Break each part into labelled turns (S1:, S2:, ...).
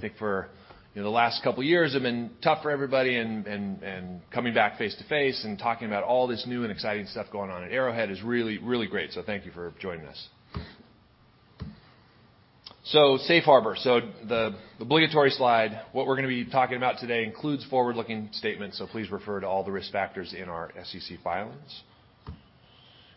S1: I think for, you know, the last couple years have been tough for everybody and coming back face-to-face and talking about all this new and exciting stuff going on at Arrowhead is really, really great. Thank you for joining us. Safe harbor. The obligatory slide, what we're gonna be talking about today includes forward-looking statements, so please refer to all the risk factors in our SEC filings.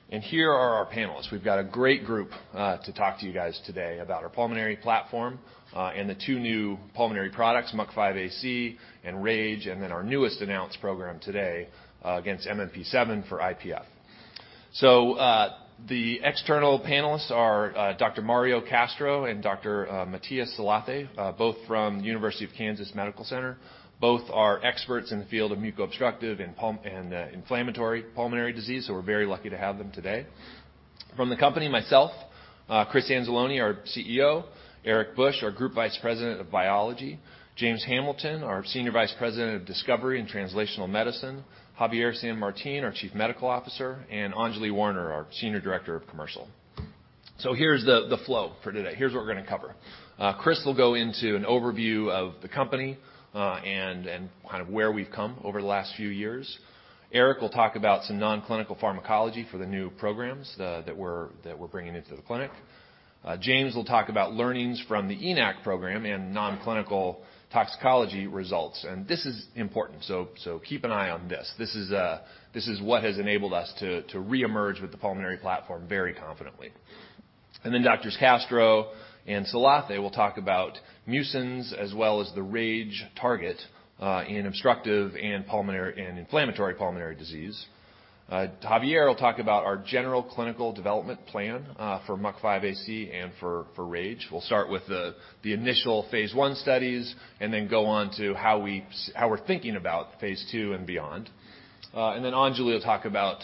S1: Here are our panelists. We've got a great group to talk to you guys today about our pulmonary platform and the two new pulmonary products, MUC5AC and RAGE, and then our newest announced program today against MMP7 for IPF. The external panelists are Dr. Mario Castro and Dr. Matthias Salathe, both from University of Kansas Medical Center. Both are experts in the field of muco-obstructive and pulmonary and inflammatory pulmonary disease, so we're very lucky to have them today. From the company, myself, Chris Anzalone, our CEO, Erik Bush, our Group Vice President of Biology, James Hamilton, our Senior Vice President of Discovery and Translational Medicine, Javier San Martin, our Chief Medical Officer, and Anjali Sharma, our Senior Director of Commercial. Here's the flow for today. Here's what we're gonna cover. Chris will go into an overview of the company, and kind of where we've come over the last few years. Erik will talk about some non-clinical pharmacology for the new programs that we're bringing into the clinic. James will talk about learnings from the ENaC program and non-clinical toxicology results. This is important, so keep an eye on this. This is what has enabled us to reemerge with the pulmonary platform very confidently. Doctors Castro and Salathe will talk about mucins as well as the RAGE target in obstructive and inflammatory pulmonary disease. Javier will talk about our general clinical development plan for MUC5AC and for RAGE. We'll start with the initial phase I studies and then go on to how we're thinking about phase II and beyond. Anjali will talk about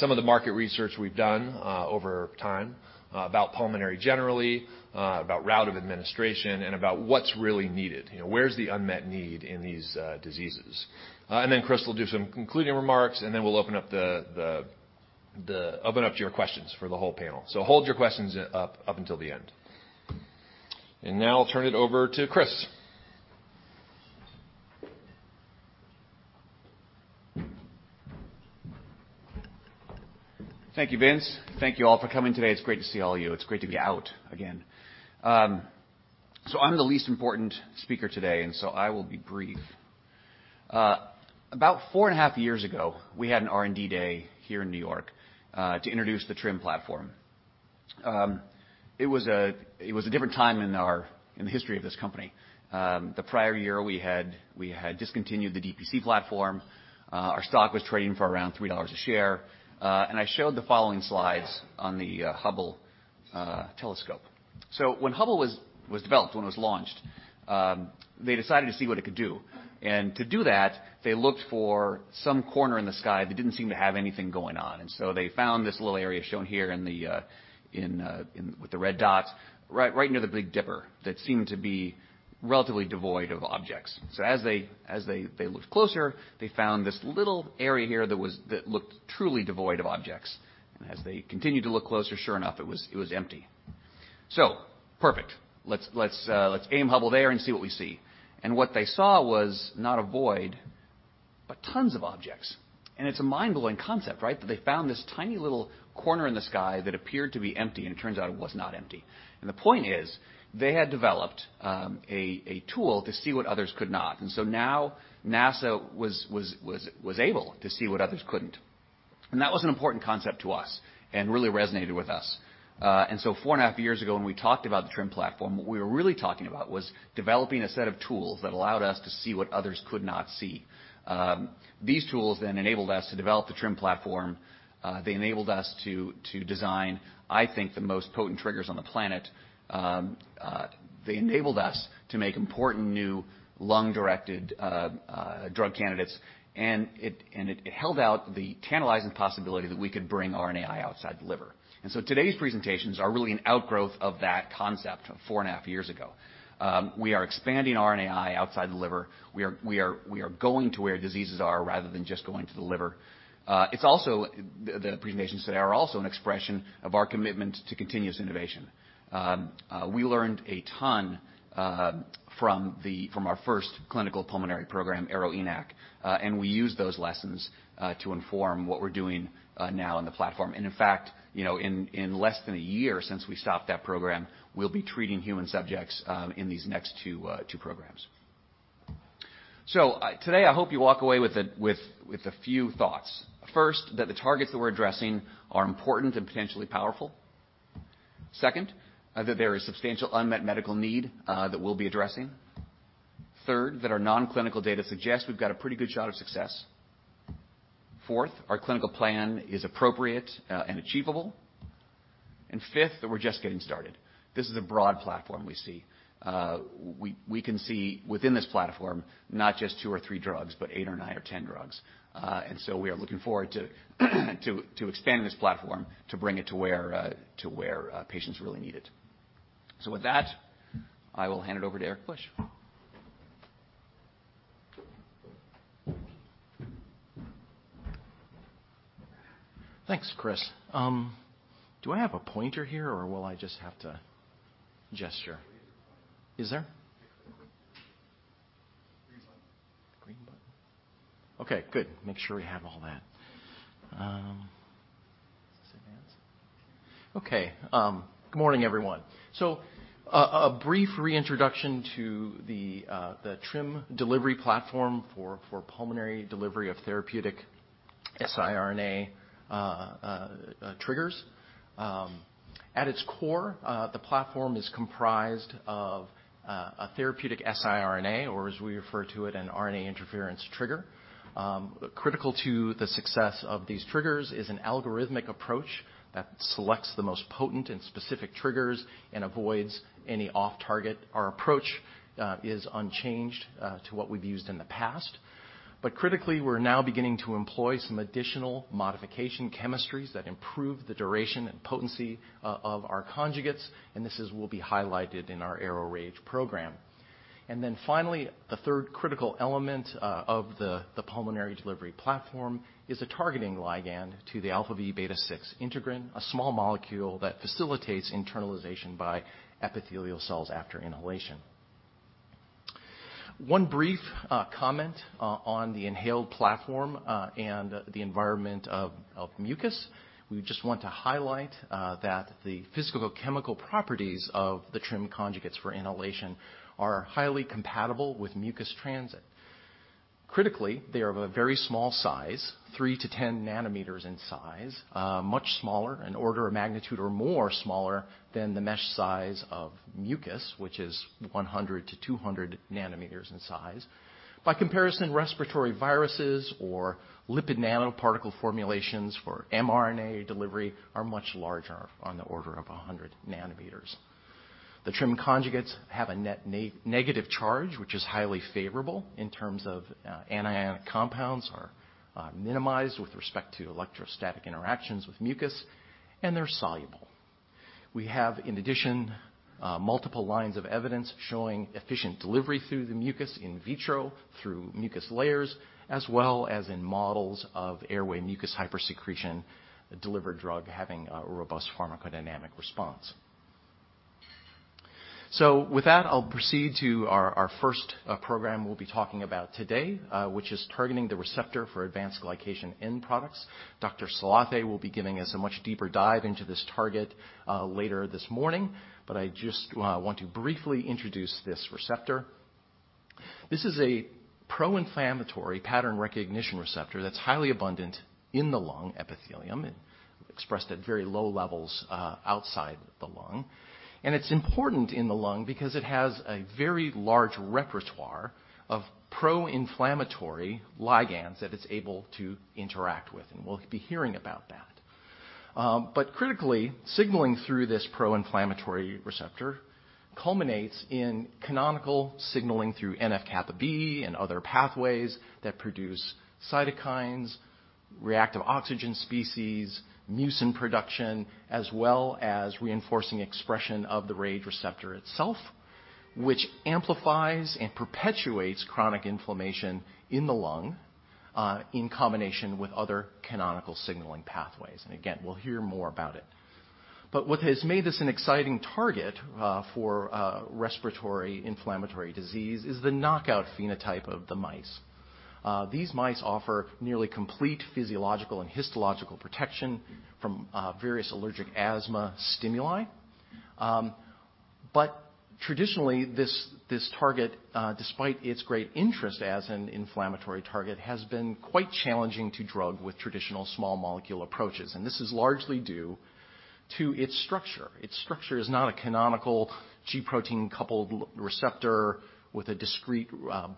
S1: some of the market research we've done over time about pulmonary generally about route of administration, and about what's really needed. You know, where's the unmet need in these diseases. Chris will do some concluding remarks, and then we'll open up to your questions for the whole panel. Hold your questions up until the end. Now I'll turn it over to Chris.
S2: Thank you, Vince. Thank you all for coming today. It's great to see all of you. It's great to be out again. I'm the least important speaker today, and so I will be brief. About four and a half years ago, we had an R&D day here in New York to introduce the TRIM platform. It was a different time in our in the history of this company. The prior year, we had discontinued the DPC platform. Our stock was trading for around $3 a share. I showed the following slides on the Hubble telescope. When Hubble was developed, when it was launched, they decided to see what it could do. To do that, they looked for some corner in the sky that didn't seem to have anything going on. They found this little area shown here with the red dots, right near the Big Dipper that seemed to be relatively devoid of objects. As they looked closer, they found this little area here that looked truly devoid of objects. As they continued to look closer, sure enough, it was empty. Perfect. Let's aim Hubble there and see what we see. What they saw was not a void, but tons of objects. It's a mind-blowing concept, right, that they found this tiny little corner in the sky that appeared to be empty, and it turns out it was not empty. The point is, they had developed a tool to see what others could not. Now NASA was able to see what others couldn't. That was an important concept to us and really resonated with us. Four and a half years ago, when we talked about the TRIM platform, what we were really talking about was developing a set of tools that allowed us to see what others could not see. These tools then enabled us to develop the TRIM platform. They enabled us to design, I think, the most potent triggers on the planet. They enabled us to make important new lung-directed drug candidates. It held out the tantalizing possibility that we could bring RNAi outside the liver. Today's presentations are really an outgrowth of that concept of four and a half years ago. We are expanding RNAi outside the liver. We are going to where diseases are rather than just going to the liver. It's also the presentations today are also an expression of our commitment to continuous innovation. We learned a ton from our first clinical pulmonary program, ARO-ENaC, and we used those lessons to inform what we're doing now in the platform. In fact, you know, in less than a year since we stopped that program, we'll be treating human subjects in these next two programs. Today, I hope you walk away with a few thoughts. First, that the targets that we're addressing are important and potentially powerful. Second, that there is substantial unmet medical need that we'll be addressing. Third, that our non-clinical data suggests we've got a pretty good shot of success. Fourth, our clinical plan is appropriate and achievable. Fifth, that we're just getting started. This is a broad platform we see. We can see within this platform not just two or three drugs, but eight or nine or 10 drugs. We are looking forward to expanding this platform to bring it to where patients really need it. With that, I will hand it over to Erik Bush.
S3: Thanks, Chris. Do I have a pointer here, or will I just have to gesture?
S1: There's a green one.
S3: Is there?
S1: Yeah. Green one.
S3: Green button. Okay, good. Make sure we have all that. Does this advance? Okay. Good morning, everyone. A brief reintroduction to the TRiM delivery platform for pulmonary delivery of therapeutic sRNA triggers. At its core, the platform is comprised of a therapeutic sRNA, or as we refer to it, an RNA interference trigger. Critical to the success of these triggers is an algorithmic approach that selects the most potent and specific triggers and avoids any off-target. Our approach is unchanged to what we've used in the past. Critically, we're now beginning to employ some additional modification chemistries that improve the duration and potency of our conjugates, and this will be highlighted in our ARO-RAGE program. Then finally, the third critical element of the pulmonary delivery platform is a targeting ligand to the alpha v beta 6 integrin, a small molecule that facilitates internalization by epithelial cells after inhalation. One brief comment on the inhaled platform and the environment of mucus. We just want to highlight that the physicochemical properties of the TRiM conjugates for inhalation are highly compatible with mucus transit. Critically, they are of a very small size, 3 nm-10 nm in size. Much smaller in order of magnitude or more smaller than the mesh size of mucus, which is 100 nm-200 nm in size. By comparison, respiratory viruses or lipid nanoparticle formulations for mRNA delivery are much larger on the order of 100 nm. The TRIM conjugates have a negative charge, which is highly favorable in terms of anionic compounds are minimized with respect to electrostatic interactions with mucus, and they're soluble. We have, in addition, multiple lines of evidence showing efficient delivery through the mucus in vitro, through mucus layers, as well as in models of airway mucus hypersecretion, a delivered drug having a robust pharmacodynamic response. With that, I'll proceed to our first program we'll be talking about today, which is targeting the receptor for advanced glycation end products. Dr. Salathe will be giving us a much deeper dive into this target later this morning. I just want to briefly introduce this receptor. This is a pro-inflammatory pattern recognition receptor that's highly abundant in the lung epithelium and expressed at very low levels outside the lung. It's important in the lung because it has a very large repertoire of pro-inflammatory ligands that it's able to interact with, and we'll be hearing about that. Critically, signaling through this pro-inflammatory receptor culminates in canonical signaling through NF-κB and other pathways that produce cytokines, reactive oxygen species, mucin production, as well as reinforcing expression of the RAGE receptor itself, which amplifies and perpetuates chronic inflammation in the lung, in combination with other canonical signaling pathways. We'll hear more about it. What has made this an exciting target for respiratory inflammatory disease is the knockout phenotype of the mice. These mice offer nearly complete physiological and histological protection from various allergic asthma stimuli. Traditionally, this target, despite its great interest as an inflammatory target, has been quite challenging to drug with traditional small molecule approaches, and this is largely due to its structure. Its structure is not a canonical G protein-coupled receptor with a discrete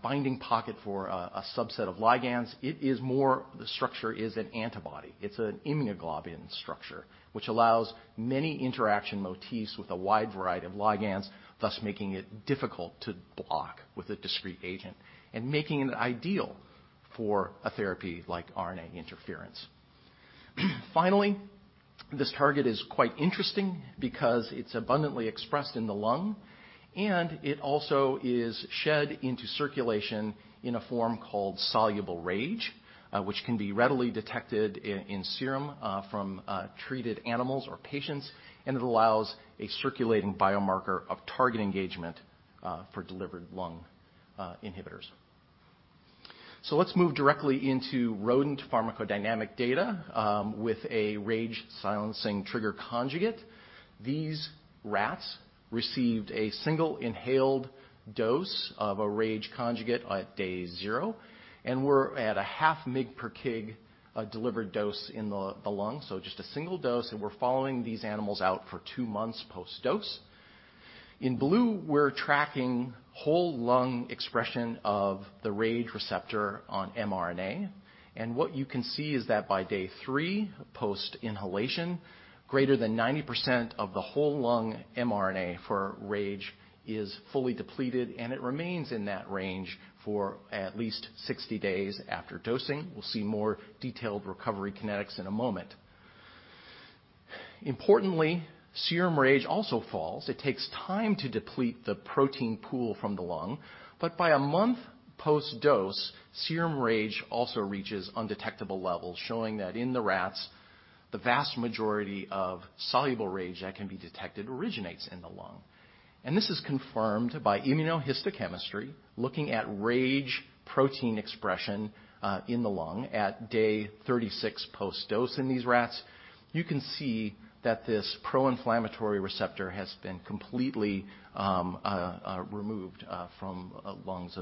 S3: binding pocket for a subset of ligands. The structure is an antibody. It's an immunoglobulin structure, which allows many interaction motifs with a wide variety of ligands, thus making it difficult to block with a discrete agent and making it ideal for a therapy like RNA interference. Finally, this target is quite interesting because it's abundantly expressed in the lung, and it also is shed into circulation in a form called soluble RAGE, which can be readily detected in serum from treated animals or patients. It allows a circulating biomarker of target engagement for delivered lung inhibitors. Let's move directly into rodent pharmacodynamic data with a RAGE silencing trigger conjugate. These rats received a single inhaled dose of a RAGE conjugate at day zero and were at 0.5 mg per kg delivered dose in the lung. Just a single dose, and we're following these animals out for two months post-dose. In blue, we're tracking whole lung expression of the RAGE receptor on mRNA. What you can see is that by day three, post inhalation, greater than 90% of the whole lung mRNA for RAGE is fully depleted, and it remains in that range for at least 60 days after dosing. We'll see more detailed recovery kinetics in a moment. Importantly, serum RAGE also falls. It takes time to delete the protein pool from the lung. By a month post-dose, serum RAGE also reaches undetectable levels, showing that in the rats, the vast majority of soluble RAGE that can be detected originates in the lung. This is confirmed by immunohistochemistry, looking at RAGE protein expression, in the lung at day 36 post-dose in these rats. You can see that this pro-inflammatory receptor has been completely removed from lungs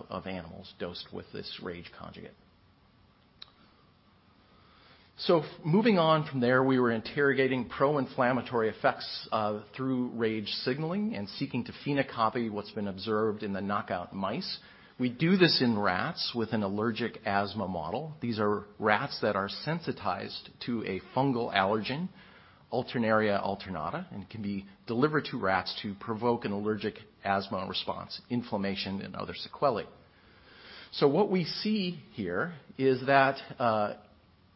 S3: of animals dosed with this RAGE conjugate. Moving on from there, we were interrogating pro-inflammatory effects through RAGE signaling and seeking to phenocopy what's been observed in the knockout mice. We do this in rats with an allergic asthma model. These are rats that are sensitized to a fungal allergen, Alternaria alternata, and can be delivered to rats to provoke an allergic asthma response, inflammation, and other sequelae. What we see here is that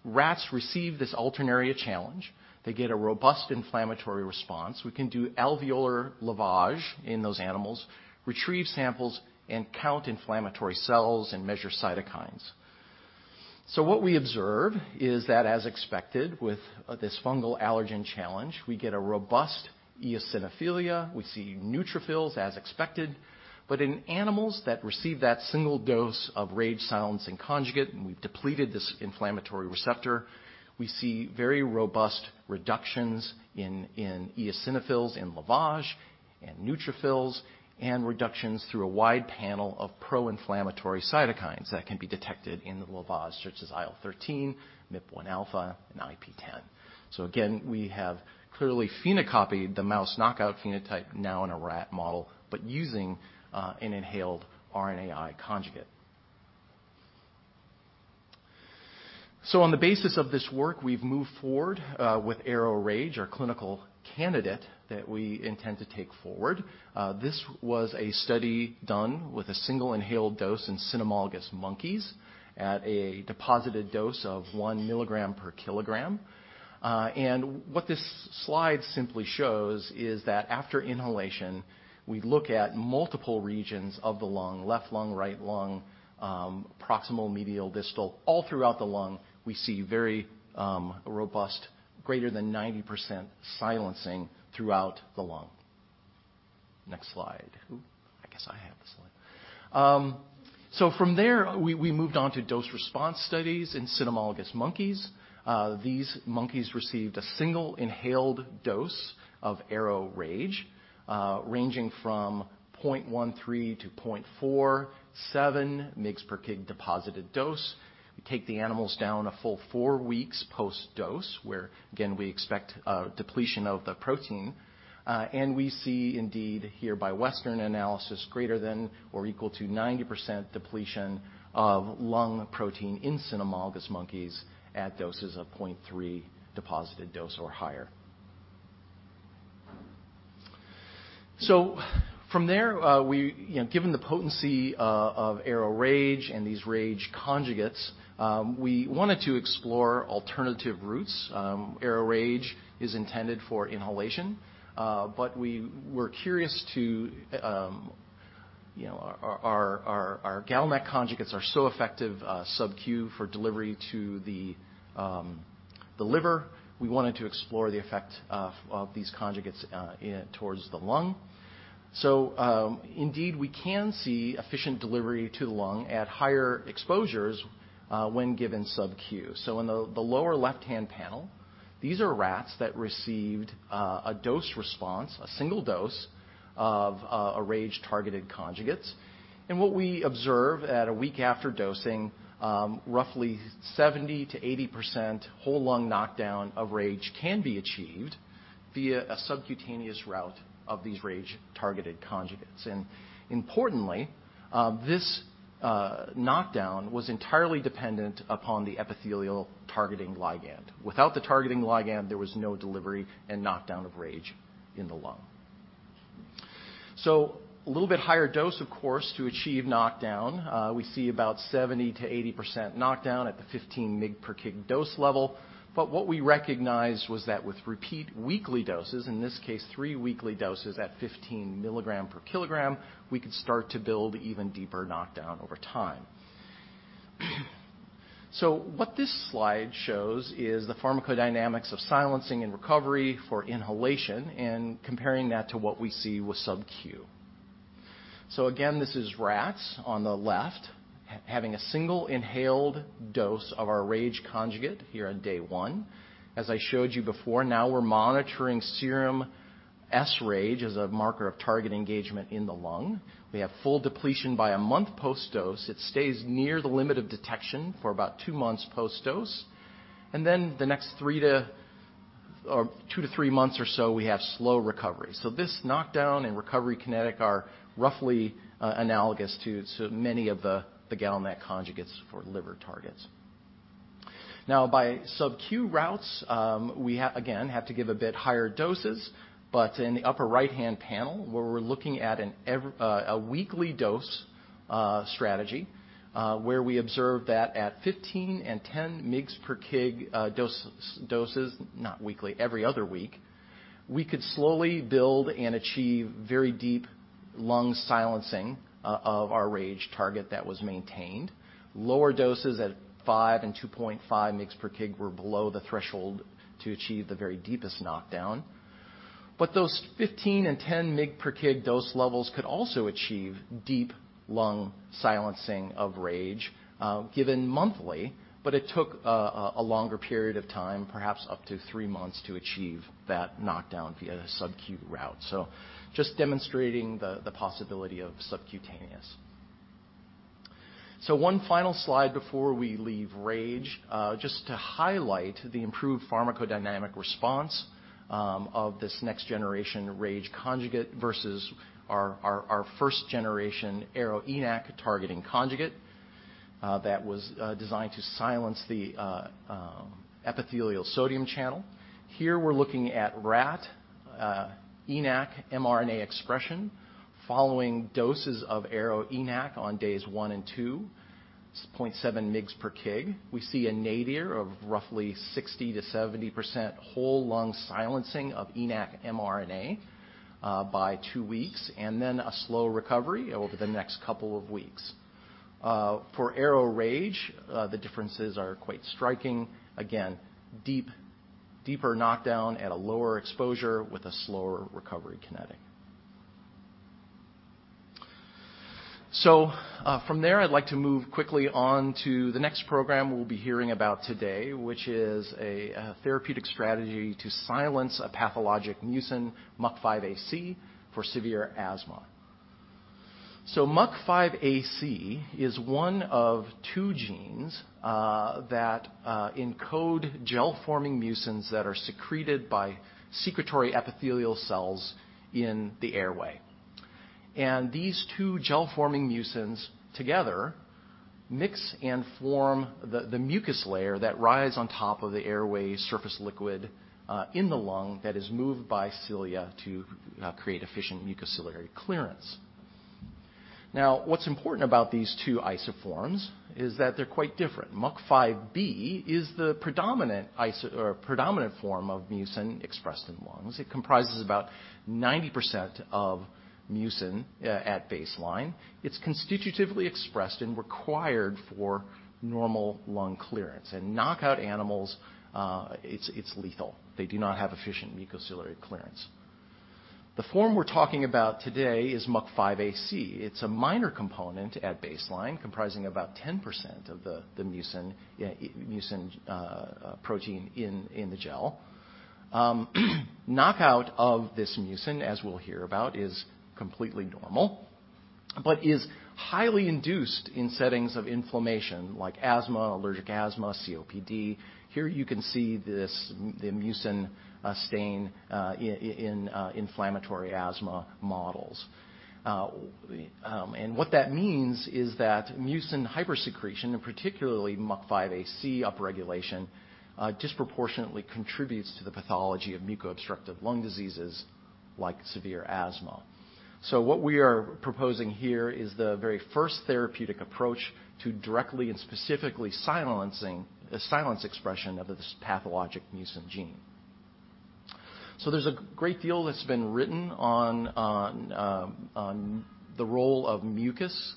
S3: rats receive this Alternaria challenge. They get a robust inflammatory response. We can do alveolar lavage in those animals, retrieve samples, and count inflammatory cells and measure cytokines. What we observe is that as expected with this fungal allergen challenge, we get a robust eosinophilia. We see neutrophils as expected. In animals that receive that single dose of RAGE silencing conjugate, and we've depleted this inflammatory receptor, we see very robust reductions in eosinophils in lavage and neutrophils and reductions through a wide panel of pro-inflammatory cytokines that can be detected in the lavage such as IL-13, MIP-1α, and IP-10. Again, we have clearly phenocopied the mouse knockout phenotype now in a rat model, but using an inhaled RNAi conjugate. On the basis of this work, we've moved forward with ARO-RAGE, our clinical candidate that we intend to take forward. This was a study done with a single inhaled dose in cynomolgus monkeys at a deposited dose of 1 mg per kilogram. What this slide simply shows is that after inhalation, we look at multiple regions of the lung, left lung, right lung, proximal, medial, distal, all throughout the lung, we see very robust, greater than 90% silencing throughout the lung. Next slide. Ooh, I guess I have the slide. From there, we moved on to dose response studies in cynomolgus monkeys. These monkeys received a single inhaled dose of ARO-RAGE, ranging from 0.13 to 0.47 mg/kg deposited dose. We take the animals down a full four weeks post-dose, where again, we expect depletion of the protein. We see indeed here by Western analysis greater than or equal to 90% depletion of lung protein in cynomolgus monkeys at doses of 0.3 deposited dose or higher. From there, you know, given the potency of ARO-RAGE and these RAGE conjugates, we wanted to explore alternative routes. ARO-RAGE is intended for inhalation, but we were curious to. You know, our GalNAc conjugates are so effective, sub-Q for delivery to the liver. We wanted to explore the effect of these conjugates towards the lung. Indeed, we can see efficient delivery to the lung at higher exposures when given sub-Q. In the lower left-hand panel, these are rats that received a dose response, a single dose of a RAGE-targeted conjugates. What we observe at a week after dosing, roughly 70%-80% whole lung knockdown of RAGE can be achieved via a subcutaneous route of these RAGE-targeted conjugates. Importantly, this knockdown was entirely dependent upon the epithelial targeting ligand. Without the targeting ligand, there was no delivery and knockdown of RAGE in the lung. A little bit higher dose, of course, to achieve knockdown. We see about 70%-80% knockdown at the 15 mg/kg dose level. What we recognized was that with repeat weekly doses, in this case three weekly doses at 15 mg/kg, we could start to build even deeper knockdown over time. What this slide shows is the pharmacodynamics of silencing and recovery for inhalation and comparing that to what we see with sub-Q. Again, this is rats on the left having a single inhaled dose of our RAGE conjugate here on day one. As I showed you before, now we're monitoring serum sRAGE as a marker of target engagement in the lung. We have full depletion by a month post-dose. It stays near the limit of detection for about two months post-dose. The next two to three months or so, we have slow recovery. This knockdown and recovery kinetic are roughly analogous to many of the GalNAc conjugates for liver targets. Now, by sub-Q routes, again, we have to give a bit higher doses. In the upper right-hand panel where we're looking at a weekly dose strategy, where we observe that at 15 mg/kg and 10 mg/kg doses, not weekly, every other week, we could slowly build and achieve very deep lung silencing of our RAGE target that was maintained. Lower doses at 5 mg/kg and 2.5 mg/kg were below the threshold to achieve the very deepest knockdown. Those 15 mg/kg and 10 mg per kg dose levels could also achieve deep lung silencing of RAGE given monthly, but it took a longer period of time, perhaps up to three months, to achieve that knockdown via the subcu route. Just demonstrating the possibility of subcutaneous. One final slide before we leave RAGE, just to highlight the improved pharmacodynamic response of this next generation RAGE conjugate versus our first generation ARO-ENaC targeting conjugate that was designed to silence the epithelial sodium channel. Here we're looking at rat ENaC mRNA expression following doses of ARO-ENaC on days one and two, it's 0.7 mg/kg. We see a nadir of roughly 60%-70% whole lung silencing of ENaC mRNA by 2 weeks, and then a slow recovery over the next couple of weeks. For ARO-RAGE, the differences are quite striking. Again, deeper knockdown at a lower exposure with a slower recovery kinetic. From there, I'd like to move quickly on to the next program we'll be hearing about today, which is a therapeutic strategy to silence a pathologic mucin MUC5AC for severe asthma. MUC5AC is one of two genes that encode gel-forming mucins that are secreted by secretory epithelial cells in the airway. These two gel-forming mucins together mix and form the mucus layer that rise on top of the airway surface liquid in the lung that is moved by cilia to create efficient mucociliary clearance. Now, what's important about these two isoforms is that they're quite different. MUC5B is the predominant form of mucin expressed in lungs. It comprises about 90% of mucin at baseline. It's constitutively expressed and required for normal lung clearance. In knockout animals, it's lethal. They do not have efficient mucociliary clearance. The form we're talking about today is MUC5AC. It's a minor component at baseline, comprising about 10% of the mucin protein in the gel. Knockout of this mucin, as we'll hear about, is completely normal, but is highly induced in settings of inflammation like asthma, allergic asthma, COPD. Here you can see this mucin stain in inflammatory asthma models. What that means is that mucin hypersecretion, and particularly MUC5AC upregulation, disproportionately contributes to the pathology of muco-obstructive lung diseases like severe asthma. What we are proposing here is the very first therapeutic approach to directly and specifically silencing expression of this pathologic mucin gene. There's a great deal that's been written on the role of mucus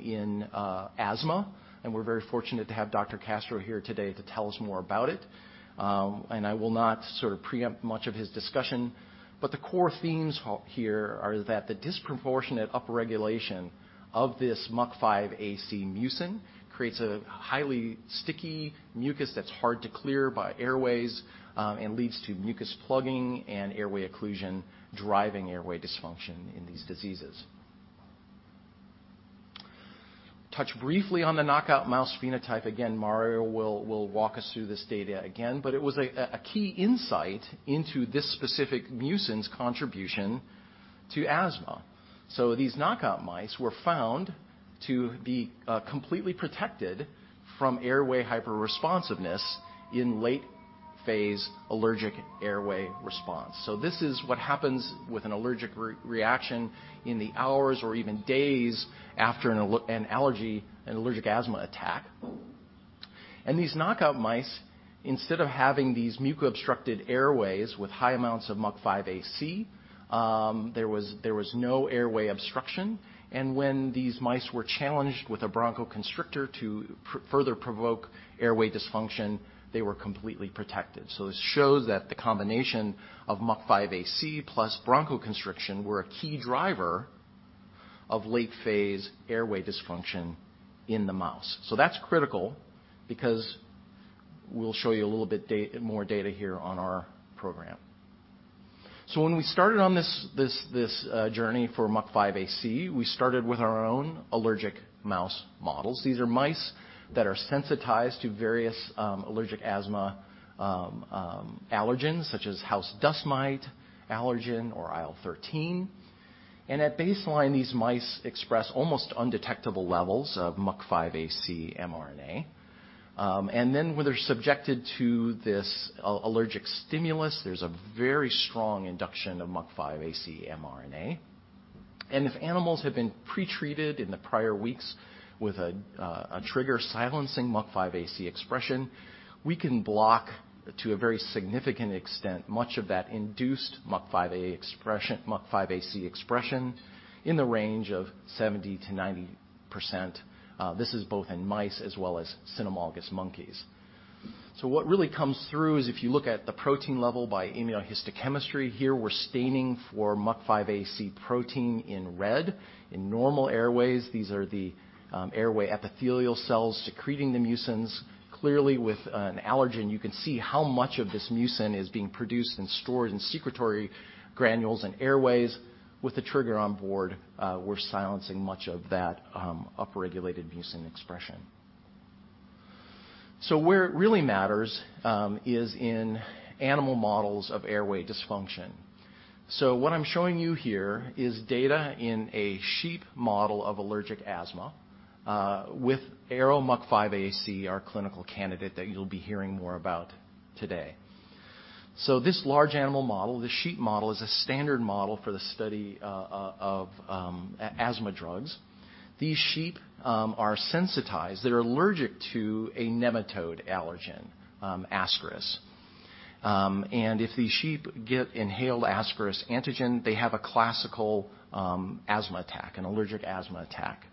S3: in asthma, and we're very fortunate to have Dr. Castro here today to tell us more about it. I will not sort of preempt much of his discussion, but the core themes here are that the disproportionate upregulation of this MUC5AC mucin creates a highly sticky mucus that's hard to clear by airways, and leads to mucus plugging and airway occlusion, driving airway dysfunction in these diseases. Touch briefly on the knockout mouse phenotype. Again, Mario will walk us through this data again, but it was a key insight into this specific mucin's contribution to asthma. These knockout mice were found to be completely protected from airway hyperresponsiveness in late phase allergic airway response. This is what happens with an allergic reaction in the hours or even days after an allergic asthma attack. These knockout mice, instead of having these muco-obstructed airways with high amounts of MUC5AC, there was no airway obstruction. When these mice were challenged with a bronchoconstrictor to further provoke airway dysfunction, they were completely protected. This shows that the combination of MUC5AC plus bronchoconstriction were a key driver of late phase airway dysfunction in the mouse. That's critical because we'll show you a little bit more data here on our program. When we started on this journey for MUC5AC, we started with our own allergic mouse models. These are mice that are sensitized to various allergic asthma allergens such as house dust mite allergen or IL-13. At baseline, these mice express almost undetectable levels of MUC5AC mRNA. Then when they're subjected to this allergic stimulus, there's a very strong induction of MUC5AC mRNA. If animals have been pretreated in the prior weeks with a trigger silencing MUC5AC expression, we can block, to a very significant extent, much of that induced MUC5AC expression in the range of 70%-95%. This is both in mice as well as cynomolgus monkeys. What really comes through is if you look at the protein level by immunohistochemistry, here we're staining for MUC5AC protein in red. In normal airways, these are the airway epithelial cells secreting the mucins. Clearly, with an allergen, you can see how much of this mucin is being produced and stored in secretory granules and airways. With the trigger on board, we're silencing much of that, upregulated mucin expression. Where it really matters is in animal models of airway dysfunction. What I'm showing you here is data in a sheep model of allergic asthma with ARO-MUC5AC, our clinical candidate that you'll be hearing more about today. This large animal model, the sheep model, is a standard model for the study of asthma drugs. These sheep are sensitized. They're allergic to a nematode allergen, Ascaris. If these sheep get inhaled Ascaris antigen, they have a classical asthma attack, an allergic asthma attack,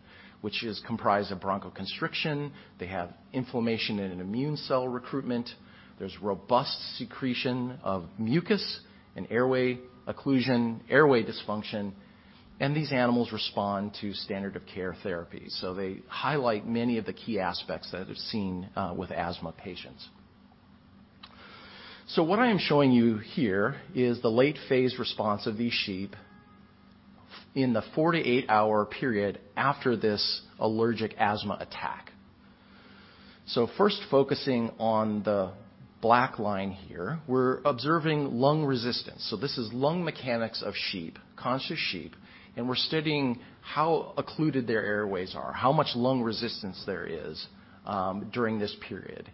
S3: which is comprised of bronchoconstriction. They have inflammation and an immune cell recruitment. There's robust secretion of mucus and airway occlusion, airway dysfunction, and these animals respond to standard of care therapy. They highlight many of the key aspects that are seen with asthma patients. What I am showing you here is the late phase response of these sheep in the four to eight hour period after this allergic asthma attack. First focusing on the black line here, we're observing lung resistance. This is lung mechanics of sheep, conscious sheep, and we're studying how occluded their airways are, how much lung resistance there is during this period.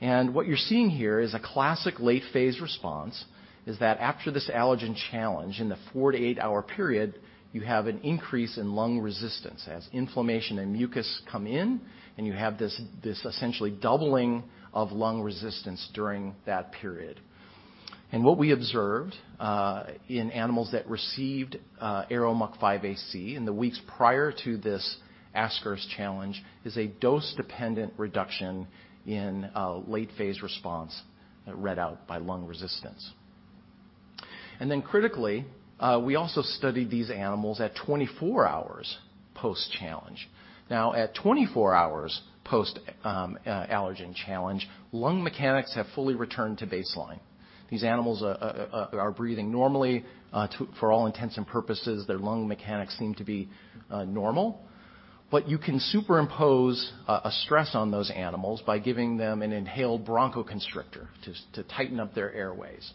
S3: What you're seeing here is a classic late phase response, that after this allergen challenge in the four to eight-hour period, you have an increase in lung resistance as inflammation and mucus come in, and you have this essentially doubling of lung resistance during that period. What we observed in animals that received ARO-MUC5AC in the weeks prior to this Ascaris challenge is a dose-dependent reduction in a late phase response read out by lung resistance. Critically, we also studied these animals at 24 hours post-challenge. Now, at 24 hours post allergen challenge, lung mechanics have fully returned to baseline. These animals are breathing normally. For all intents and purposes, their lung mechanics seem to be normal. You can superimpose a stress on those animals by giving them an inhaled bronchoconstrictor to tighten up their airways.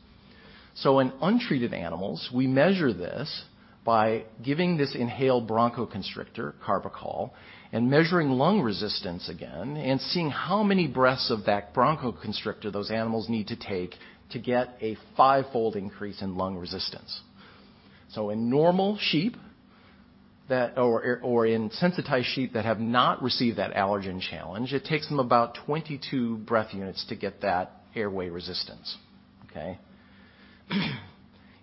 S3: In untreated animals, we measure this by giving this inhaled bronchoconstrictor, carbachol, and measuring lung resistance again and seeing how many breaths of that bronchoconstrictor those animals need to take to get a five-fold increase in lung resistance. In normal sheep or in sensitized sheep that have not received that allergen challenge, it takes them about 22 breath units to get that airway resistance.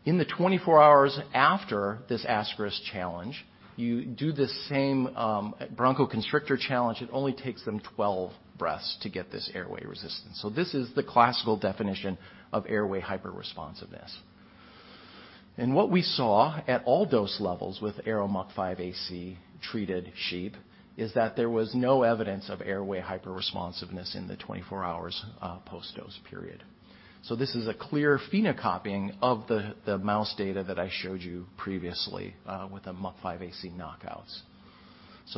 S3: In the 24 hours after this Ascaris challenge, you do the same bronchoconstrictor challenge, it only takes them 12 breaths to get this airway resistance. This is the classical definition of airway hyperresponsiveness. And what we saw at all dose levels with ARO-MUC5AC-treated sheep is that there was no evidence of airway hyperresponsiveness in the 24 hours post-dose period. This is a clear phenocopying of the mouse data that I showed you previously with the MUC5AC knockouts.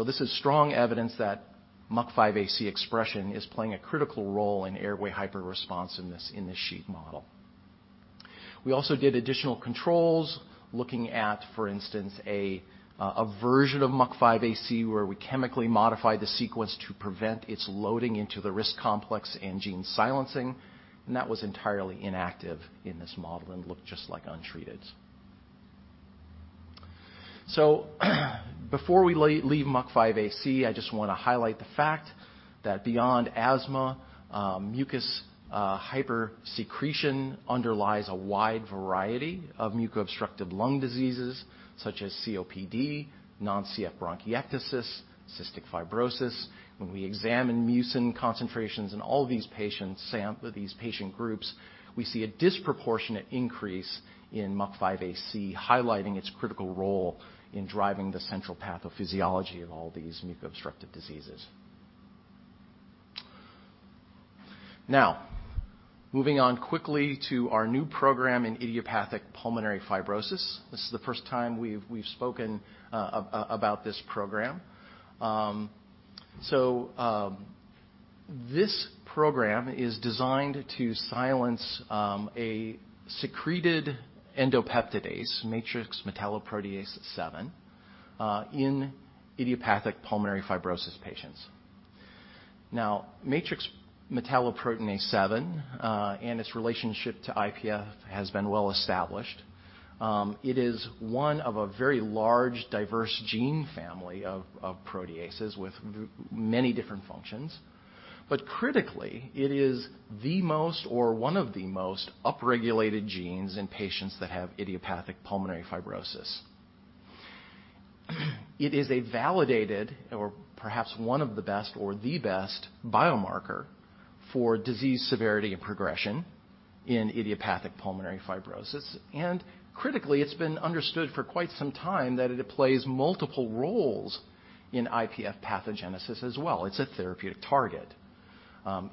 S3: This is strong evidence that MUC5AC expression is playing a critical role in airway hyperresponsiveness in the sheep model. We also did additional controls looking at, for instance, a version of MUC5AC where we chemically modified the sequence to prevent its loading into the RISC complex and gene silencing, and that was entirely inactive in this model and looked just like untreateds. Before we leave MUC5AC, I just wanna highlight the fact that beyond asthma, mucus hypersecretion underlies a wide variety of mucobstructive lung diseases such as COPD, non-CF bronchiectasis, cystic fibrosis. When we examine mucin concentrations in all these patient groups, we see a disproportionate increase in MUC5AC, highlighting its critical role in driving the central pathophysiology of all these mucobstructive diseases. Now, moving on quickly to our new program in idiopathic pulmonary fibrosis. This is the first time we've spoken about this program. This program is designed to silence a secreted endopeptidase, matrix metalloproteinase-7, in idiopathic pulmonary fibrosis patients. Now, matrix metalloproteinase-7 and its relationship to IPF has been well established. It is one of a very large diverse gene family of proteases with many different functions. Critically, it is the most or one of the most upregulated genes in patients that have idiopathic pulmonary fibrosis. It is a validated or perhaps one of the best or the best biomarker for disease severity and progression in idiopathic pulmonary fibrosis. Critically, it's been understood for quite some time that it plays multiple roles in IPF pathogenesis as well. It's a therapeutic target.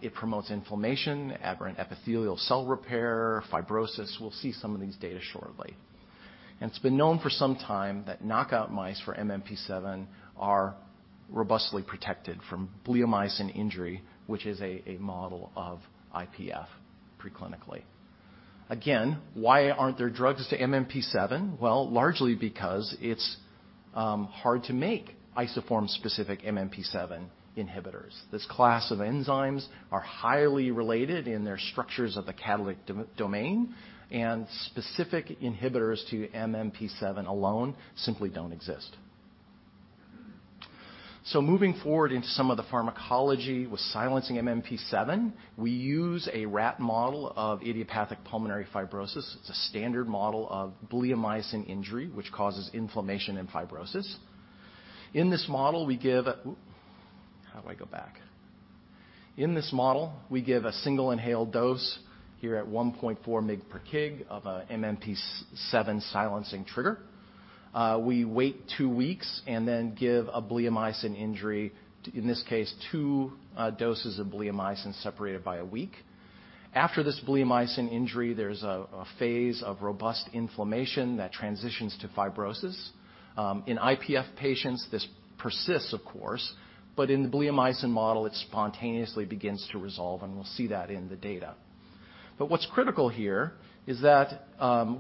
S3: It promotes inflammation, aberrant epithelial cell repair, fibrosis. We'll see some of these data shortly. It's been known for some time that knockout mice for MMP-7 are robustly protected from bleomycin injury, which is a model of IPF preclinically. Again, why aren't there drugs to MMP-7? Well, largely because it's hard to make isoform-specific MMP-7 inhibitors. This class of enzymes are highly related in their structures of the catalytic domain, and specific inhibitors to MMP-7 alone simply don't exist. Moving forward into some of the pharmacology with silencing MMP-7, we use a rat model of idiopathic pulmonary fibrosis. It's a standard model of bleomycin injury, which causes inflammation and fibrosis. In this model, we give a single inhaled dose here at 1.4 mg/kg of a MMP-7 silencing trigger. We wait two weeks and then give a bleomycin injury, in this case, two doses of bleomycin separated by a week. After this bleomycin injury, there's a phase of robust inflammation that transitions to fibrosis. In IPF patients, this persists, of course, but in the bleomycin model it spontaneously begins to resolve, and we'll see that in the data. What's critical here is that,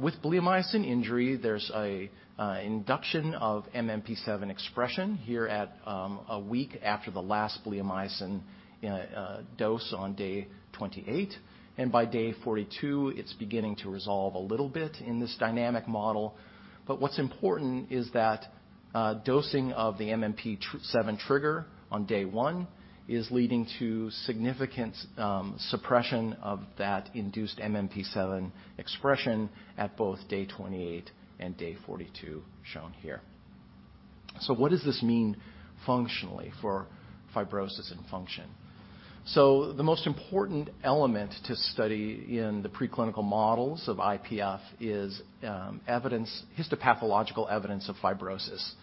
S3: with bleomycin injury, there's an induction of MMP-7 expression here at a week after the last bleomycin dose on day 28. By day 42, it's beginning to resolve a little bit in this dynamic model. What's important is that, dosing of the MMP-7 trigger on day one is leading to significant suppression of that induced MMP-7 expression at both day 28 and day 42, shown here. What does this mean functionally for fibrosis and function? The most important element to study in the preclinical models of IPF is evidence, histopathological evidence of fibrosis.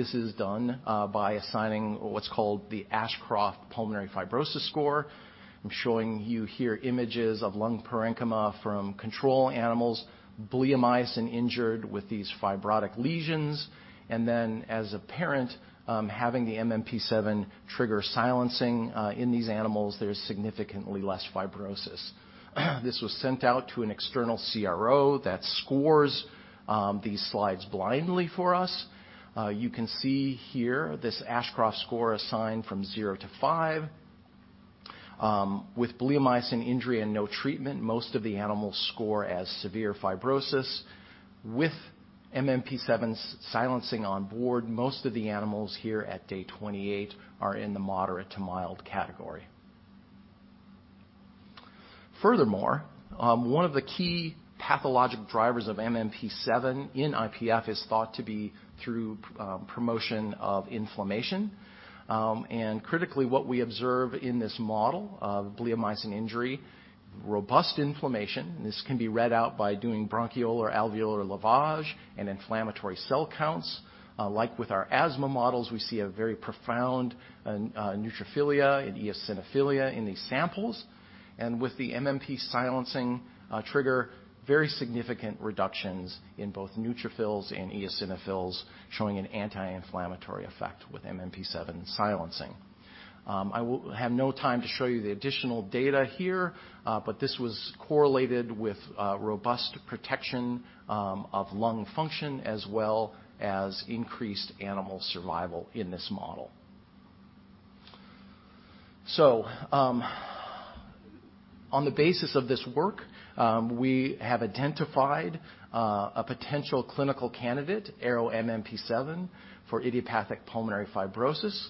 S3: This is done by assigning what's called the Ashcroft Pulmonary Fibrosis Score. I'm showing you here images of lung parenchyma from control animals bleomycin injured with these fibrotic lesions, and then as apparent having the MMP-7 trigger silencing in these animals, there's significantly less fibrosis. This was sent out to an external CRO that scores these slides blindly for us. You can see here this Ashcroft score assigned from 0 to 5. With bleomycin injury and no treatment, most of the animals score as severe fibrosis. With MMP-7s silencing on board, most of the animals here at day 28 are in the moderate to mild category. Furthermore, one of the key pathologic drivers of MMP-7 in IPF is thought to be through promotion of inflammation. Critically, what we observe in this model of bleomycin injury, robust inflammation, and this can be read out by doing bronchoalveolar lavage and inflammatory cell counts. Like with our asthma models, we see a very profound neutrophilia and eosinophilia in these samples. With the MMP-7 silencing, trigger very significant reductions in both neutrophils and eosinophils, showing an anti-inflammatory effect with MMP-7 silencing. I will have no time to show you the additional data here, but this was correlated with robust protection of lung function as well as increased animal survival in this model. On the basis of this work, we have identified a potential clinical candidate, ARO-MMP7, for idiopathic pulmonary fibrosis.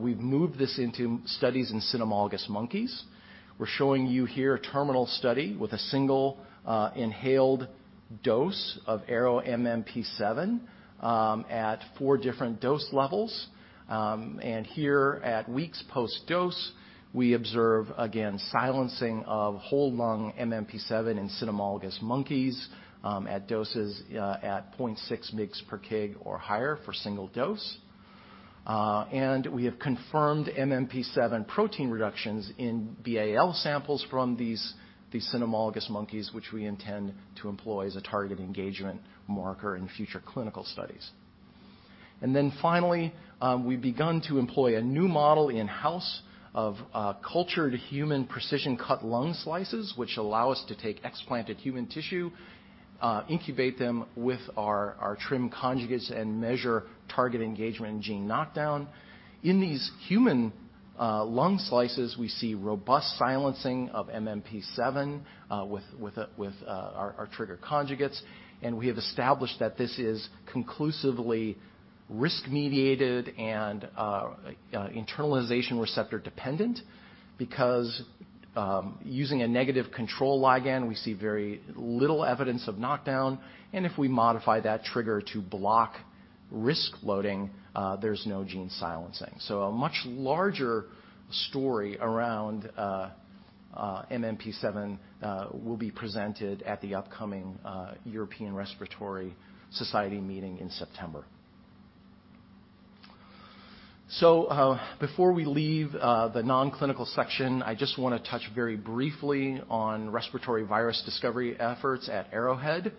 S3: We've moved this into studies in cynomolgus monkeys. We're showing you here a terminal study with a single, inhaled dose of ARO-MMP7 at four different dose levels. Here at weeks post-dose, we observe again silencing of whole lung MMP-7 in cynomolgus monkeys at doses at 0.6 mg/kg or higher for single dose. We have confirmed MMP-7 protein reductions in BAL samples from these cynomolgus monkeys, which we intend to employ as a target engagement marker in future clinical studies. Finally, we've begun to employ a new model in-house of cultured human precision-cut lung slices, which allow us to take explanted human tissue, incubate them with our TRiM conjugates, and measure target engagement and gene knockdown. In these human lung slices, we see robust silencing of MMP-7 with our trigger conjugates, and we have established that this is conclusively RISC-mediated and internalization receptor dependent because using a negative control ligand, we see very little evidence of knockdown. If we modify that trigger to block RISC loading, there's no gene silencing. A much larger story around MMP-7 will be presented at the upcoming European Respiratory Society meeting in September. Before we leave the nonclinical section, I just wanna touch very briefly on respiratory virus discovery efforts at Arrowhead.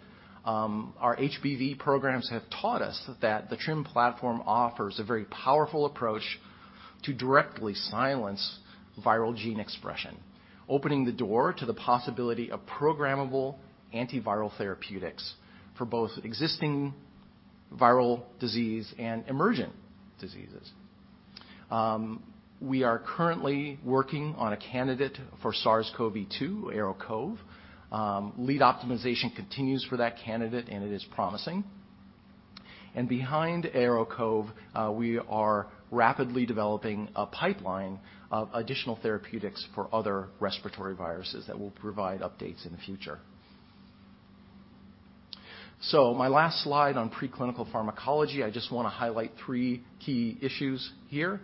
S3: Our HBV programs have taught us that the TRiM platform offers a very powerful approach to directly silence viral gene expression, opening the door to the possibility of programmable antiviral therapeutics for both existing viral disease and emergent diseases. We are currently working on a candidate for SARS-CoV-2, ARO-COV. Lead optimization continues for that candidate, and it is promising. Behind ARO-COV, we are rapidly developing a pipeline of additional therapeutics for other respiratory viruses that we'll provide updates in the future. My last slide on preclinical pharmacology, I just wanna highlight three key issues here.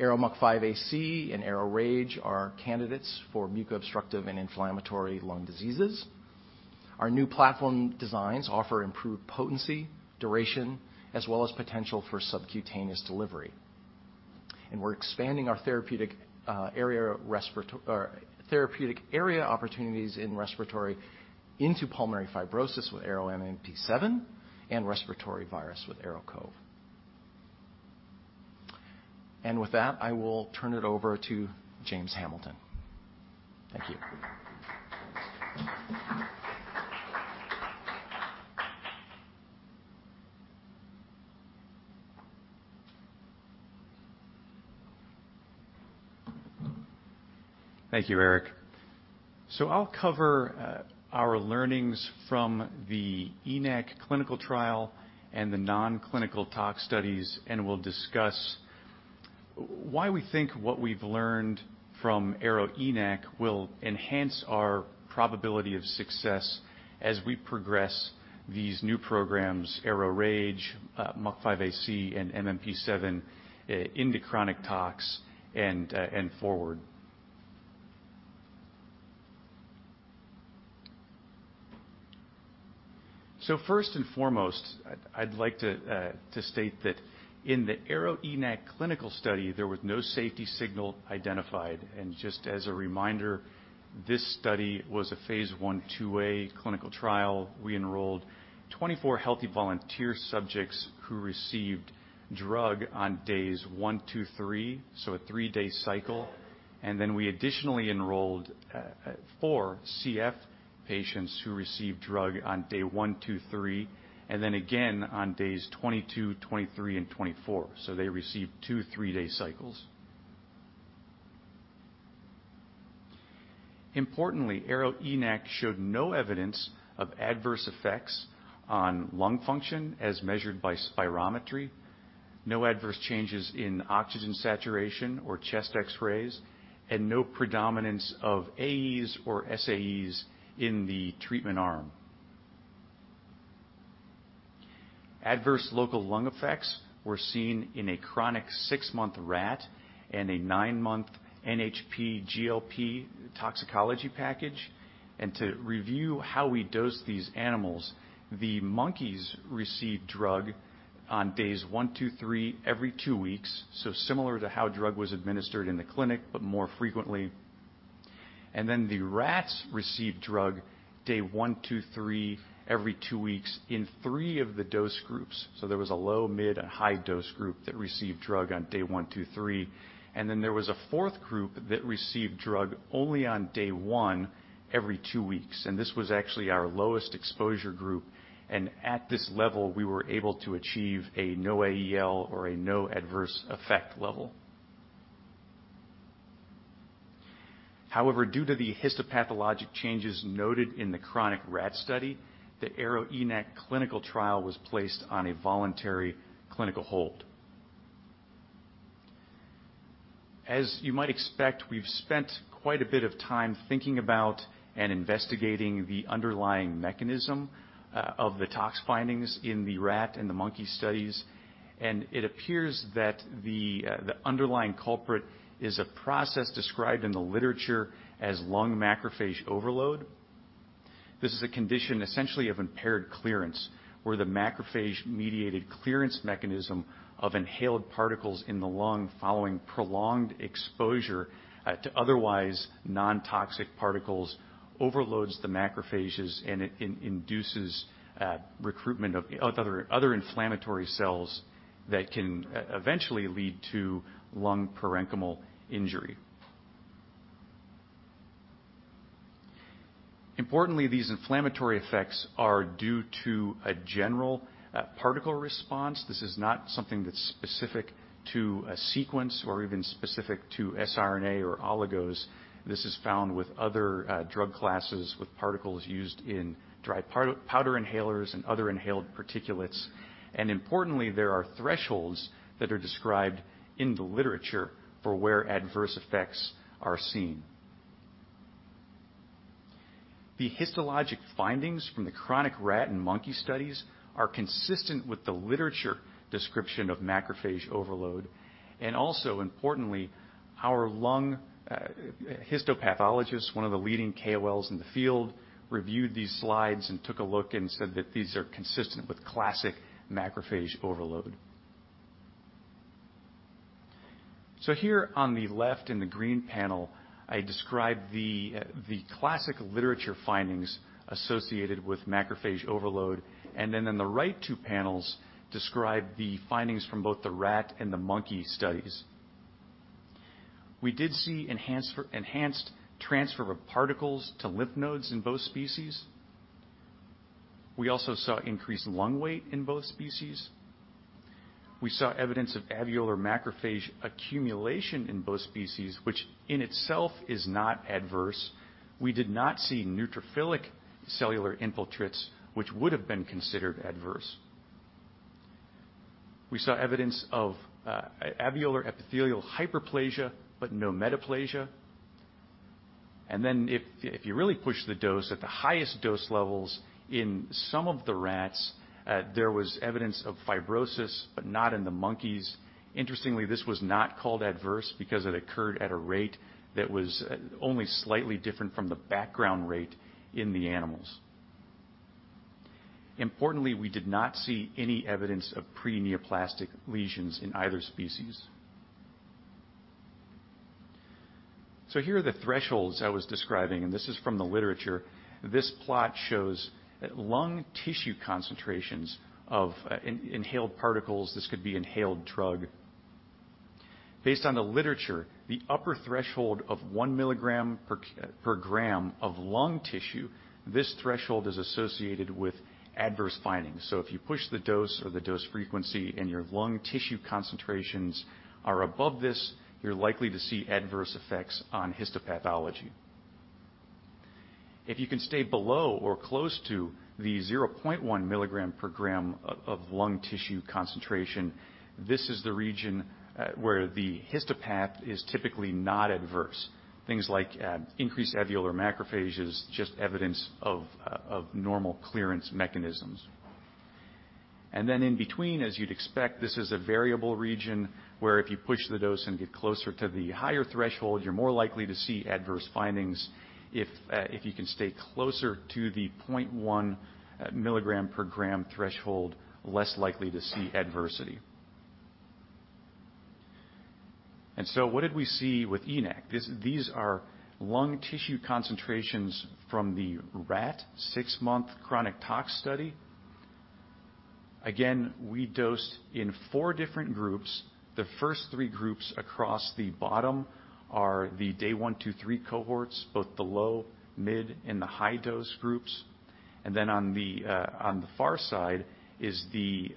S3: ARO-MUC5AC and ARO-RAGE are candidates for muco-obstructive and inflammatory lung diseases. Our new platform designs offer improved potency, duration, as well as potential for subcutaneous delivery. We're expanding our therapeutic area opportunities in respiratory into pulmonary fibrosis with ARO-MMP7 and respiratory virus with ARO-COV. With that, I will turn it over to James Hamilton. Thank you.
S4: Thank you, Erik. I'll cover our learnings from the ENaC clinical trial and the non-clinical tox studies, and we'll discuss why we think what we've learned from ARO-ENaC will enhance our probability of success as we progress these new programs, ARO-RAGE, MUC5AC, and ARO-MMP7, into chronic tox and forward. First and foremost, I'd like to state that in the ARO-ENaC clinical study, there was no safety signal identified. Just as a reminder, this study was a phase I/IIa clinical trial. We enrolled 24 healthy volunteer subjects who received drug on days one to three, so a three-day cycle. Then we additionally enrolled four CF patients who received drug on day one to three, and then again on days 22, 23, and 24. They received two, three-day cycles. Importantly, ARO-ENaC showed no evidence of adverse effects on lung function as measured by spirometry, no adverse changes in oxygen saturation or chest X-rays, and no predominance of AEs or SAEs in the treatment arm. Adverse local lung effects were seen in a chronic six-month rat and a nine-month NHP GLP toxicology package. To review how we dose these animals, the monkeys received drug on days one to three every two weeks, so similar to how drug was administered in the clinic but more frequently. The rats received drug day one to three every two weeks in three of the dose groups. There was a low, mid, and high dose group that received drug on day one to three. There was a fourth group that received drug only on day one every two weeks, and this was actually our lowest exposure group. At this level, we were able to achieve a NOAEL or a no adverse effect level. However, due to the histopathologic changes noted in the chronic rat study, the ARO-ENaC clinical trial was placed on a voluntary clinical hold. As you might expect, we've spent quite a bit of time thinking about and investigating the underlying mechanism of the tox findings in the rat and the monkey studies, and it appears that the underlying culprit is a process described in the literature as lung macrophage overload. This is a condition essentially of impaired clearance, where the macrophage-mediated clearance mechanism of inhaled particles in the lung following prolonged exposure to otherwise non-toxic particles overloads the macrophages, and it induces recruitment of other inflammatory cells that can eventually lead to lung parenchymal injury. Importantly, these inflammatory effects are due to a general, particle response. This is not something that's specific to a sequence or even specific to sRNA or oligos. This is found with other, drug classes with particles used in dry powder inhalers and other inhaled particulates. Importantly, there are thresholds that are described in the literature for where adverse effects are seen. The histologic findings from the chronic rat and monkey studies are consistent with the literature description of macrophage overload. Also importantly, our lung histopathologist, one of the leading KOLs in the field, reviewed these slides and took a look and said that these are consistent with classic macrophage overload. Here on the left in the green panel, I describe the classic literature findings associated with macrophage overload, and then in the right two panels describe the findings from both the rat and the monkey studies. We did see enhanced transfer of particles to lymph nodes in both species. We also saw increased lung weight in both species. We saw evidence of alveolar macrophage accumulation in both species, which in itself is not adverse. We did not see neutrophilic cellular infiltrates, which would have been considered adverse. We saw evidence of alveolar epithelial hyperplasia, but no metaplasia. If you really push the dose at the highest dose levels in some of the rats, there was evidence of fibrosis, but not in the monkeys. Interestingly, this was not called adverse because it occurred at a rate that was only slightly different from the background rate in the animals. Importantly, we did not see any evidence of pre-neoplastic lesions in either species. Here are the thresholds I was describing, and this is from the literature. This plot shows lung tissue concentrations of inhaled particles. This could be inhaled drug. Based on the literature, the upper threshold of 1 mg/g of lung tissue, this threshold is associated with adverse findings. If you push the dose or the dose frequency and your lung tissue concentrations are above this, you're likely to see adverse effects on histopathology. If you can stay below or close to the 0.1 mg/g of lung tissue concentration, this is the region where the histopath is typically not adverse. Things like increased alveolar macrophages, just evidence of normal clearance mechanisms. In between, as you'd expect, this is a variable region where if you push the dose and get closer to the higher threshold, you're more likely to see adverse findings. If you can stay closer to the 0.1 mg/g threshold, less likely to see adversity. What did we see with ENaC? These are lung tissue concentrations from the rat six-month chronic tox study. Again, we dosed in four different groups. The first three groups across the bottom are the day one, two, three cohorts, both the low, mid, and the high dose groups. Then on the far side is the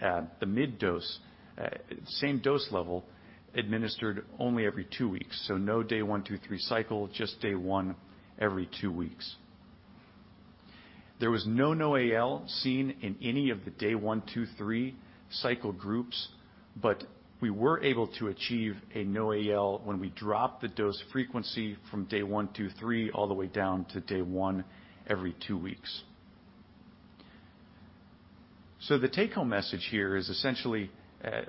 S4: mid dose, same dose level administered only every two weeks. No day one, two, three cycle, just day one every two weeks. There was no NOAEL seen in any of the day one, two, three cycle groups, but we were able to achieve a NOAEL when we dropped the dose frequency from day one, two, three, all the way down to day one every two weeks. The take-home message here is essentially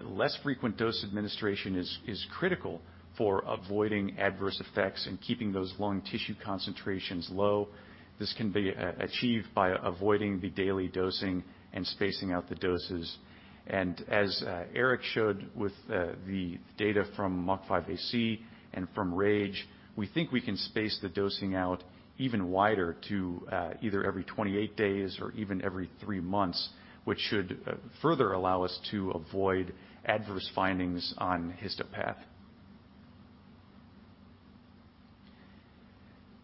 S4: less frequent dose administration is critical for avoiding adverse effects and keeping those lung tissue concentrations low. This can be achieved by avoiding the daily dosing and spacing out the doses. As Erik showed with the data from MUC5AC and from RAGE, we think we can space the dosing out even wider to either every 28 days or even every three months, which should further allow us to avoid adverse findings on histopath.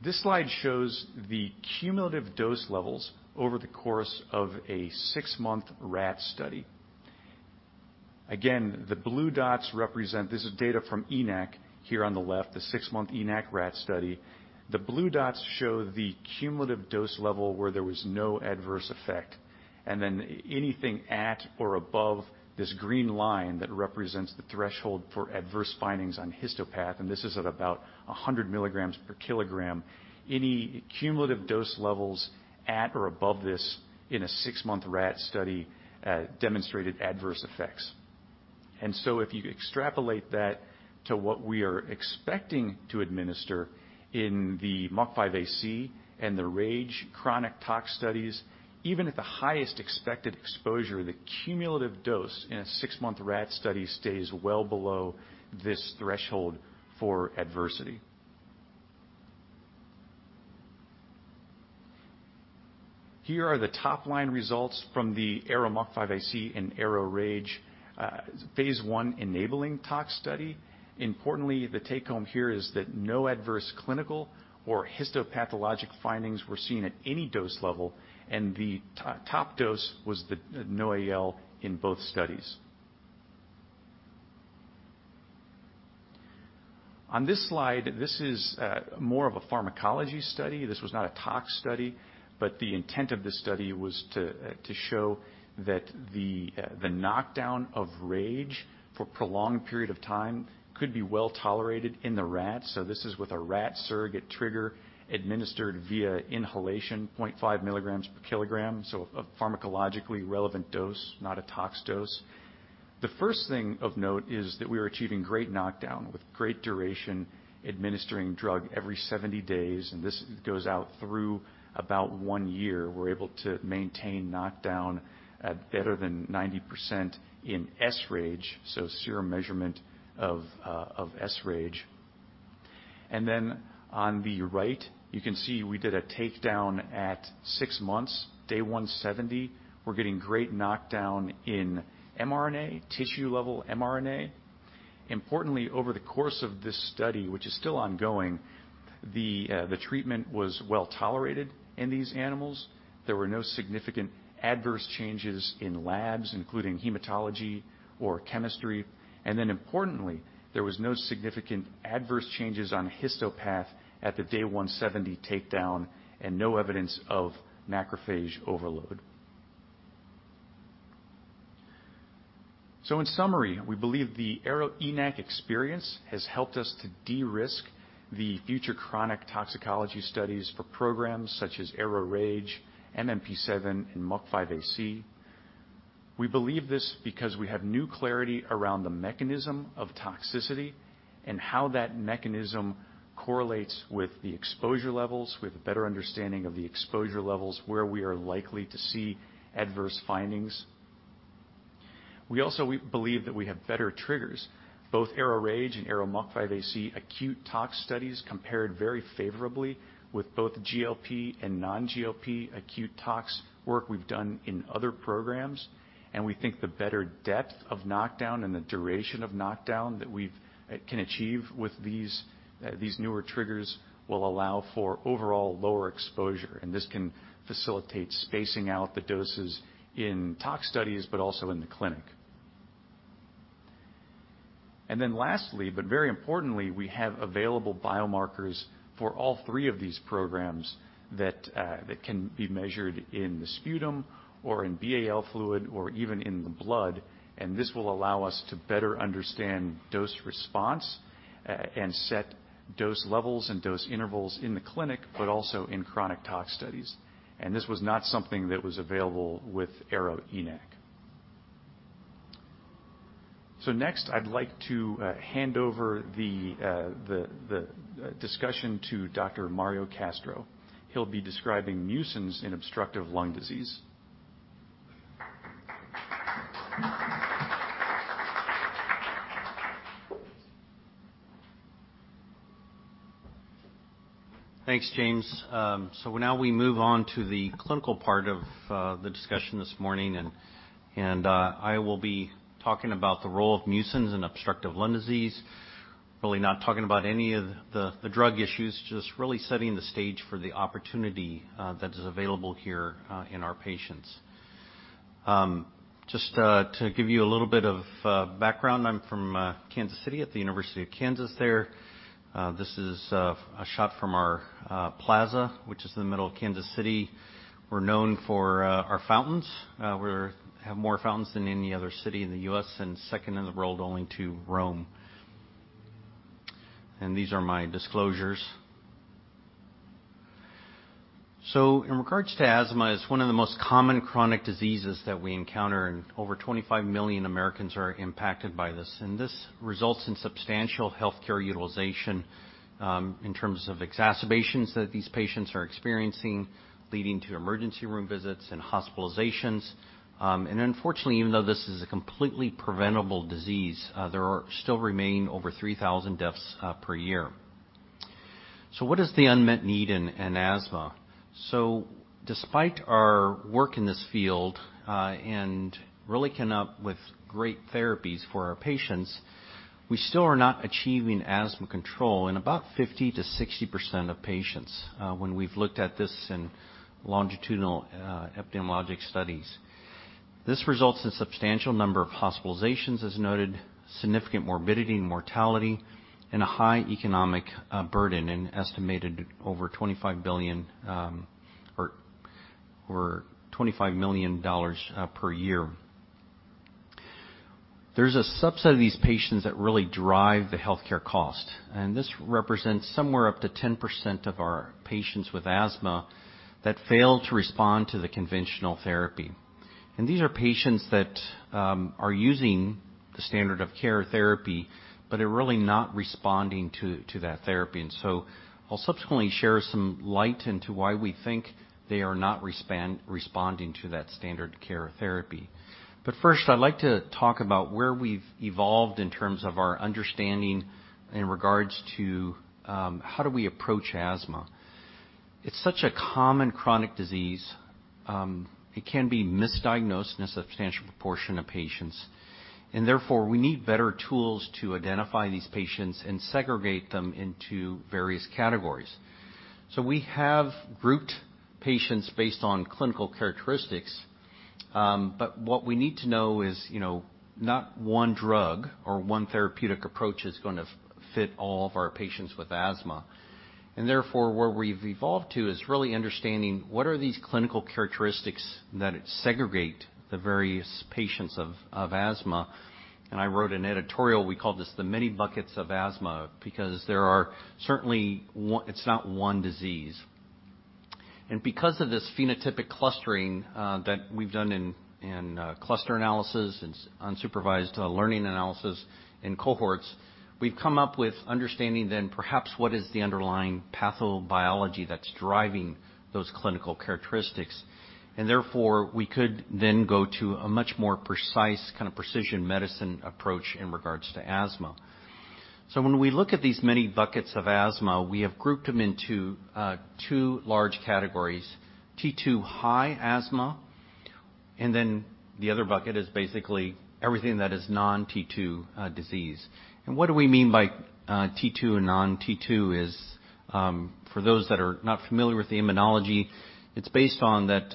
S4: This slide shows the cumulative dose levels over the course of a six-month rat study. Again, the blue dots represent this data from ENaC here on the left, the six-month ENaC rat study. The blue dots show the cumulative dose level where there was no adverse effect. Then anything at or above this green line that represents the threshold for adverse findings on histopath, and this is at about 100 mg/kg, any cumulative dose levels at or above this in a six-month rat study demonstrated adverse effects. If you extrapolate that to what we are expecting to administer in the MUC5AC and the RAGE chronic tox studies, even at the highest expected exposure, the cumulative dose in a six-month rat study stays well below this threshold for adversity. Here are the top-line results from the ARO-MUC5AC and ARO-RAGE phase I enabling tox study. Importantly, the take-home here is that no adverse clinical or histopathologic findings were seen at any dose level, and the top dose was the NOAEL in both studies. On this slide, this is more of a pharmacology study. This was not a tox study, but the intent of this study was to show that the knockdown of RAGE for prolonged period of time could be well tolerated in the rat. This is with a rat surrogate trigger administered via inhalation, 0.5 mg/kg, so a pharmacologically relevant dose, not a tox dose. The first thing of note is that we are achieving great knockdown with great duration administering drug every 70 days, and this goes out through about one year. We're able to maintain knockdown at better than 90% in sRAGE, so serum measurement of sRAGE. On the right, you can see we did a takedown at six months, day 170. We're getting great knockdown in mRNA, tissue-level mRNA. Importantly, over the course of this study, which is still ongoing, the treatment was well tolerated in these animals. There were no significant adverse changes in labs, including hematology or chemistry. Importantly, there was no significant adverse changes on histopath at the day 170 takedown and no evidence of macrophage overload. In summary, we believe the ARO-ENaC experience has helped us to de-risk the future chronic toxicology studies for programs such as ARO-RAGE, MMP7, and MUC5AC. We believe this because we have new clarity around the mechanism of toxicity and how that mechanism correlates with the exposure levels, with a better understanding of the exposure levels where we are likely to see adverse findings. We also believe that we have better triggers. Both ARO-RAGE and ARO-MUC5AC acute tox studies compared very favorably with both GLP and non-GLP acute tox work we've done in other programs. We think the better depth of knockdown and the duration of knockdown that we can achieve with these newer triggers will allow for overall lower exposure, and this can facilitate spacing out the doses in tox studies but also in the clinic. Then lastly, but very importantly, we have available biomarkers for all three of these programs that can be measured in the sputum or in BAL fluid or even in the blood. This will allow us to better understand dose response and set dose levels and dose intervals in the clinic, but also in chronic tox studies. This was not something that was available with ARO-ENaC. Next, I'd like to hand over the discussion to Dr. Mario Castro. He'll be describing mucins in obstructive lung disease.
S5: Thanks, James. So now we move on to the clinical part of the discussion this morning, and I will be talking about the role of mucins in obstructive lung disease. Really not talking about any of the drug issues, just really setting the stage for the opportunity that is available here in our patients. Just to give you a little bit of background, I'm from Kansas City at the University of Kansas there. This is a shot from our plaza, which is in the middle of Kansas City. We're known for our fountains. We have more fountains than any other city in the U.S. and second in the world only to Rome. These are my disclosures. In regards to asthma, it's one of the most common chronic diseases that we encounter, and over 25 million Americans are impacted by this. This results in substantial healthcare utilization in terms of exacerbations that these patients are experiencing, leading to emergency room visits and hospitalizations. Unfortunately, even though this is a completely preventable disease, there still remain over 3,000 deaths per year. What is the unmet need in asthma? Despite our work in this field and really come up with great therapies for our patients, we still are not achieving asthma control in about 50%-60% of patients when we've looked at this in longitudinal epidemiologic studies. This results in substantial number of hospitalizations as noted, significant morbidity and mortality, and a high economic burden in estimated over $25 billion or $25 million per year. There's a subset of these patients that really drive the healthcare cost, and this represents somewhere up to 10% of our patients with asthma that fail to respond to the conventional therapy. These are patients that are using the standard of care therapy, but are really not responding to that therapy. I'll subsequently share some light into why we think they are not responding to that standard care therapy. First, I'd like to talk about where we've evolved in terms of our understanding in regards to how do we approach asthma. It's such a common chronic disease. It can be misdiagnosed in a substantial proportion of patients, and therefore, we need better tools to identify these patients and segregate them into various categories. We have grouped patients based on clinical characteristics. What we need to know is, you know, not one drug or one therapeutic approach is gonna fit all of our patients with asthma. Therefore, where we've evolved to is really understanding what are these clinical characteristics that segregate the various patients of asthma. I wrote an editorial, we called this the many buckets of asthma because it's not one disease. Because of this phenotypic clustering that we've done in cluster analysis and unsupervised learning analysis in cohorts, we've come up with understanding then perhaps what is the underlying pathobiology that's driving those clinical characteristics. Therefore, we could then go to a much more precise kind of precision medicine approach in regards to asthma. When we look at these many buckets of asthma, we have grouped them into, two large categories, T2 high asthma, and then the other bucket is basically everything that is non-T2, disease. What do we mean by, T2 and non-T2 is, for those that are not familiar with the immunology, it's based on that,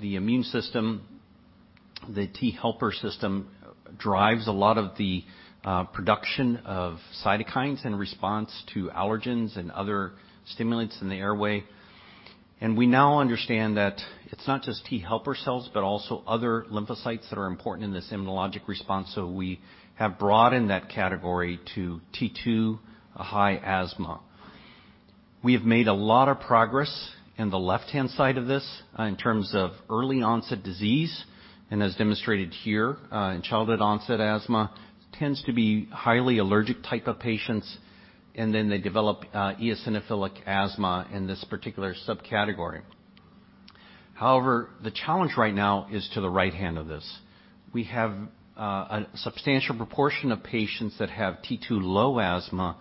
S5: the immune system, the T helper system drives a lot of the, production of cytokines in response to allergens and other stimulants in the airway. We now understand that it's not just T helper cells, but also other lymphocytes that are important in this immunologic response. We have broadened that category to T2 high asthma. We have made a lot of progress in the left-hand side of this, in terms of early onset disease, and as demonstrated here, in childhood onset asthma, tends to be highly allergic type of patients, and then they develop, eosinophilic asthma in this particular subcategory. However, the challenge right now is to the right-hand of this. We have a substantial proportion of patients that have T2 low asthma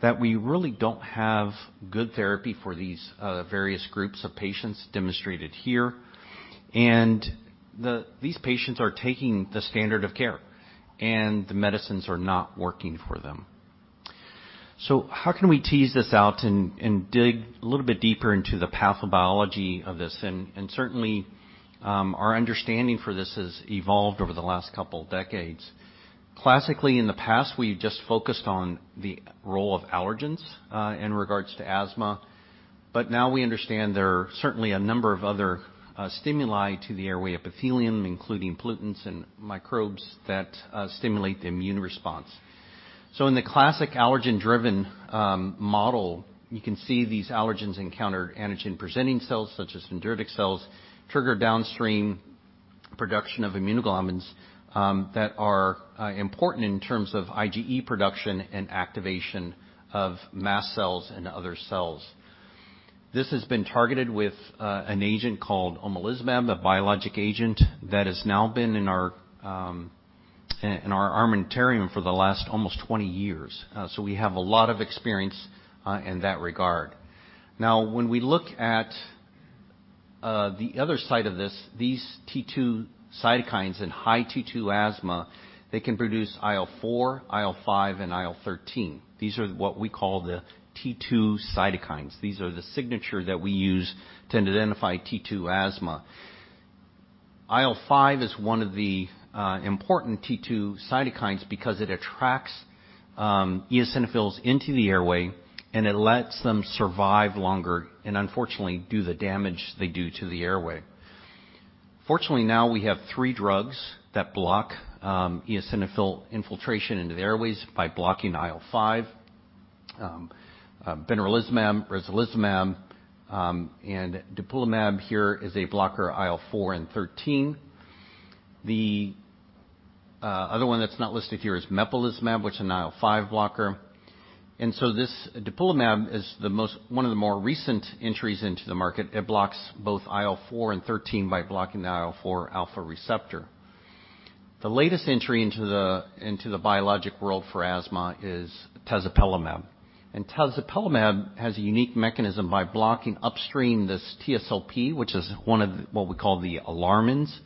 S5: that we really don't have good therapy for these various groups of patients demonstrated here. These patients are taking the standard of care, and the medicines are not working for them. How can we tease this out and dig a little bit deeper into the pathobiology of this? Certainly, our understanding for this has evolved over the last couple decades. Classically, in the past, we just focused on the role of allergens in regards to asthma. Now we understand there are certainly a number of other stimuli to the airway epithelium, including pollutants and microbes that stimulate the immune response. In the classic allergen-driven model, you can see these allergens encounter antigen-presenting cells such as dendritic cells, trigger downstream production of immunoglobulins that are important in terms of IgE production and activation of mast cells and other cells. This has been targeted with an agent called omalizumab, a biologic agent that has now been in our armamentarium for the last almost 20 years. We have a lot of experience in that regard. Now, when we look at, the other side of this, these T2 cytokines in high T2 asthma, they can produce IL-4, IL-5, and IL-13. These are what we call the T2 cytokines. These are the signature that we use to identify T2 asthma. IL-5 is one of the, important T2 cytokines because it attracts, eosinophils into the airway, and it lets them survive longer and unfortunately do the damage they do to the airway. Fortunately, now we have three drugs that block, eosinophil infiltration into the airways by blocking IL-5. Benralizumab, Reslizumab, and Dupilumab here is a blocker IL-4 and IL-13. The, other one that's not listed here is mepolizumab, which is an IL-5 blocker. this Dupilumab is one of the more recent entries into the market. It blocks both IL-4 and IL-13 by blocking the IL-4 alpha receptor. The latest entry into the biologic world for asthma is tezepelumab. Tezepelumab has a unique mechanism by blocking upstream this TSLP, which is one of what we call the alarmins.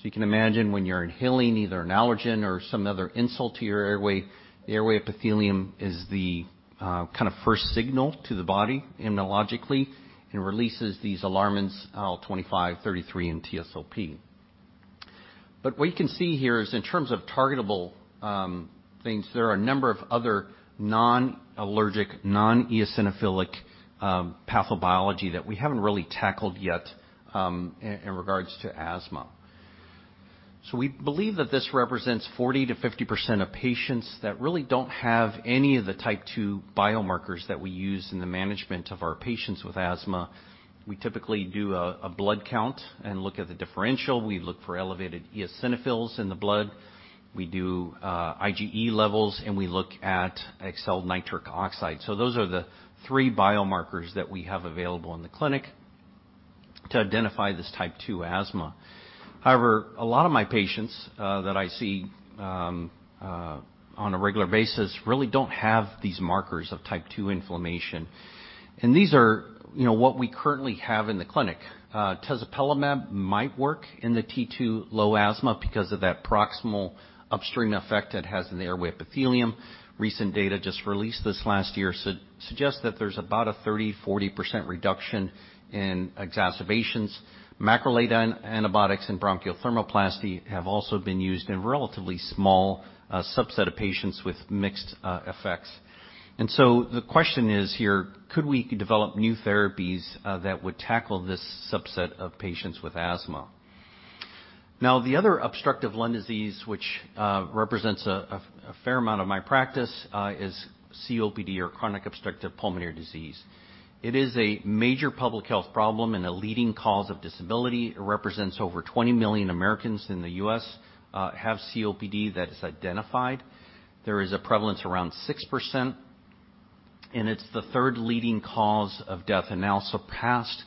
S5: You can imagine when you're inhaling either an allergen or some other insult to your airway, the airway epithelium is the kind of first signal to the body immunologically and releases these alarmins, IL-25, IL-33, and TSLP. What you can see here is in terms of targetable things, there are a number of other non-allergic, non-eosinophilic pathobiology that we haven't really tackled yet in regards to asthma. We believe that this represents 40%-50% of patients that really don't have any of the type two biomarkers that we use in the management of our patients with asthma. We typically do a blood count and look at the differential. We look for elevated eosinophils in the blood. We do IgE levels, and we look at exhaled nitric oxide. So those are the three biomarkers that we have available in the clinic to identify this type 2 asthma. However, a lot of my patients that I see on a regular basis really don't have these markers of type 2 inflammation. These are, you know, what we currently have in the clinic. Tezepelumab might work in the T2 low asthma because of that proximal upstream effect it has in the airway epithelium. Recent data just released this last year suggests that there's about a 30%-40% reduction in exacerbations. Macrolide antibiotics and bronchial thermoplasty have also been used in a relatively small subset of patients with mixed effects. The question is here, could we develop new therapies that would tackle this subset of patients with asthma? Now, the other obstructive lung disease which represents a fair amount of my practice is COPD, or chronic obstructive pulmonary disease. It is a major public health problem and a leading cause of disability. It represents over 20 million Americans in the U.S. have COPD that is identified. There is a prevalence around 6%, and it's the third leading cause of death, and now surpassed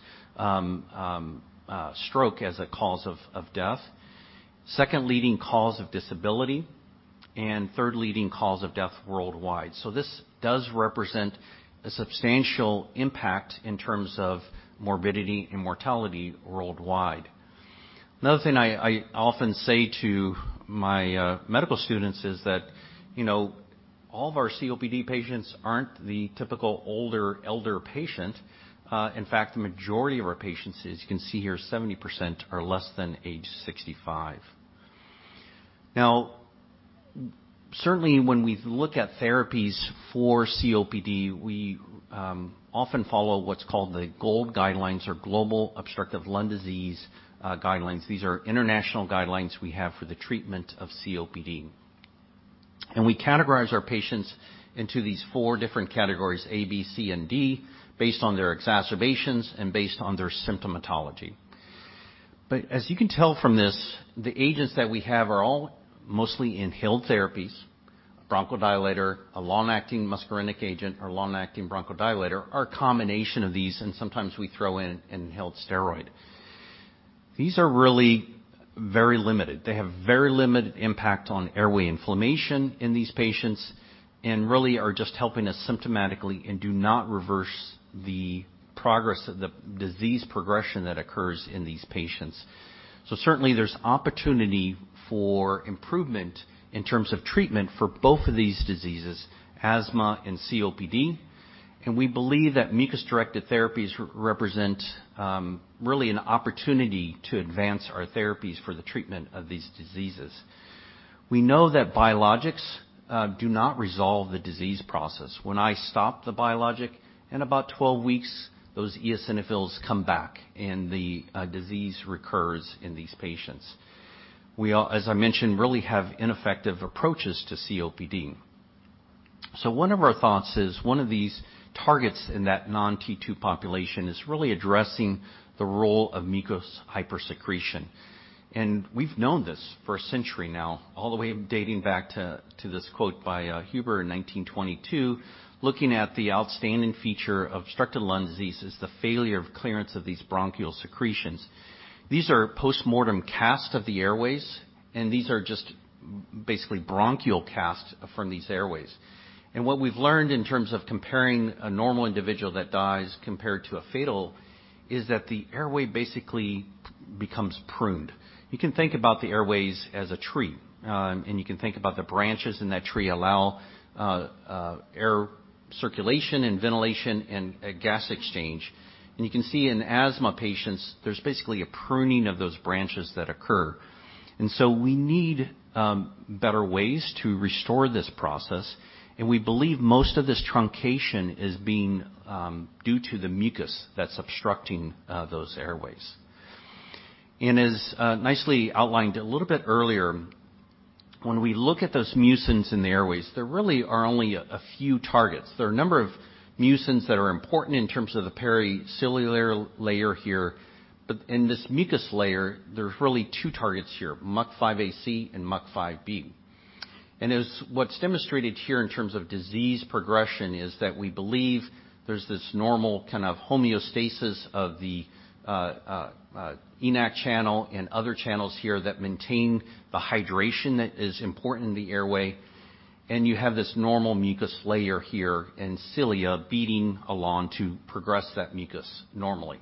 S5: stroke as a cause of death. Second leading cause of disability, and third leading cause of death worldwide. This does represent a substantial impact in terms of morbidity and mortality worldwide. Another thing I often say to my medical students is that, you know, all of our COPD patients aren't the typical older elder patient. In fact, the majority of our patients, as you can see here, 70% are less than age 65. Now, certainly when we look at therapies for COPD, we often follow what's called the GOLD guidelines or Global Obstructive Lung Disease guidelines. These are international guidelines we have for the treatment of COPD. We categorize our patients into these four different categories A, B, C, and D, based on their exacerbations and based on their symptomatology. As you can tell from this, the agents that we have are all mostly inhaled therapies, bronchodilator, a long-acting muscarinic agent or long-acting bronchodilator, or a combination of these, and sometimes we throw in inhaled steroid. These are really very limited. They have very limited impact on airway inflammation in these patients and really are just helping us symptomatically and do not reverse the progress of the disease progression that occurs in these patients. Certainly, there's opportunity for improvement in terms of treatment for both of these diseases, asthma and COPD. We believe that mucus-directed therapies represent really an opportunity to advance our therapies for the treatment of these diseases. We know that biologics do not resolve the disease process. When I stop the biologic, in about 12 weeks, those eosinophils come back, and the disease recurs in these patients. We, as I mentioned, really have ineffective approaches to COPD. One of our thoughts is one of these targets in that non-T2 population is really addressing the role of mucus hypersecretion. We've known this for a century now, all the way dating back to this quote by Huber in 1922, looking at the outstanding feature of obstructive lung disease is the failure of clearance of these bronchial secretions. These are postmortem cast of the airways, and these are just basically bronchial cast from these airways. What we've learned in terms of comparing a normal individual that dies compared to a fatal is that the airway basically becomes pruned. You can think about the airways as a tree, and you can think about the branches in that tree allow air circulation and ventilation and a gas exchange. You can see in asthma patients, there's basically a pruning of those branches that occur. We need better ways to restore this process, and we believe most of this truncation is being due to the mucus that's obstructing those airways. As nicely outlined a little bit earlier, when we look at those mucins in the airways, there really are only a few targets. There are a number of mucins that are important in terms of the periciliary layer here. In this mucus layer, there's really two targets here, MUC5AC and MUC5B. As what's demonstrated here in terms of disease progression is that we believe there's this normal kind of homeostasis of the ENaC channel and other channels here that maintain the hydration that is important in the airway. You have this normal mucus layer here and cilia beating along to progress that mucus normally.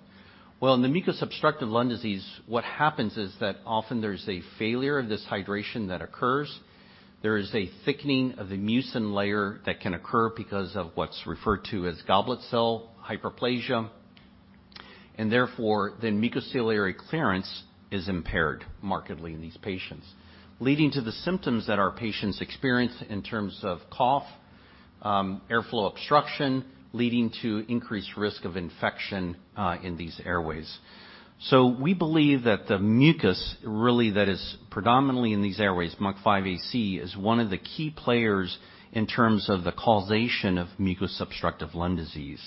S5: Well, in the muco-obstructive lung disease, what happens is that often there's a failure of this hydration that occurs. There is a thickening of the mucin layer that can occur because of what's referred to as goblet cell hyperplasia. Therefore, the mucociliary clearance is impaired markedly in these patients, leading to the symptoms that our patients experience in terms of cough, airflow obstruction, leading to increased risk of infection, in these airways. We believe that the mucus really that is predominantly in these airways, MUC5AC, is one of the key players in terms of the causation of muco-obstructive lung disease.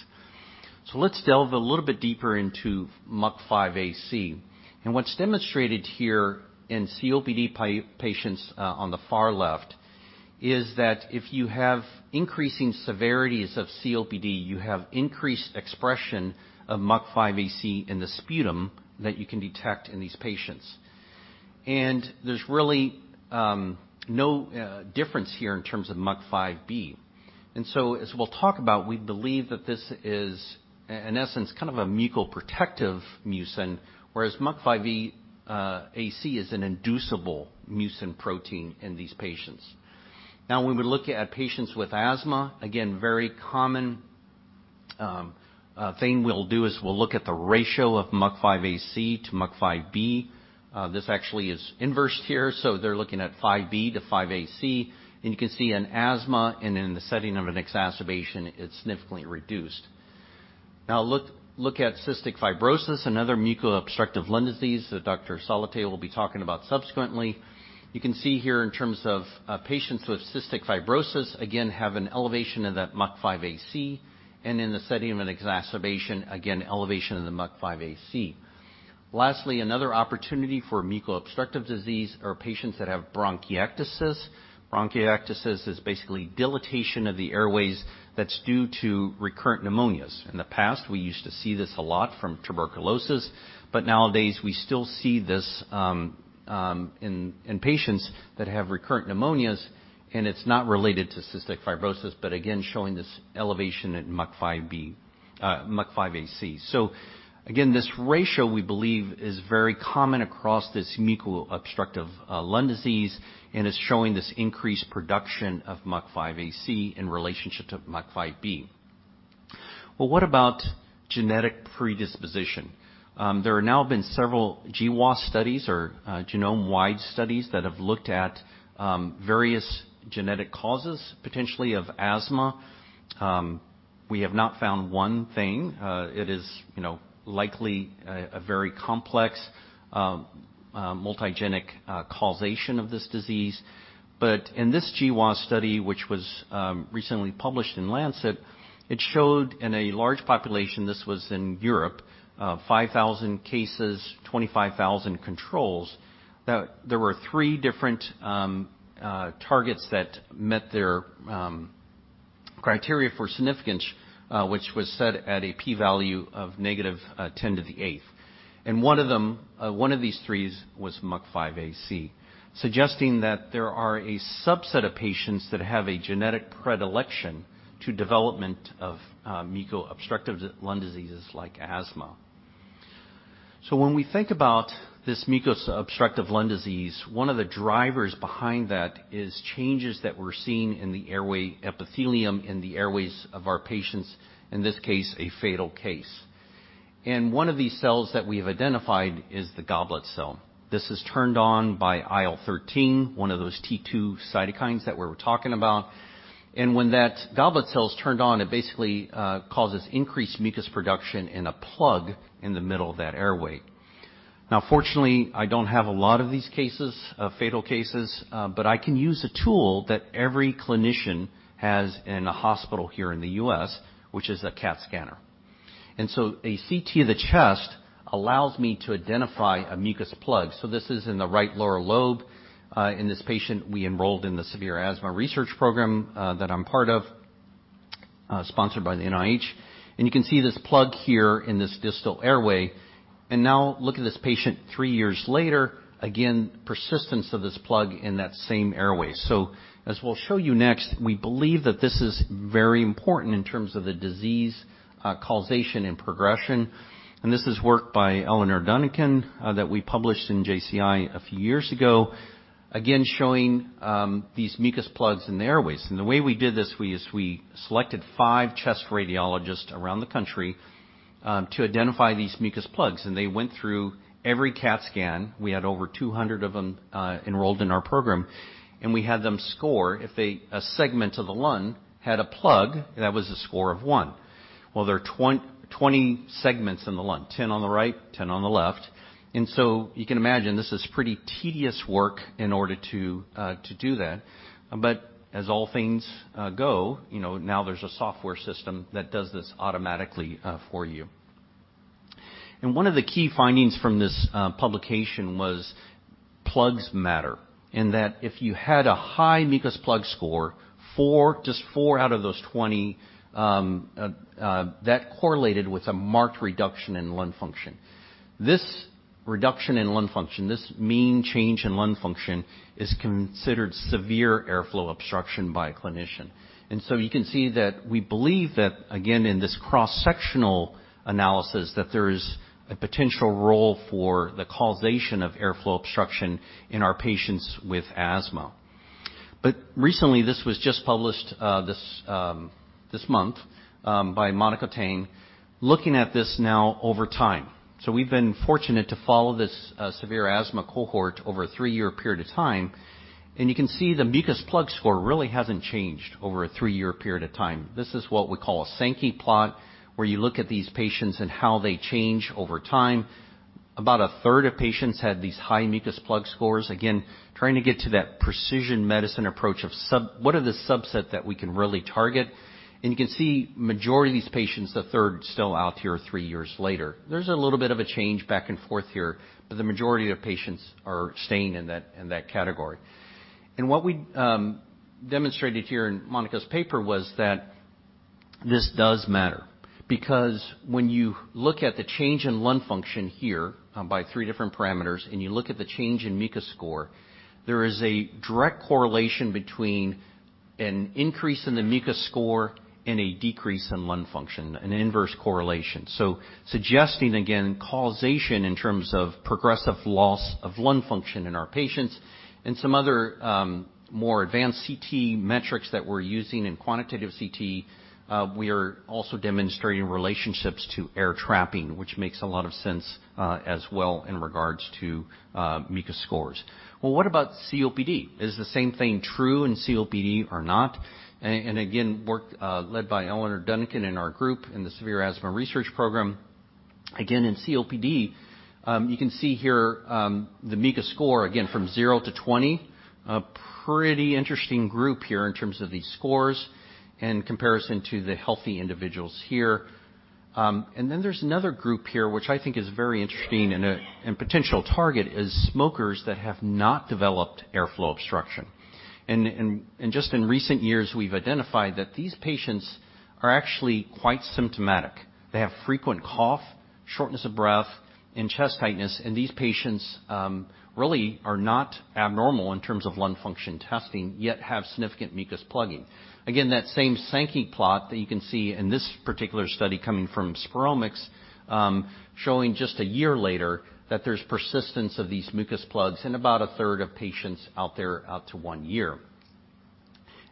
S5: Let's delve a little bit deeper into MUC5AC. What's demonstrated here in COPD patients, on the far left is that if you have increasing severities of COPD, you have increased expression of MUC5AC in the sputum that you can detect in these patients. There's really no difference here in terms of MUC5B. So as we'll talk about, we believe that this is in essence, kind of a mucoprotective mucin, whereas MUC5AC is an inducible mucin protein in these patients. Now when we look at patients with asthma, again, very common thing we'll do is we'll look at the ratio of MUC5AC to MUC5B. This actually is inversed here, so they're looking at MUC5B to MUC5AC, and you can see in asthma and in the setting of an exacerbation, it's significantly reduced. Now look at cystic fibrosis, another mucobstructive lung disease that Dr. Salathe will be talking about subsequently. You can see here in terms of patients with cystic fibrosis, again have an elevation of that MUC5AC, and in the setting of an exacerbation, again, elevation of the MUC5AC. Lastly, another opportunity for muco-obstructive disease are patients that have bronchiectasis. Bronchiectasis is basically dilatation of the airways that's due to recurrent pneumonias. In the past, we used to see this a lot from tuberculosis, but nowadays we still see this in patients that have recurrent pneumonias, and it's not related to cystic fibrosis, but again, showing this elevation in MUC5AC. Again, this ratio, we believe is very common across this muco-obstructive lung disease and is showing this increased production of MUC5AC in relationship to MUC5B. Well, what about genetic predisposition? There are now been several GWAS studies or, genome-wide studies that have looked at, various genetic causes, potentially of asthma. We have not found one thing. It is, you know, likely a very complex, multigenic, causation of this disease. In this GWAS study, which was, recently published in Lancet, it showed in a large population, this was in Europe, 5,000 cases, 25,000 controls, that there were three different, targets that met their, criteria for significance, which was set at a p-value of -10 to the 8th. One of them, these three was MUC5AC, suggesting that there are a subset of patients that have a genetic predilection to development of, muco-obstructive lung diseases like asthma. When we think about this mucobstructive lung disease, one of the drivers behind that is changes that we're seeing in the airway epithelium in the airways of our patients, in this case, a fatal case. One of these cells that we have identified is the goblet cell. This is turned on by IL-13, one of those T2 cytokines that we were talking about. When that goblet cell is turned on, it basically causes increased mucus production and a plug in the middle of that airway. Now fortunately, I don't have a lot of these cases, fatal cases, but I can use a tool that every clinician has in a hospital here in the U.S., which is a CAT scanner. A CT of the chest allows me to identify a mucus plug. This is in the right lower lobe, in this patient we enrolled in the Severe Asthma Research Program, that I'm part of, sponsored by the NIH. You can see this plug here in this distal airway. Now look at this patient three years later, again, persistence of this plug in that same airway. As we'll show you next, we believe that this is very important in terms of the disease, causation and progression. This is work by Eleanor Dunican, that we published in JCI a few years ago, again, showing, these mucus plugs in the airways. The way we did this, we selected five chest radiologists around the country, to identify these mucus plugs, and they went through every CAT scan. We had over 200 of them enrolled in our program, and we had them score. If a segment of the lung had a plug, that was a score of one. Well, there are 20 segments in the lung, 10 on the right, 10 on the left. You can imagine this is pretty tedious work in order to do that. As all things go, you know, now there's a software system that does this automatically for you. One of the key findings from this publication was plugs matter in that if you had a high mucus plug score, four, just four out of those 20, that correlated with a marked reduction in lung function. This reduction in lung function, this mean change in lung function, is considered severe airflow obstruction by a clinician. You can see that we believe that, again, in this cross-sectional analysis, that there is a potential role for the causation of airflow obstruction in our patients with asthma. Recently, this was just published, this month, by Monica Tang, looking at this now over time. We've been fortunate to follow this severe asthma cohort over a three-year period of time, and you can see the mucus plug score really hasn't changed over a three-year period of time. This is what we call a Sankey plot, where you look at these patients and how they change over time. About a third of patients had these high mucus plug scores. Again, trying to get to that precision medicine approach of what are the subset that we can really target? You can see majority of these patients, a third still out here three years later. There's a little bit of a change back and forth here, but the majority of patients are staying in that category. What we demonstrated here in Monica's paper was that this does matter because when you look at the change in lung function here by three different parameters, and you look at the change in MUC5AC score, there is a direct correlation between an increase in the MUC5AC score and a decrease in lung function, an inverse correlation. Suggesting again causation in terms of progressive loss of lung function in our patients and some other more advanced CT metrics that we're using in quantitative CT, we are also demonstrating relationships to air trapping, which makes a lot of sense, as well in regards to mucus scores. Well, what about COPD? Is the same thing true in COPD or not? Again, work led by Eleanor Dunican in our group in the Severe Asthma Research Program. Again, in COPD, you can see here, the mucus plug score again from 0 to 20. A pretty interesting group here in terms of these scores in comparison to the healthy individuals here. Then there's another group here which I think is very interesting and potential target is smokers that have not developed airflow obstruction. Just in recent years, we've identified that these patients are actually quite symptomatic. They have frequent cough, shortness of breath, and chest tightness, and these patients really are not abnormal in terms of lung function testing, yet have significant mucus plugging. Again, that same Sankey plot that you can see in this particular study coming from SPIROMICS, showing just a year later that there's persistence of these mucus plugs in about a third of patients out to one year.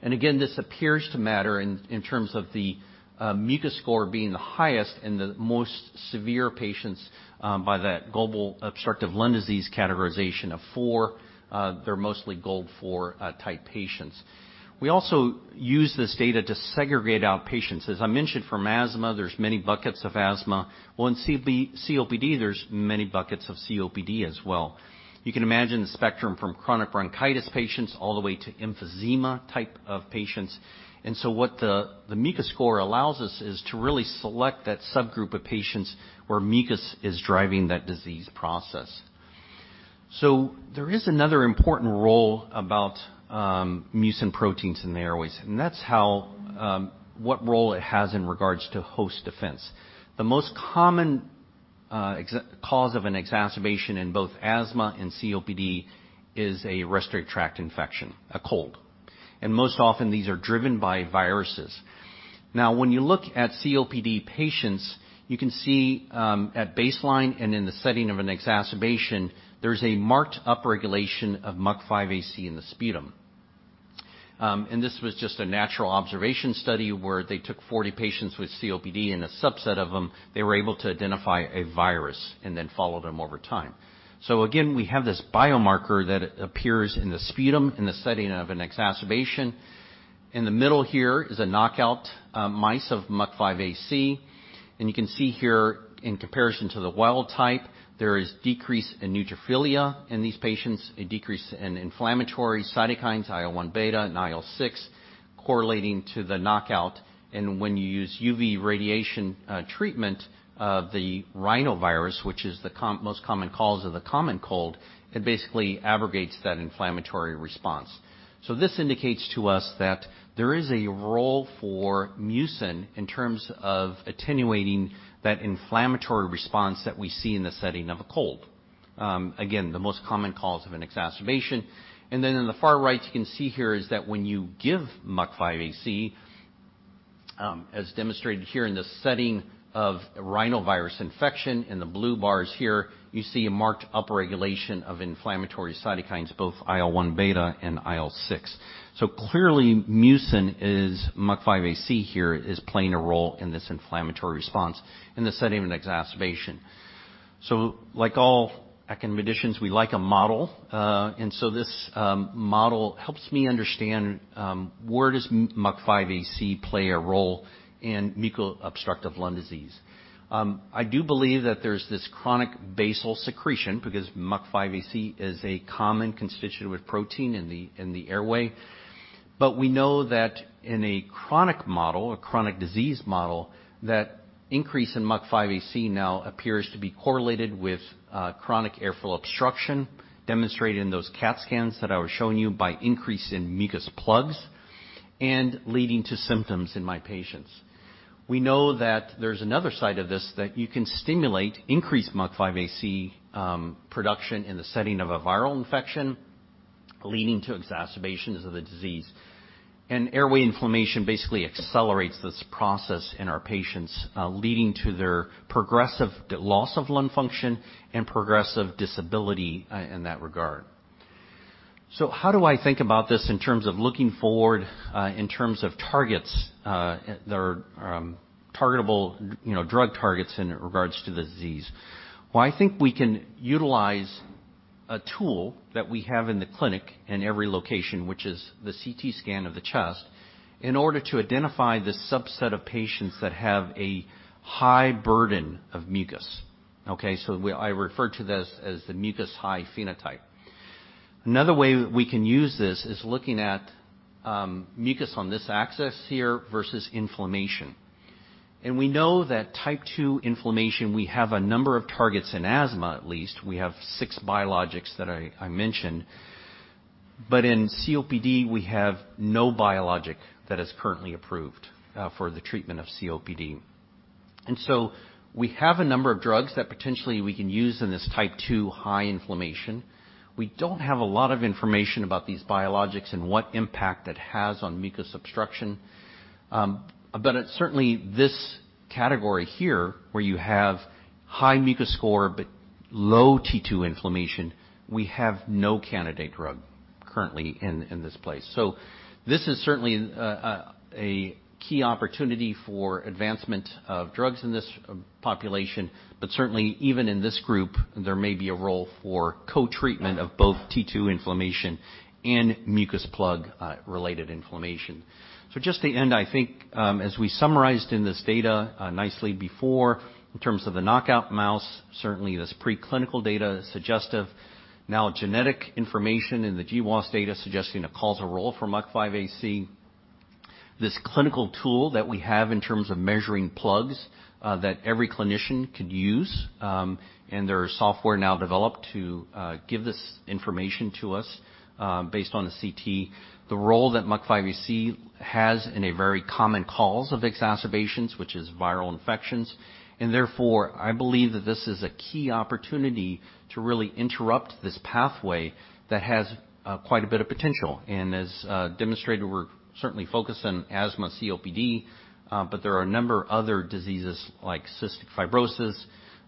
S5: This appears to matter in terms of the mucus score being the highest in the most severe patients by that Global Initiative for Chronic Obstructive Lung Disease categorization of four. They're mostly GOLD 4 type patients. We also use this data to segregate our patients. As I mentioned for asthma, there's many buckets of asthma. Well, in COPD, there's many buckets of COPD as well. You can imagine the spectrum from chronic bronchitis patients all the way to emphysema type of patients. What the MICA score allows us is to really select that subgroup of patients where mucus is driving that disease process. There is another important role about mucin proteins in the airways, and that's how what role it has in regards to host defense. The most common cause of an exacerbation in both asthma and COPD is a respiratory tract infection, a cold, and most often these are driven by viruses. Now, when you look at COPD patients, you can see at baseline and in the setting of an exacerbation, there's a marked upregulation of MUC5AC in the sputum. And this was just a natural observation study where they took 40 patients with COPD, and a subset of them, they were able to identify a virus and then followed them over time. Again, we have this biomarker that appears in the sputum in the setting of an exacerbation. In the middle here is a knockout mice of MUC5AC, and you can see here in comparison to the wild type, there is decrease in neutrophilia in these patients, a decrease in inflammatory cytokines, IL-1 beta and IL-6 correlating to the knockout. When you use UV radiation treatment of the rhinovirus, which is the most common cause of the common cold, it basically abrogates that inflammatory response. This indicates to us that there is a role for mucin in terms of attenuating that inflammatory response that we see in the setting of a cold. Again, the most common cause of an exacerbation. In the far right, you can see here is that when you give MUC5AC, as demonstrated here in the setting of rhinovirus infection in the blue bars here, you see a marked upregulation of inflammatory cytokines, both IL-1β and IL-6. Clearly, mucin is MUC5AC here is playing a role in this inflammatory response in the setting of an exacerbation. Like all academicians, we like a model, and so this model helps me understand, where does MUC5AC play a role in mucobstructive lung disease? I do believe that there's this chronic basal secretion because MUC5AC is a common constituent with protein in the airway. We know that in a chronic model, a chronic disease model, that increase in MUC5AC now appears to be correlated with chronic airflow obstruction demonstrated in those CT scans that I was showing you by increase in mucus plugs and leading to symptoms in my patients. We know that there's another side of this that you can stimulate increased MUC5AC production in the setting of a viral infection leading to exacerbations of the disease. Airway inflammation basically accelerates this process in our patients, leading to their progressive loss of lung function and progressive disability in that regard. How do I think about this in terms of looking forward, in terms of targets, that are targetable, you know, drug targets in regards to the disease? Well, I think we can utilize a tool that we have in the clinic in every location, which is the CT scan of the chest, in order to identify the subset of patients that have a high burden of mucus, okay? I refer to this as the mucus-high phenotype. Another way we can use this is looking at, mucus on this axis here versus inflammation. We know that type two inflammation, we have a number of targets in asthma, at least. We have six biologics that I mentioned. But in COPD, we have no biologic that is currently approved, for the treatment of COPD. We have a number of drugs that potentially we can use in this type two high inflammation. We don't have a lot of information about these biologics and what impact it has on mucus obstruction. It's certainly this category here where you have high mucus score but low T2 inflammation. We have no candidate drug currently in this place. This is certainly a key opportunity for advancement of drugs in this population. Certainly even in this group there may be a role for co-treatment of both T2 inflammation and mucus plug related inflammation. Just to end, I think, as we summarized in this data nicely before, in terms of the knockout mouse, certainly this preclinical data suggestive. Now genetic information in the GWAS data suggesting a causal role for MUC5AC. This clinical tool that we have in terms of measuring plugs that every clinician could use, and there are software now developed to give this information to us based on the CT. The role that MUC5AC has in a very common cause of exacerbations, which is viral infections. Therefore, I believe that this is a key opportunity to really interrupt this pathway that has quite a bit of potential. As demonstrated, we're certainly focused on asthma COPD, but there are a number of other diseases like cystic fibrosis,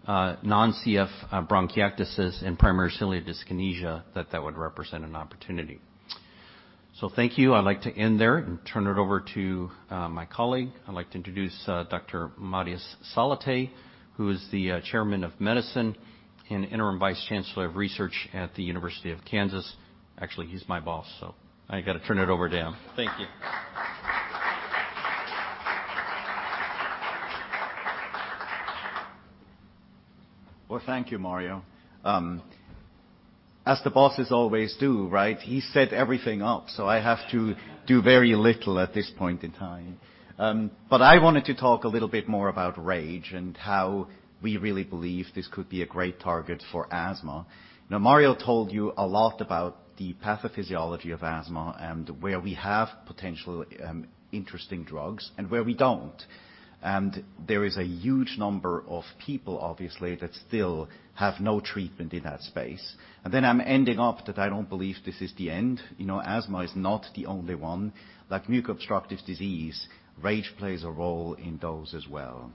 S5: non-CF bronchiectasis, and primary ciliary dyskinesia that would represent an opportunity. Thank you. I'd like to end there and turn it over to my colleague. I'd like to introduce Dr. Matthias Salathe, who is the Chairman of Medicine and Interim Vice Chancellor of Research at the University of Kansas. Actually, he's my boss, so I gotta turn it over to him. Thank you.
S6: Well, thank you, Mario. As the bosses always do, right, he set everything up, so I have to do very little at this point in time. I wanted to talk a little bit more about RAGE and how we really believe this could be a great target for asthma. Now, Mario told you a lot about the pathophysiology of asthma and where we have potential, interesting drugs and where we don't. There is a huge number of people, obviously, that still have no treatment in that space. I'm ending up that I don't believe this is the end. You know, asthma is not the only one. Like mucus obstructive disease, RAGE plays a role in those as well.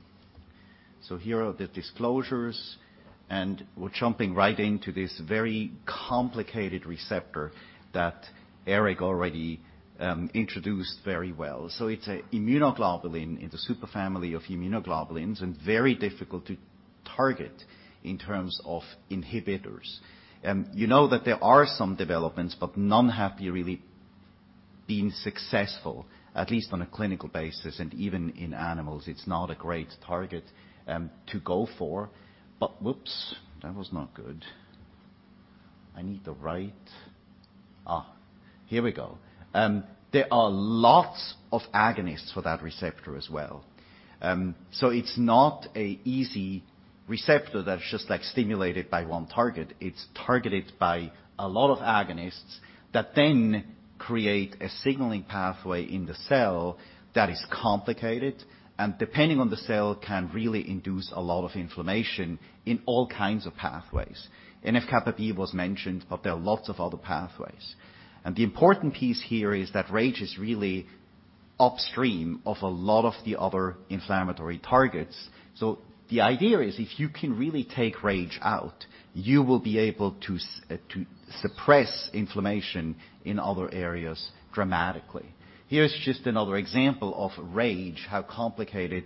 S6: Here are the disclosures, and we're jumping right into this very complicated receptor that Erik already, introduced very well. It's an immunoglobulin in the superfamily of immunoglobulins, and very difficult to target in terms of inhibitors. You know that there are some developments, but none have really been successful, at least on a clinical basis. Even in animals it's not a great target to go for. There are lots of agonists for that receptor as well. It's not an easy receptor that's just like stimulated by one target. It's targeted by a lot of agonists that then create a signaling pathway in the cell that is complicated, and depending on the cell, can really induce a lot of inflammation in all kinds of pathways. NF-κB was mentioned, but there are lots of other pathways. The important piece here is that RAGE is really upstream of a lot of the other inflammatory targets. The idea is if you can really take RAGE out, you will be able to suppress inflammation in other areas dramatically. Here's just another example of RAGE, how complicated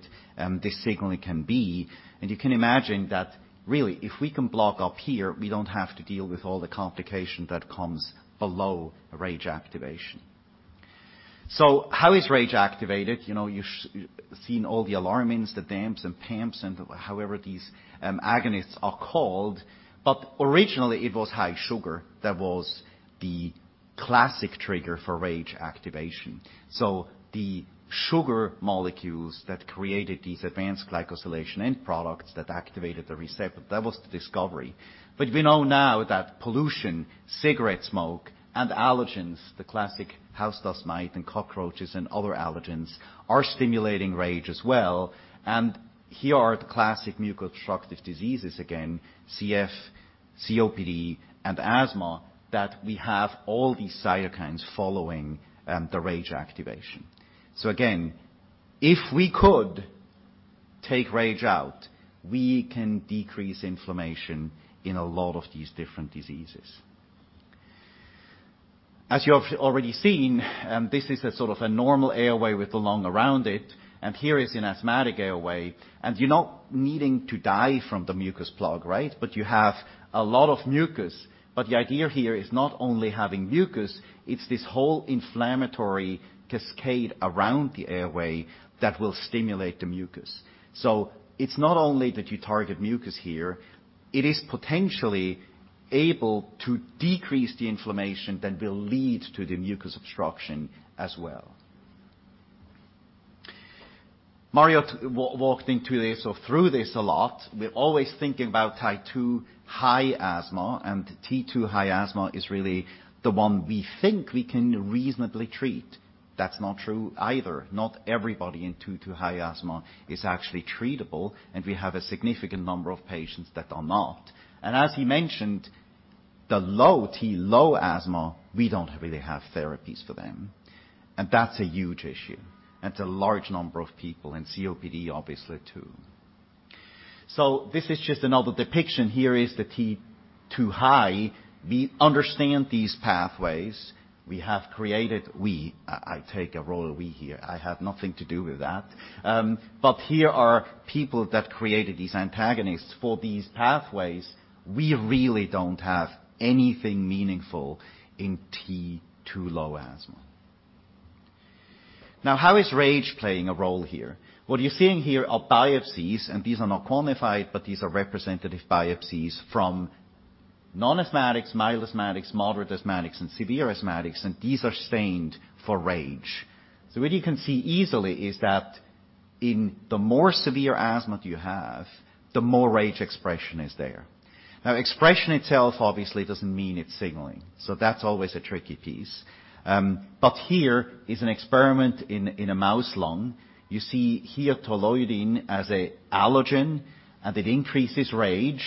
S6: this signaling can be. You can imagine that really if we can block up here, we don't have to deal with all the complication that comes below RAGE activation. How is RAGE activated? You've seen all the alarmins, the DAMPs and PAMPs, and whatever these agonists are called. Originally it was high sugar that was the classic trigger for RAGE activation. The sugar molecules that created these advanced glycosylation end products that activated the receptor, that was the discovery. We know now that pollution, cigarette smoke, and allergens, the classic house dust mite and cockroaches and other allergens are stimulating RAGE as well. Here are the classic mucus obstructive diseases again, CF, COPD, and asthma, that we have all these cytokines following, the RAGE activation. Again, if we could take RAGE out, we can decrease inflammation in a lot of these different diseases. As you have already seen, this is a sort of a normal airway with the lung around it, and here is an asthmatic airway. You're not needing to die from the mucus plug, right? You have a lot of mucus. The idea here is not only having mucus, it's this whole inflammatory cascade around the airway that will stimulate the mucus. It's not only that you target mucus here, it is potentially able to decrease the inflammation that will lead to the mucus obstruction as well. Mario walked into this or through this a lot. We're always thinking about T2 high asthma, and T2 high asthma is really the one we think we can reasonably treat. That's not true either. Not everybody in T2 high asthma is actually treatable, and we have a significant number of patients that are not. As he mentioned, the low T, low asthma, we don't really have therapies for them, and that's a huge issue. That's a large number of people in COPD, obviously, too. This is just another depiction. Here is the T2 high. We understand these pathways. We have created. I take a royal we here. I have nothing to do with that. Here are people that created these antagonists for these pathways. We really don't have anything meaningful in T2 low asthma. Now, how is RAGE playing a role here? What you're seeing here are biopsies, and these are not quantified, but these are representative biopsies from non-asthmatics, mild asthmatics, moderate asthmatics, and severe asthmatics, and these are stained for RAGE. What you can see easily is that in the more severe asthma you have, the more RAGE expression is there. Now, expression itself obviously doesn't mean it's signaling, so that's always a tricky piece. Here is an experiment in a mouse lung. You see here toluene diisocyanate as an allergen, and it increases RAGE.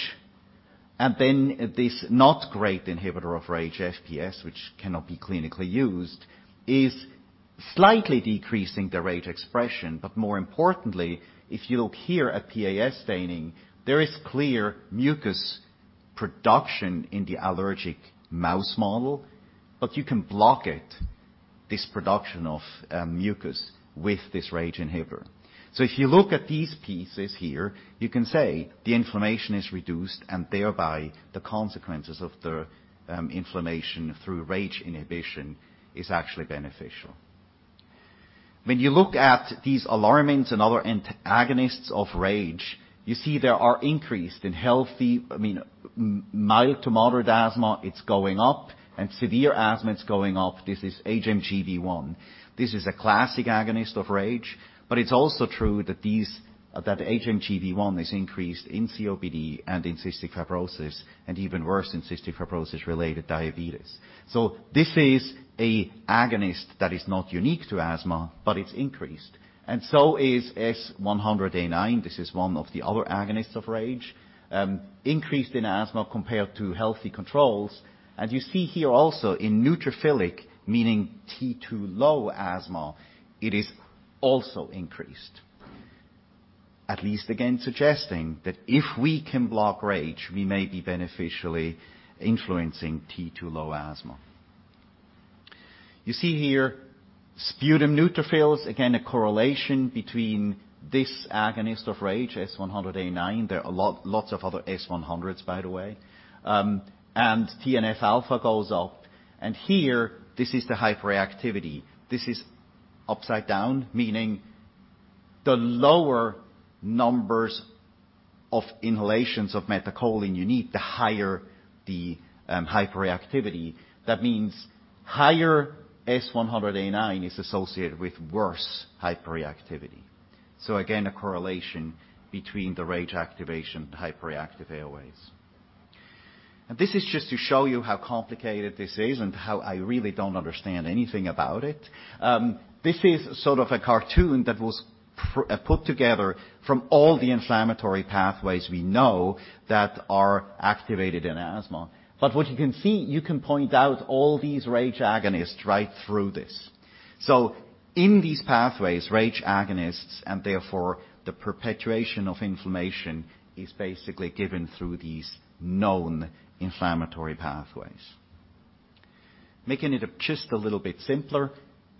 S6: Then this not great inhibitor of RAGE, FPS, which cannot be clinically used, is slightly decreasing the RAGE expression. More importantly, if you look here at PAS staining, there is clear mucus production in the allergic mouse model, but you can block it, this production of mucus with this RAGE inhibitor. If you look at these pieces here, you can say the inflammation is reduced and thereby the consequences of the inflammation through RAGE inhibition is actually beneficial. When you look at these alarmins and other antagonists of RAGE, you see they are increased in mild to moderate asthma, it's going up, and severe asthma, it's going up. This is HMGB1. This is a classic agonist of RAGE, but it's also true that that HMGB1 is increased in COPD and in cystic fibrosis, and even worse in cystic fibrosis-related diabetes. This is a agonist that is not unique to asthma, but it's increased. Is S100A9. This is one of the other agonists of RAGE, increased in asthma compared to healthy controls. You see here also in neutrophilic, meaning T2 low asthma, it is also increased. At least again suggesting that if we can block RAGE, we may be beneficially influencing T2 low asthma. You see here sputum neutrophils, again a correlation between this agonist of RAGE, S100A9. There are lots of other S100s, by the way. TNF alpha goes up. Here this is the hyperreactivity. This is upside down, meaning the lower numbers of inhalations of methacholine you need, the higher the, hyperreactivity. That means higher S100A9 is associated with worse hyperreactivity. Again, a correlation between the RAGE activation and hyperreactive airways. This is just to show you how complicated this is and how I really don't understand anything about it. This is sort of a cartoon that was put together from all the inflammatory pathways we know that are activated in asthma. What you can see, you can point out all these RAGE agonists right through this. In these pathways, RAGE agonists and therefore the perpetuation of inflammation is basically given through these known inflammatory pathways. Making it up just a little bit simpler,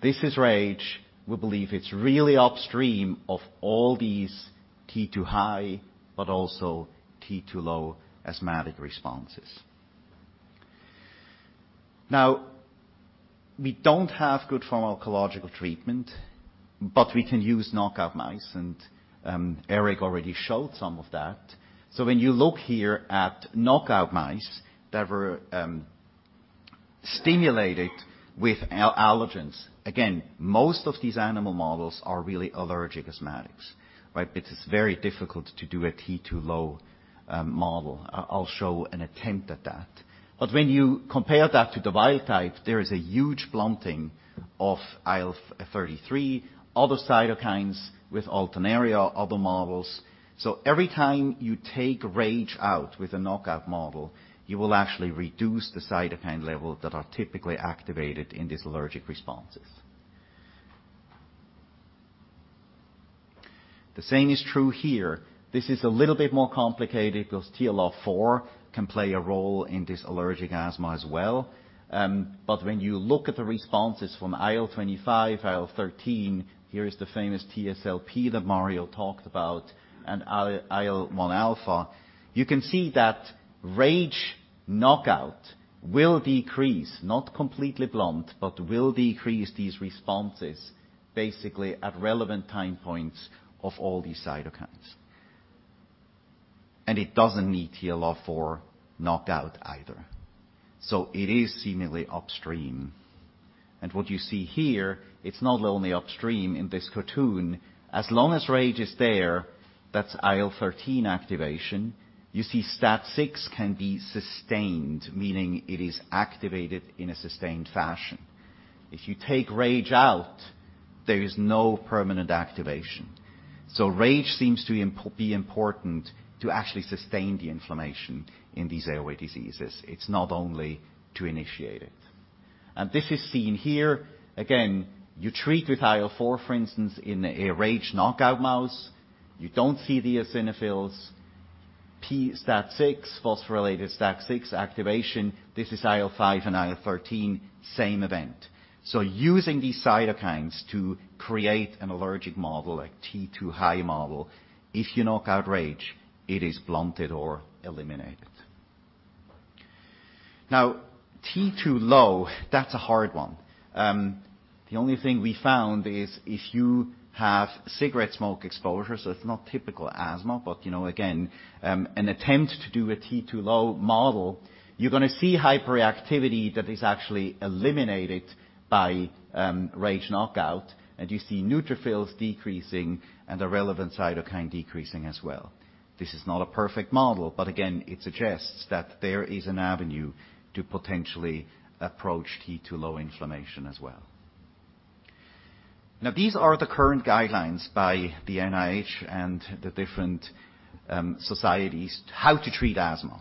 S6: this is RAGE. We believe it's really upstream of all these T2 high but also T2 low asthmatic responses. Now, we don't have good pharmacological treatment, but we can use knockout mice and Erik already showed some of that. When you look here at knockout mice that were stimulated with allergens. Again, most of these animal models are really allergic asthmatics, right? It's very difficult to do a T2 low model. I'll show an attempt at that. When you compare that to the wild type, there is a huge blunting of IL-33, other cytokines with Alternaria, other models. Every time you take RAGE out with a knockout model, you will actually reduce the cytokine level that are typically activated in these allergic responses. The same is true here. This is a little bit more complicated because TLR4 can play a role in this allergic asthma as well. When you look at the responses from IL-25, IL-13, here is the famous TSLP that Mario talked about and IL-1α, you can see that RAGE knockout will decrease, not completely blunt, but will decrease these responses basically at relevant time points of all these cytokines. It doesn't need TLR4 knockout either. It is seemingly upstream. What you see here, it's not only upstream in this cartoon. As long as RAGE is there, that's IL-13 activation. You see STAT6 can be sustained, meaning it is activated in a sustained fashion. If you take RAGE out, there is no permanent activation. RAGE seems to be important to actually sustain the inflammation in these airway diseases. It's not only to initiate it. This is seen here. Again, you treat with IL-4, for instance, in a RAGE knockout mouse, you don't see the eosinophils. p-STAT6, phosphorylated STAT6 activation, this is IL-5 and IL-13, same event. Using these cytokines to create an allergic model, a T2-high model, if you knock out RAGE, it is blunted or eliminated. Now T2-low, that's a hard one. The only thing we found is if you have cigarette smoke exposure, so it's not typical asthma, but you know, again, an attempt to do a T2 low model, you're gonna see hyperreactivity that is actually eliminated by RAGE knockout, and you see neutrophils decreasing and a relevant cytokine decreasing as well. This is not a perfect model, but again, it suggests that there is an avenue to potentially approach T2 low inflammation as well. Now, these are the current guidelines by the NIH and the different societies how to treat asthma.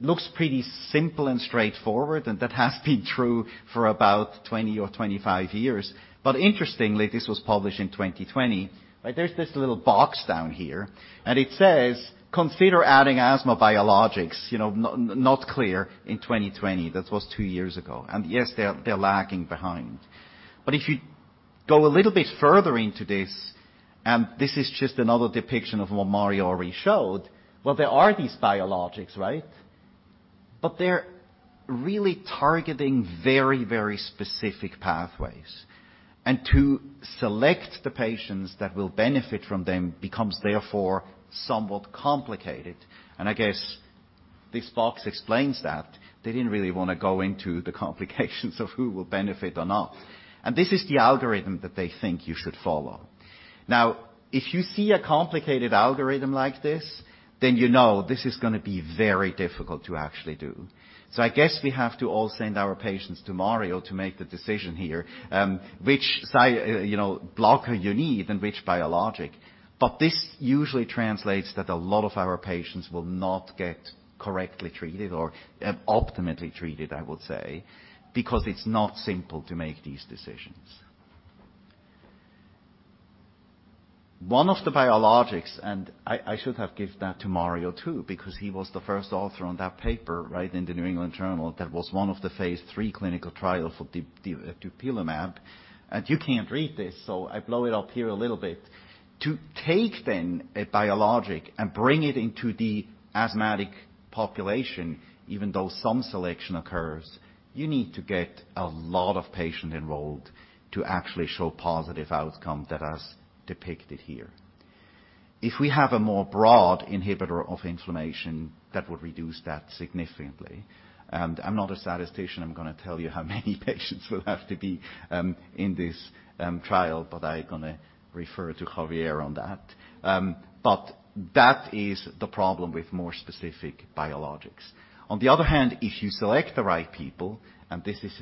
S6: Looks pretty simple and straightforward, and that has been true for about 20 or 25 years. Interestingly, this was published in 2020. Like there's this little box down here, and it says, "Consider adding asthma biologics." You know, not clear in 2020. That was two years ago. Yes, they're lagging behind. If you go a little bit further into this is just another depiction of what Mario already showed. Well, there are these biologics, right? They're really targeting very, very specific pathways. To select the patients that will benefit from them becomes therefore somewhat complicated. I guess this box explains that. They didn't really wanna go into the complications of who will benefit or not. This is the algorithm that they think you should follow. Now, if you see a complicated algorithm like this, then you know this is gonna be very difficult to actually do. I guess we have to all send our patients to Mario to make the decision here, which you know, blocker you need and which biologic. This usually translates that a lot of our patients will not get correctly treated or, optimally treated, I would say, because it's not simple to make these decisions. One of the biologics, I should have given that to Mario too because he was the first author on that paper, right, in the New England Journal of Medicine. That was one of the phase III clinical trials for Dupilumab. You can't read this, so I blow it up here a little bit. To take then a biologic and bring it into the asthmatic population, even though some selection occurs, you need to get a lot of patients enrolled to actually show positive outcomes that as depicted here. If we have a more broad inhibitor of inflammation, that would reduce that significantly. I'm not a statistician. I'm gonna tell you how many patients will have to be in this trial, but I'm gonna refer to Javier on that. That is the problem with more specific biologics. On the other hand, if you select the right people, and this is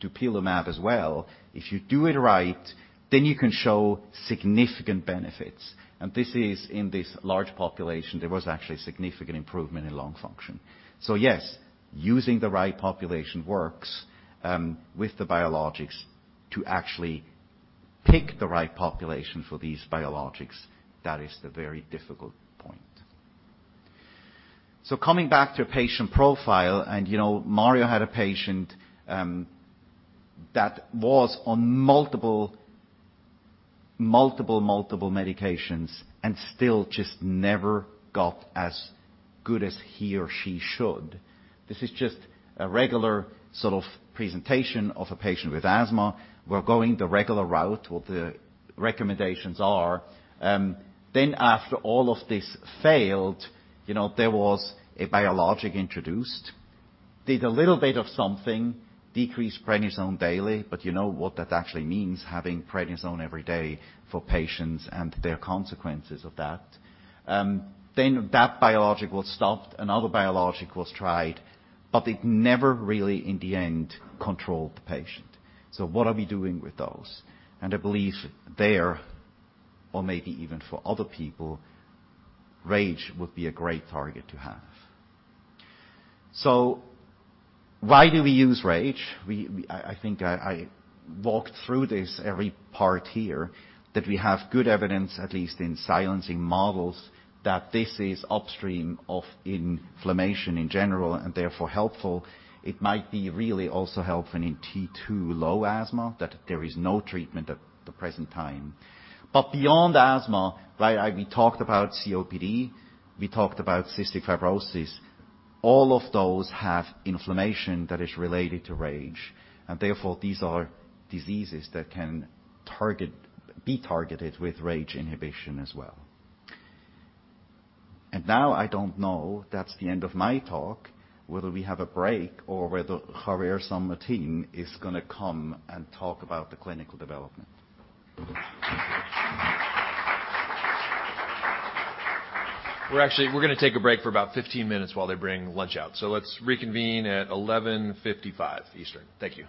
S6: Dupilumab as well, if you do it right, then you can show significant benefits. This is in this large population, there was actually significant improvement in lung function. Yes, using the right population works with the biologics to actually pick the right population for these biologics. That is the very difficult point. Coming back to patient profile, you know, Mario had a patient that was on multiple medications and still just never got as good as he or she should. This is just a regular sort of presentation of a patient with asthma. We're going the regular route, what the recommendations are. After all of this failed, you know, there was a biologic introduced. Did a little bit of something, decreased prednisone daily, but you know what that actually means, having prednisone every day for patients and their consequences of that. That biologic was stopped. Another biologic was tried, but it never really in the end controlled the patient. What are we doing with those? I believe there, or maybe even for other people, RAGE would be a great target to have. Why do we use RAGE? I think I walked through this every part here, that we have good evidence, at least in silencing models, that this is upstream of inflammation in general and therefore helpful. It might be really also helpful in T2 low asthma, that there is no treatment at the present time. Beyond asthma, right, we talked about COPD, we talked about cystic fibrosis. All of those have inflammation that is related to RAGE, and therefore, these are diseases that can be targeted with RAGE inhibition as well. Now I don't know, that's the end of my talk, whether we have a break or whether Javier San Martin is gonna come and talk about the clinical development.
S1: We're gonna take a break for about 15 minutes while they bring lunch out. Let's reconvene at 11:55 A.M. Eastern. Thank you.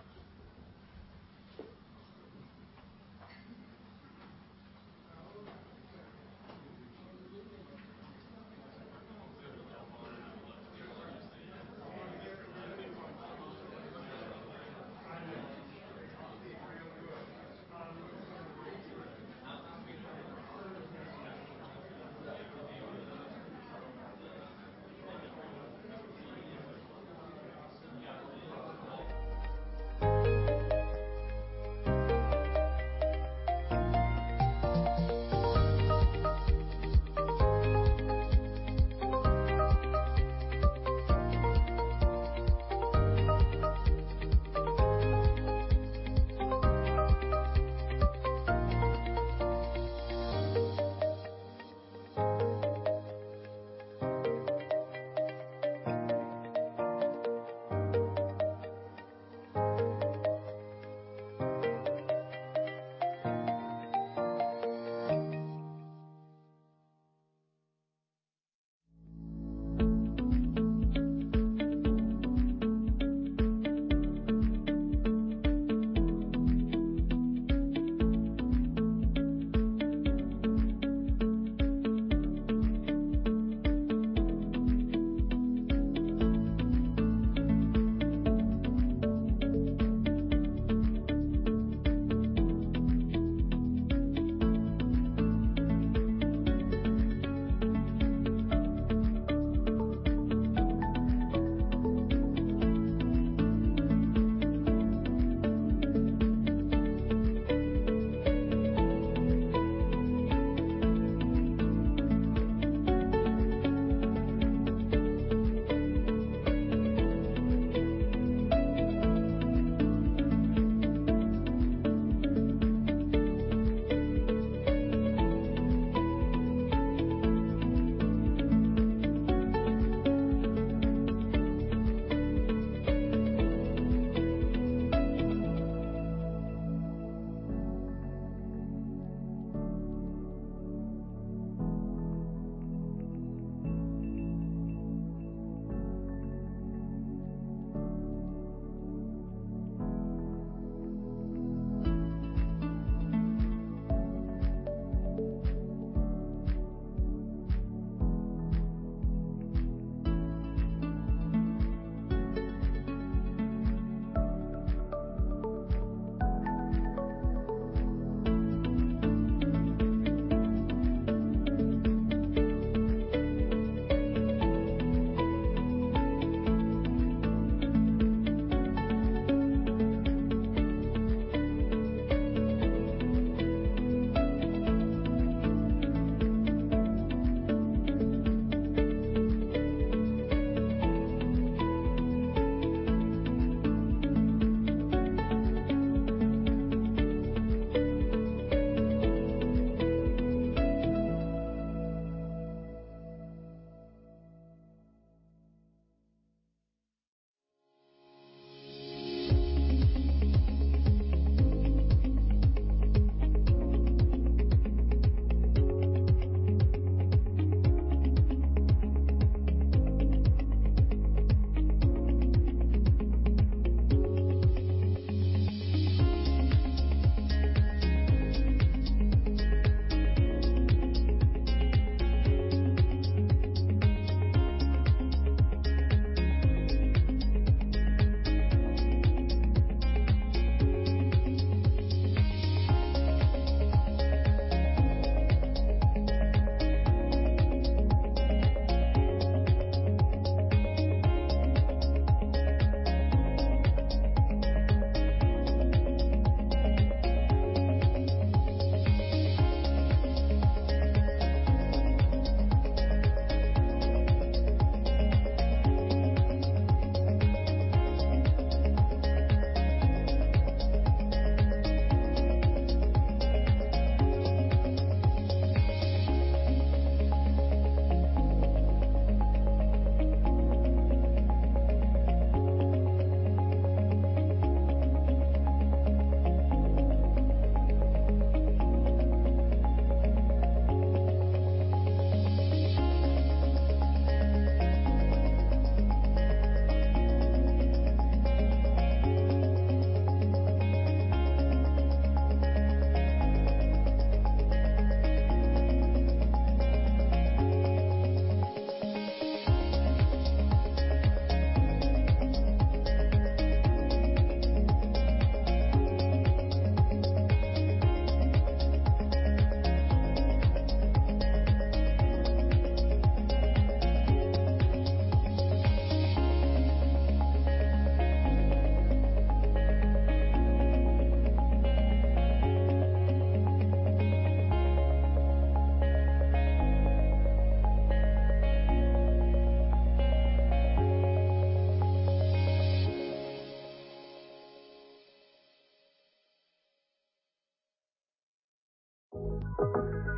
S1: I will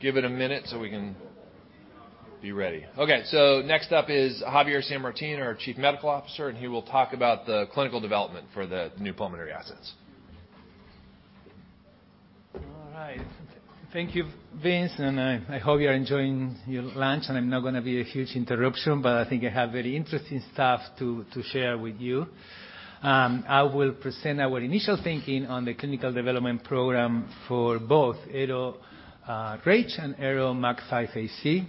S1: give it a minute so we can be ready. Okay, next up is Javier San Martin, our Chief Medical Officer, and he will talk about the clinical development for the new pulmonary assets.
S7: All right. Thank you, Vince, and I hope you're enjoying your lunch and I'm not gonna be a huge interruption, but I think I have very interesting stuff to share with you. I will present our initial thinking on the clinical development program for both ARO-RAGE and ARO-MUC5AC.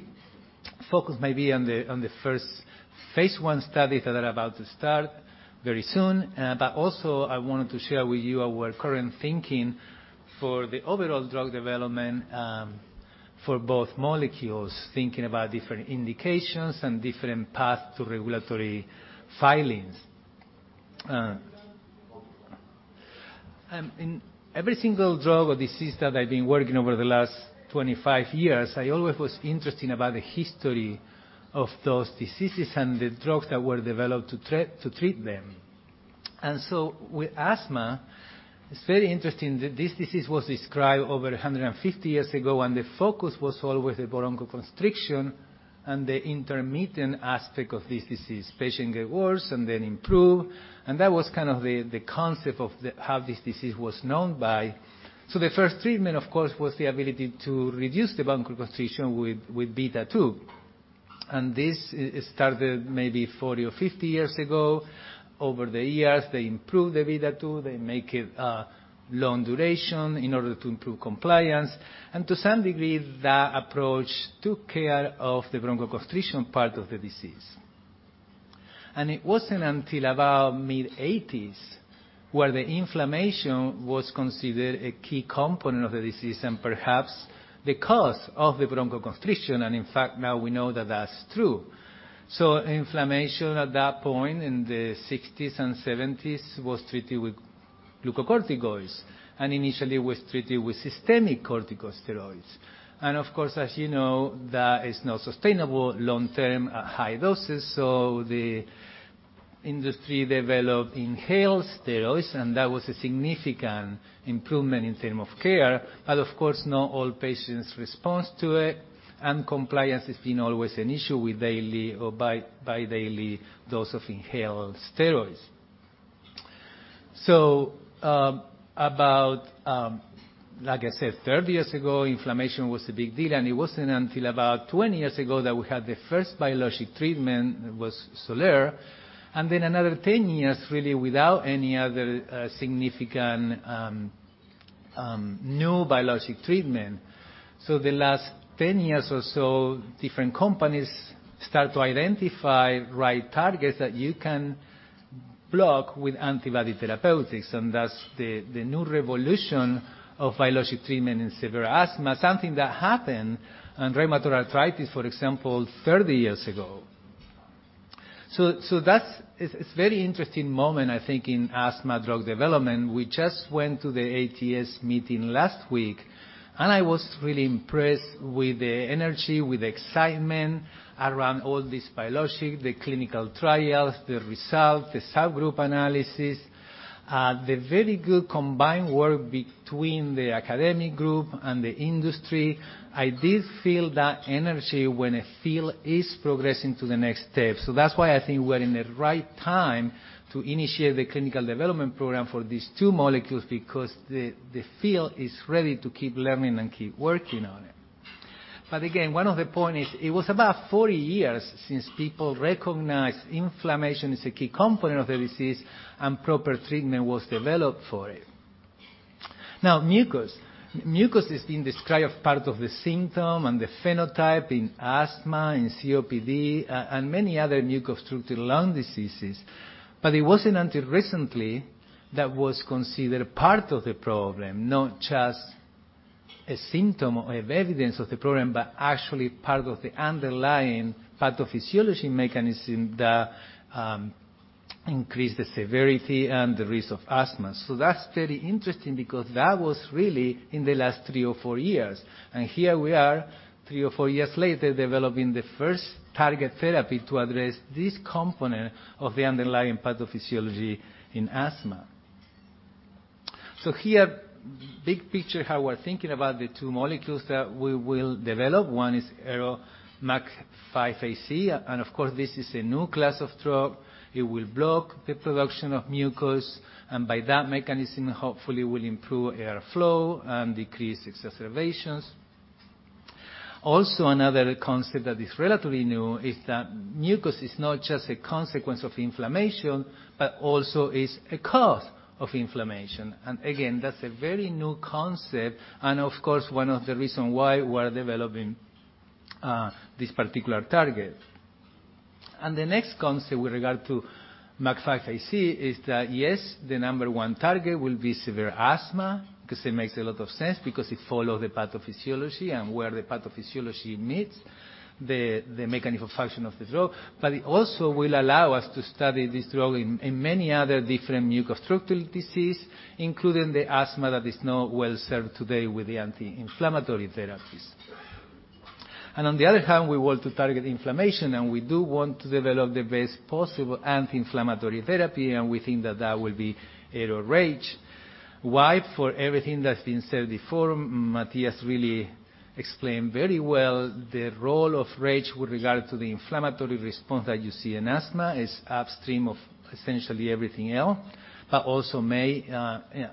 S7: Focus maybe on the first phase studies that are about to start very soon. But also I wanted to share with you our current thinking for the overall drug development, for both molecules, thinking about different indications and different path to regulatory filings. In every single drug or disease that I've been working over the last 25 years, I always was interested in the history of those diseases and the drugs that were developed to treat them. With asthma, it's very interesting this disease was described over 150 years ago, and the focus was always the bronchoconstriction and the intermittent aspect of this disease. Patients get worse and then improve. That was kind of the concept of how this disease was known by. The first treatment, of course, was the ability to reduce the bronchoconstriction with beta two, and this started maybe 40 or 50 years ago. Over the years, they improved the beta two. They make it long duration in order to improve compliance, and to some degree, that approach took care of the bronchoconstriction part of the disease. It wasn't until about mid-1980s where the inflammation was considered a key component of the disease and perhaps the cause of the bronchoconstriction, and in fact, now we know that that's true. Inflammation at that point in the 1960s and 1970s was treated with glucocorticoids and initially was treated with systemic corticosteroids. Of course, as you know, that is not sustainable long-term at high doses, so the industry developed inhaled steroids, and that was a significant improvement in terms of care. Of course, not all patients respond to it, and compliance has been always an issue with daily or twice-daily dose of inhaled steroids. About, like I said, 30 years ago, inflammation was a big deal, and it wasn't until about 20 years ago that we had the first biologic treatment. It was Xolair. Then another 10 years really without any other significant new biologic treatment. The last 10 years or so, different companies start to identify right targets that you can block with antibody therapeutics, and that's the new revolution of biologic treatment in severe asthma, something that happened in rheumatoid arthritis, for example, 30 years ago. It's very interesting moment, I think, in asthma drug development. We just went to the ATS meeting last week, and I was really impressed with the energy, with the excitement around all this biologic, the clinical trials, the results, the subgroup analysis, the very good combined work between the academic group and the industry. I did feel that energy when a field is progressing to the next step. That's why I think we're in the right time to initiate the clinical development program for these two molecules because the field is ready to keep learning and keep working on it. Again, one of the point is it was about 40 years since people recognized inflammation is a key component of the disease, and proper treatment was developed for it. Now mucus. Mucus has been described as part of the symptom and the phenotype in asthma, in COPD, and many other mucobstructive lung diseases. It wasn't until recently that was considered part of the problem, not just a symptom of evidence of the problem, but actually part of the underlying pathophysiology mechanism that increase the severity and the risk of asthma. That's very interesting because that was really in the last three or four years. Here we are, three or four years later, developing the first target therapy to address this component of the underlying pathophysiology in asthma. Here, big picture how we're thinking about the two molecules that we will develop. One is ARO-MUC5AC, and of course, this is a new class of drug. It will block the production of mucus, and by that mechanism, hopefully will improve airflow and decrease exacerbations. Also, another concept that is relatively new is that mucus is not just a consequence of inflammation, but also is a cause of inflammation. Again, that's a very new concept and of course, one of the reason why we're developing this particular target. The next concept with regard to MUC5AC is that, yes, the number one target will be severe asthma 'cause it makes a lot of sense because it follows the pathophysiology and where the pathophysiology meets the mechanical function of the drug. It also will allow us to study this drug in many other different mucostructural disease, including the asthma that is not well-served today with the anti-inflammatory therapies. On the other hand, we want to target inflammation, and we do want to develop the best possible anti-inflammatory therapy, and we think that will be RAGE. Why? For everything that's been said before, Matthias really explained very well the role of RAGE with regard to the inflammatory response that you see in asthma is upstream of essentially everything else, but also may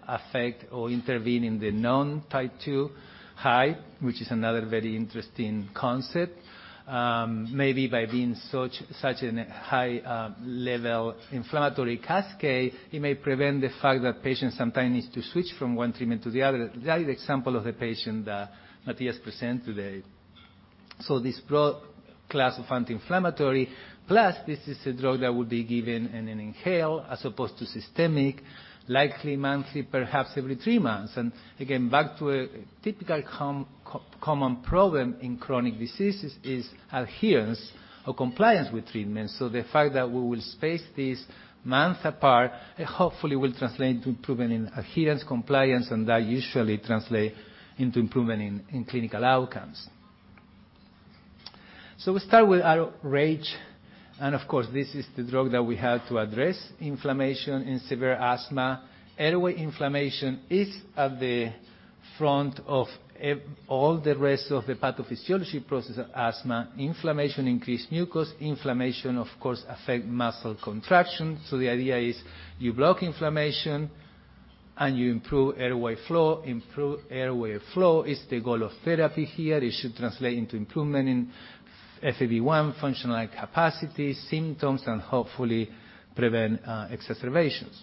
S7: affect or intervene in the non-type two high, which is another very interesting concept. Maybe by being such a high level inflammatory cascade, it may prevent the fact that patients sometimes need to switch from one treatment to the other. That is the example of the patient that Matthias presented today. This broad class of anti-inflammatory, plus this is a drug that would be given in an inhaled as opposed to systemic, likely monthly, perhaps every three months. Again, back to a typical common problem in chronic diseases is adherence or compliance with treatment. The fact that we will space this month apart, it hopefully will translate to improvement in adherence compliance, and that usually translate into improvement in clinical outcomes. We start with RAGE, and of course, this is the drug that we have to address inflammation in severe asthma. Airway inflammation is at the front of all the rest of the pathophysiology process of asthma. Inflammation increase mucus, inflammation, of course, affect muscle contraction. The idea is you block inflammation and you improve airway flow. Improve airway flow is the goal of therapy here. It should translate into improvement in FEV1 functional capacity symptoms and hopefully prevent exacerbations.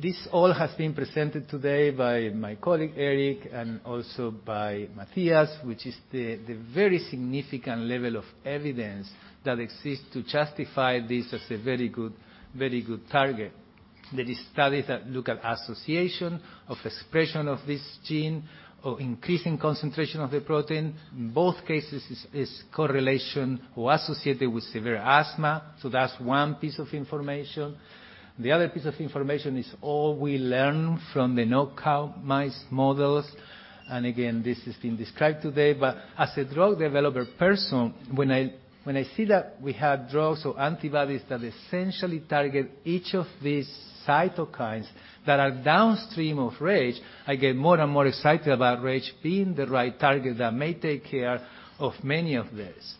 S7: This all has been presented today by my colleague, Erik, and also by Matthias, which is the very significant level of evidence that exists to justify this as a very good target. There is studies that look at association of expression of this gene or increasing concentration of the protein. In both cases is correlation or associated with severe asthma, so that's one piece of information. The other piece of information is all we learn from the knockout mice models. Again, this has been described today. As a drug developer person, when I see that we have drugs or antibodies that essentially target each of these cytokines that are downstream of RAGE, I get more and more excited about RAGE being the right target that may take care of many of this.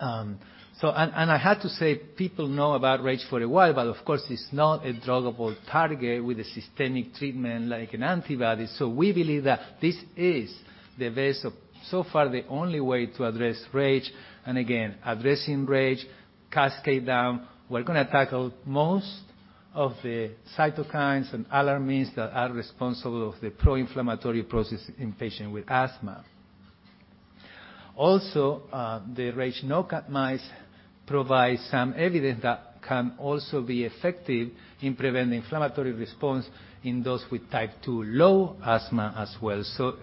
S7: I have to say, people know about RAGE for a while, but of course, it's not a druggable target with a systemic treatment like an antibody. We believe that this is the best, so far, the only way to address RAGE. Again, addressing RAGE cascade down, we're gonna tackle most of the cytokines and alarmins that are responsible of the pro-inflammatory process in patient with asthma. Also, the RAGE knockout mice provide some evidence that can also be effective in preventing inflammatory response in those with type two low asthma as well.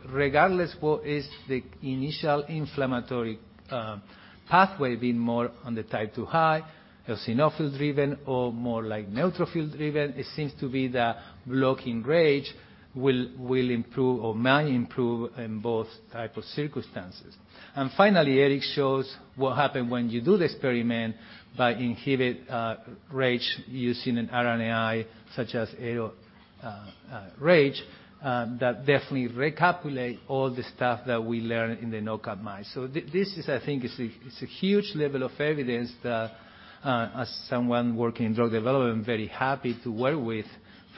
S7: Regardless what is the initial inflammatory pathway, being more on the type two high, eosinophil-driven or more like neutrophil-driven, it seems to be that blocking RAGE will improve or might improve in both type of circumstances. Finally, Erik shows what happen when you do the experiment by inhibit RAGE using an RNAi such as RAGE that definitely recapitulates all the stuff that we learn in the knockout mice. This is I think a huge level of evidence that, as someone working in drug development, very happy to work with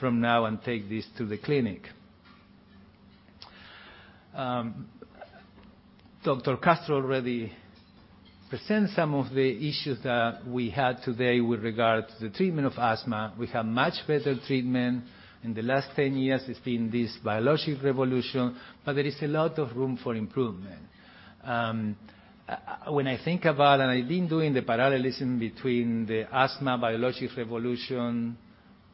S7: from now and take this to the clinic. Dr. Castro already presented some of the issues that we had today with regard to the treatment of asthma. We have much better treatment. In the last 10 years it's been this biologic revolution, but there is a lot of room for improvement. When I think about it, I've been doing the parallelism between the asthma biologic revolution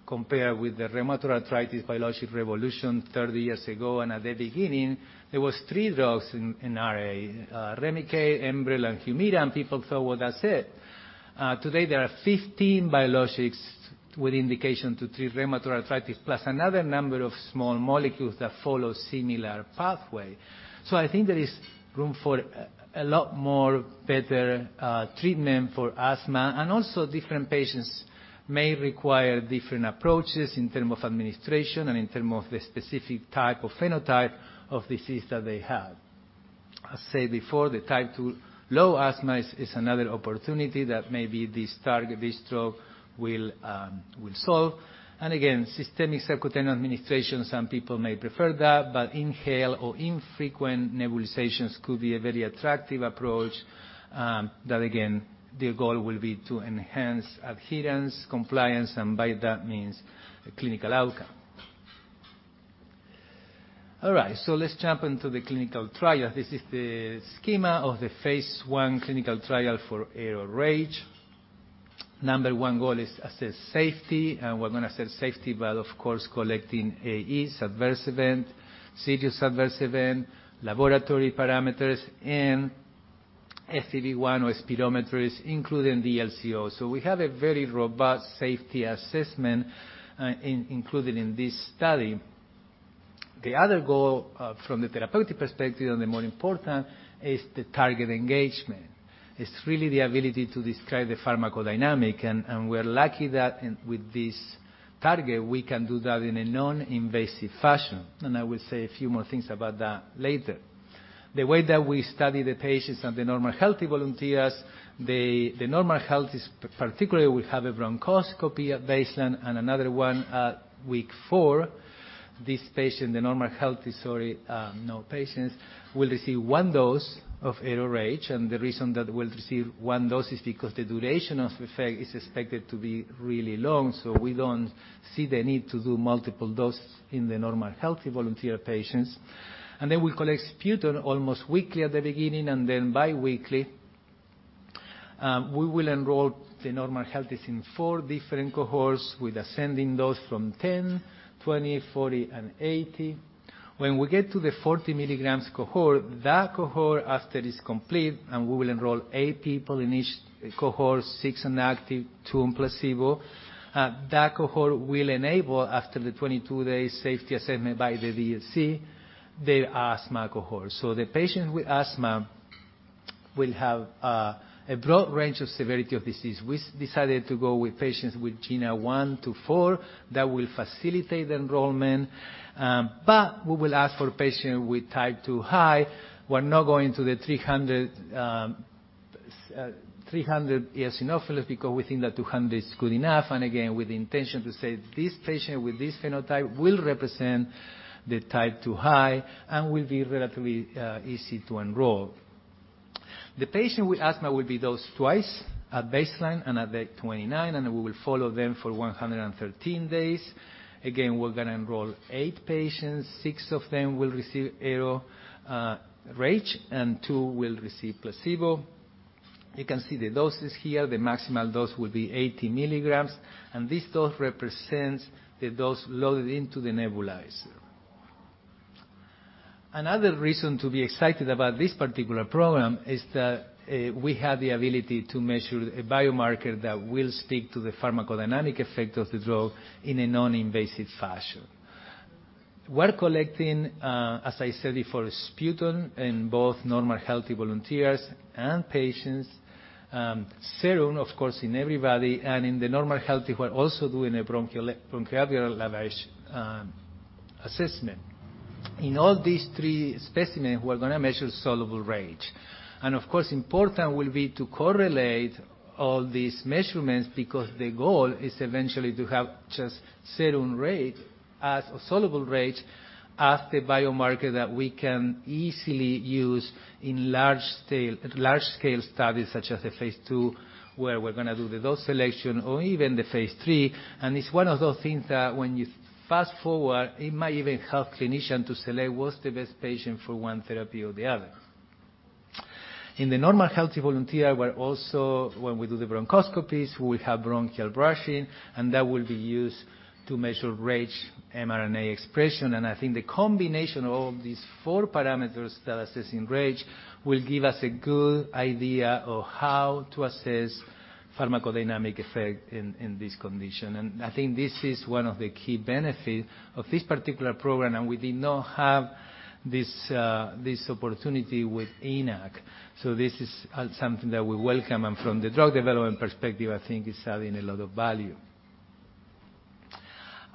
S7: compared with the rheumatoid arthritis biologic revolution 30 years ago, and at the beginning there was three drugs in RA: Remicade, Enbrel, and Humira, and people thought, "Well, that's it." Today there are 15 biologics with indication to treat rheumatoid arthritis plus another number of small molecules that follow similar pathway. I think there is room for a lot more better treatment for asthma and also different patients may require different approaches in terms of administration and in terms of the specific type of phenotype of disease that they have. As I said before, the type 2 low asthma is another opportunity that may be this target, this drug will solve. Again, systemic subcutaneous administration, some people may prefer that, but inhaled or infrequent nebulizations could be a very attractive approach, that again, the goal will be to enhance adherence, compliance and by that means a clinical outcome. All right, let's jump into the clinical trial. This is the schema of the phase I clinical trial for ARO-RAGE. Number one goal is assess safety, and we're gonna assess safety by, of course, collecting AEs, adverse event, serious adverse event, laboratory parameters and FEV1 or spirometry including DLCO. We have a very robust safety assessment included in this study. The other goal, from the therapeutic perspective, and the more important is the target engagement. It's really the ability to describe the pharmacodynamic and we're lucky that in with this target, we can do that in a non-invasive fashion. I will say a few more things about that later. The way that we study the patients and the normal healthy volunteers, the normal health is particularly we have a bronchoscopy at baseline and another one at week four. Patients will receive one dose of ARO-RAGE, and the reason that we'll receive one dose is because the duration of effect is expected to be really long, so we don't see the need to do multiple dose in the normal healthy volunteer patients. Then we collect sputum almost weekly at the beginning and then bi-weekly. We will enroll the normal healthies in four different cohorts with ascending dose from 10, 20, 40, and 80. When we get to the 40 mg cohort, that cohort after it's complete, and we will enroll eight people in each cohort, six in active, two in placebo, that cohort will enable, after the 22-day safety assessment by the DSMB, the asthma cohort. The patient with asthma will have a broad range of severity of disease. We decided to go with patients with GINA 1-4 that will facilitate the enrollment. We will ask for patients with type 2 high. We're not going to the 300 eosinophil, because we think that 200 is good enough. With the intention to say this patient with this phenotype will represent the type 2 high and will be relatively easy to enroll. The patient with asthma will be dosed twice, at baseline and at day 29, and we will follow them for 113 days. We're gonna enroll eight patients, six of them will receive ARO-RAGE, and two will receive placebo. You can see the doses here. The maximal dose will be 80 mg, and this dose represents the dose loaded into the nebulizer. Another reason to be excited about this particular program is that we have the ability to measure a biomarker that will speak to the pharmacodynamic effect of the drug in a non-invasive fashion. We're collecting, as I said, sputum in both normal healthy volunteers and patients, serum of course in everybody and in the normal healthy we're also doing a bronchoalveolar lavage assessment. In all these three specimens, we're gonna measure soluble RAGE. Of course, important will be to correlate all these measurements because the goal is eventually to have just serum RAGE as a soluble RAGE as the biomarker that we can easily use in large-scale studies such as the phase II, where we're gonna do the dose selection or even the phase III. It's one of those things that when you fast-forward, it might even help clinician to select what's the best patient for one therapy or the other. In the normal healthy volunteer, we're also, when we do the bronchoscopies, we have bronchial brushing, and that will be used to measure RAGE mRNA expression. I think the combination of these four parameters that assessing RAGE will give us a good idea of how to assess pharmacodynamic effect in this condition. I think this is one of the key benefit of this particular program, and we did not have this this opportunity with ANAC. This is something that we welcome and from the drug development perspective, I think it's adding a lot of value.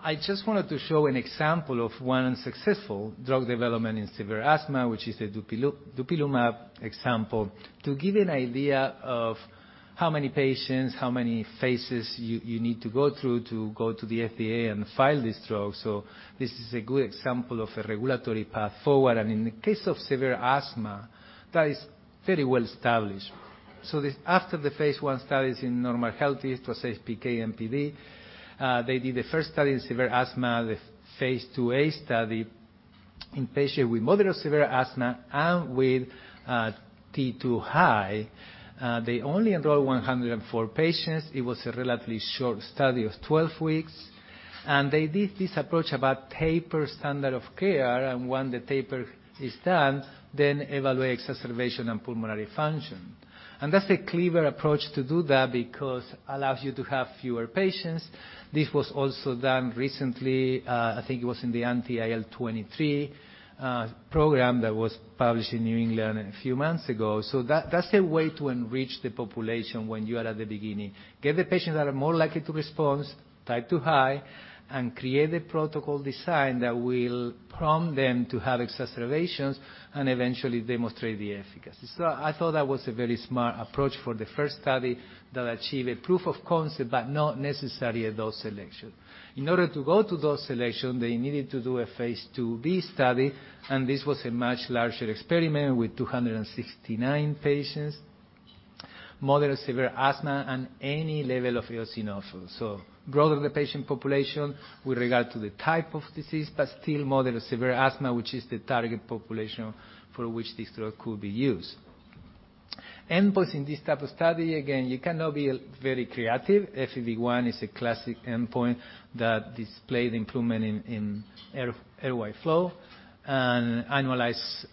S7: I just wanted to show an example of one successful drug development in severe asthma, which is the Dupilumab example, to give an idea of how many patients, how many phases you need to go through to go to the FDA and file this drug. This is a good example of a regulatory path forward. In the case of severe asthma, that is very well established. This after the phase I studies in normal healthy, it was PK and PD, they did the first study in severe asthma, the phase II/b study in patient with moderate severe asthma and with T2 high. They only enrolled 104 patients. It was a relatively short study of 12 weeks. They did this approach about taper standard of care, and when the taper is done, then evaluate exacerbation and pulmonary function. That's a clever approach to do that because allows you to have fewer patients. This was also done recently, I think it was in the anti-IL-23 program that was published in New England a few months ago. That, that's a way to enrich the population when you are at the beginning. Get the patients that are more likely to respond, titrate to high, and create a protocol design that will prompt them to have exacerbations and eventually demonstrate the efficacy. I thought that was a very smart approach for the first study that achieve a proof of concept, but not necessarily a dose selection. In order to go to dose selection, they needed to do a phase II/b study, and this was a much larger experiment with 269 patients, moderate severe asthma and any level of eosinophils. Broader the patient population with regard to the type of disease, but still moderate severe asthma, which is the target population for which this drug could be used. Endpoints in this type of study, again, you cannot be very creative. FEV1 is a classic endpoint that display the improvement in airway flow. Annualized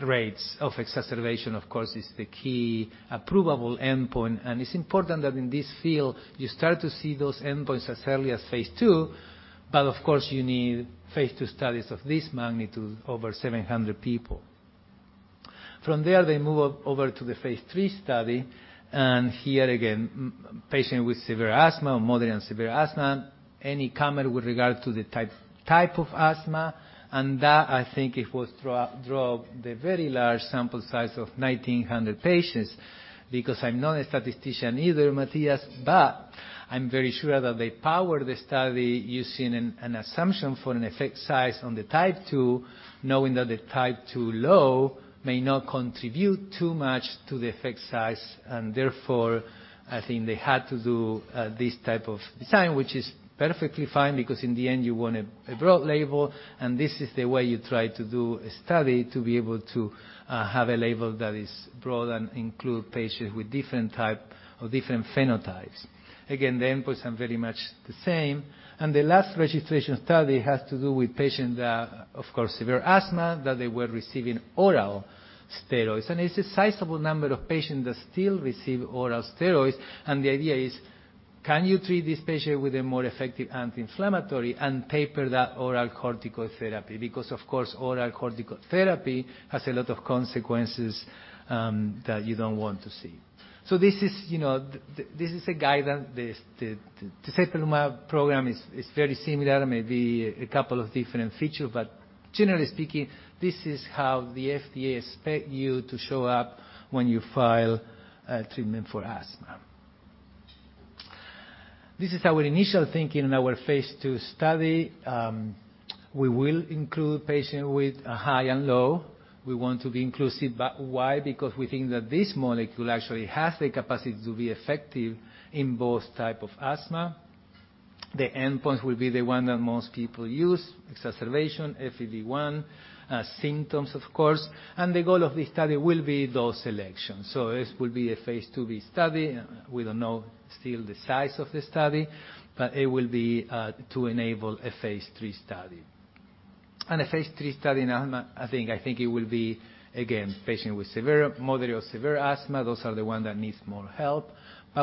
S7: rates of exacerbation, of course, is the key approvable endpoint. It's important that in this field you start to see those endpoints as early as phase II. Of course you need phase II studies of this magnitude over 700 people. From there, they move over to the phase III study, and here again, patient with severe asthma or moderate and severe asthma, any comment with regard to the type of asthma, and that I think it was that drew the very large sample size of 1,900 patients because I'm not a statistician either, Matthias, but I'm very sure that they power the study using an assumption for an effect size on the type II, knowing that the type 2 low may not contribute too much to the effect size. Therefore, I think they had to do this type of design, which is perfectly fine because in the end you want a broad label, and this is the way you try to do a study to be able to have a label that is broad and include patients with different type or different phenotypes. Again, the endpoints are very much the same. The last registration study has to do with patients that, of course, severe asthma, that they were receiving oral steroids. It's a sizable number of patients that still receive oral steroids. The idea is, can you treat this patient with a more effective anti-inflammatory and taper that oral corticosteroid therapy? Because of course, oral corticosteroid therapy has a lot of consequences, that you don't want to see. This is, you know, this is a guidance. The tezepelumab program is very similar, maybe a couple of different features, but generally speaking, this is how the FDA expect you to show up when you file a treatment for asthma. This is our initial thinking in our phase II study. We will include patient with a high and low. We want to be inclusive, but why? Because we think that this molecule actually has the capacity to be effective in both type of asthma. The endpoints will be the one that most people use, exacerbation, FEV1, symptoms of course. The goal of the study will be dose selection. This will be a phase II/b study. We don't know still the size of the study, but it will be to enable a phase III study. A phase III study now, I think it will be again, patient with severe, moderate or severe asthma. Those are the one that needs more help.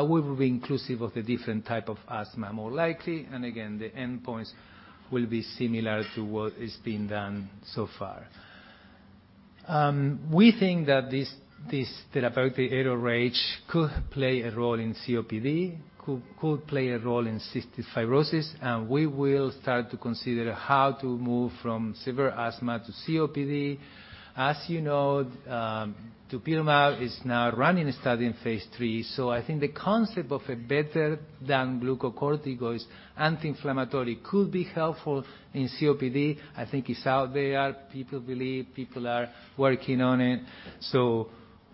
S7: We will be inclusive of the different type of asthma more likely. Again, the endpoints will be similar to what has been done so far. We think that this therapeutic ARO-RAGE could play a role in COPD, could play a role in cystic fibrosis, and we will start to consider how to move from severe asthma to COPD. As you know, Dupilumab is now running a study in phase III. I think the concept of a better than glucocorticoids anti-inflammatory could be helpful in COPD. I think it's out there. People believe, people are working on it.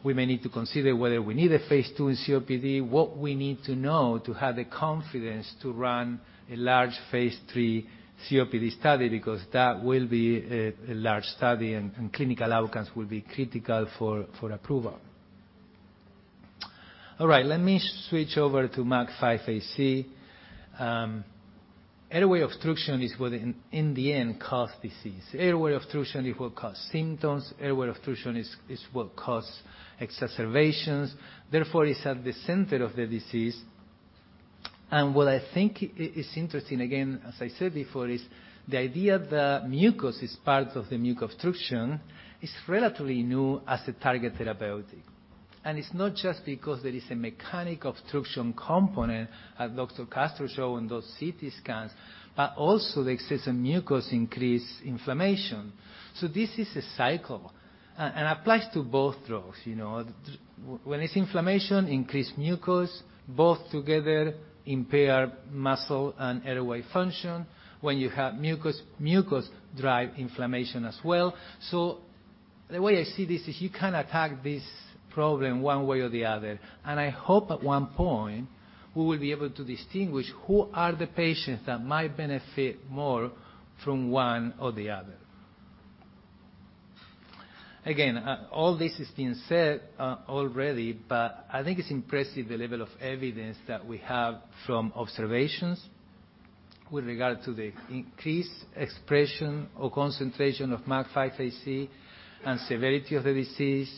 S7: We may need to consider whether we need a phase II in COPD, what we need to know to have the confidence to run a large phase III COPD study, because that will be a large study and clinical outcomes will be critical for approval. All right, let me switch over to MUC5AC. Airway obstruction is what, in the end, causes disease. Airway obstruction is what cause symptoms. Airway obstruction is what cause exacerbations. Therefore, it's at the center of the disease. What I think is interesting, again, as I said before, is the idea that mucus is part of the mucus obstruction is relatively new as a therapeutic target. It's not just because there is a mechanical obstruction component, as Dr. Castro show in those CT scans, but also the excess of mucus increase inflammation. This is a cycle and applies to both drugs. You know, when it's inflammation, increase mucus, both together impair mucociliary and airway function. When you have mucus drive inflammation as well. The way I see this is you can attack this problem one way or the other, and I hope at one point we will be able to distinguish who are the patients that might benefit more from one or the other. Again, all this has been said already, but I think it's impressive the level of evidence that we have from observations with regard to the increased expression or concentration of MUC5AC and severity of the disease,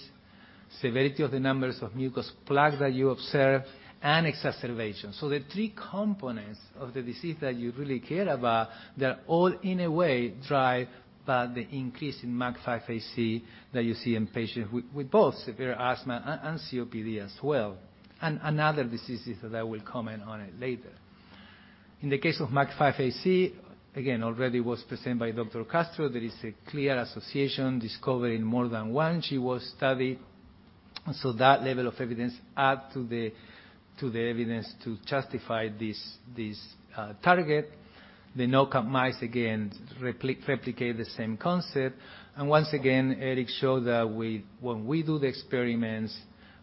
S7: severity of the numbers of mucus plugs that you observe, and exacerbation. The three components of the disease that you really care about, they're all in a way drive by the increase in MUC5AC that you see in patients with both severe asthma and COPD as well, and other diseases that I will comment on it later. In the case of MUC5AC, again, already was presented by Dr. Castro, there is a clear association discovery in more than one GWAS study. That level of evidence add to the evidence to justify this target. The knockout mice again replicate the same concept. Once again, Erik showed that when we do the experiments,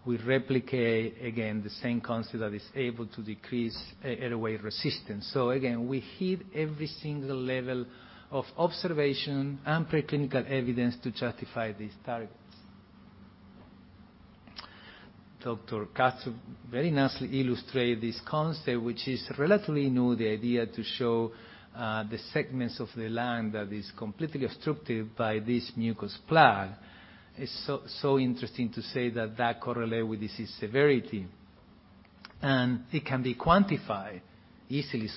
S7: we replicate again the same concept that is able to decrease airway resistance. We hit every single level of observation and preclinical evidence to justify these targets. Dr. Castro very nicely illustrate this concept, which is relatively new, the idea to show the segments of the lung that is completely obstructed by this mucus plug. It's so interesting to say that correlate with disease severity, and it can be quantified easily.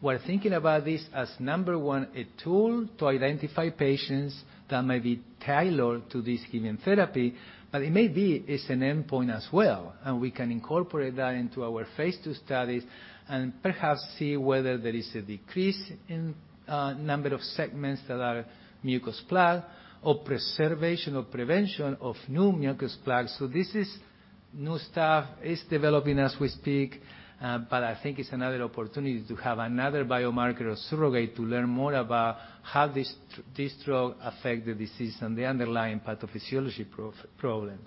S7: We're thinking about this as, number one, a tool to identify patients that may be tailored to this given therapy, but it may be it's an endpoint as well, and we can incorporate that into our phase II studies and perhaps see whether there is a decrease in number of segments that are mucus plug or preservation or prevention of new mucus plugs. This is new stuff. It's developing as we speak, but I think it's another opportunity to have another biomarker or surrogate to learn more about how this drug affects the disease and the underlying pathophysiology problem.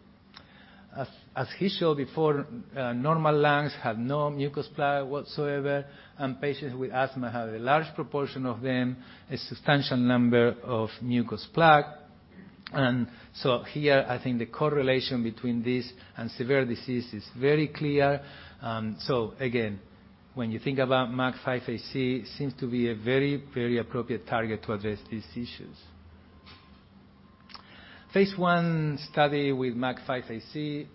S7: As he showed before, normal lungs have no mucus plug whatsoever, and patients with asthma have a large proportion of them, a substantial number of mucus plug. Here, I think the correlation between this and severe disease is very clear. Again, when you think about MUC5AC, seems to be a very, very appropriate target to address these issues. Phase I study with MUC5AC,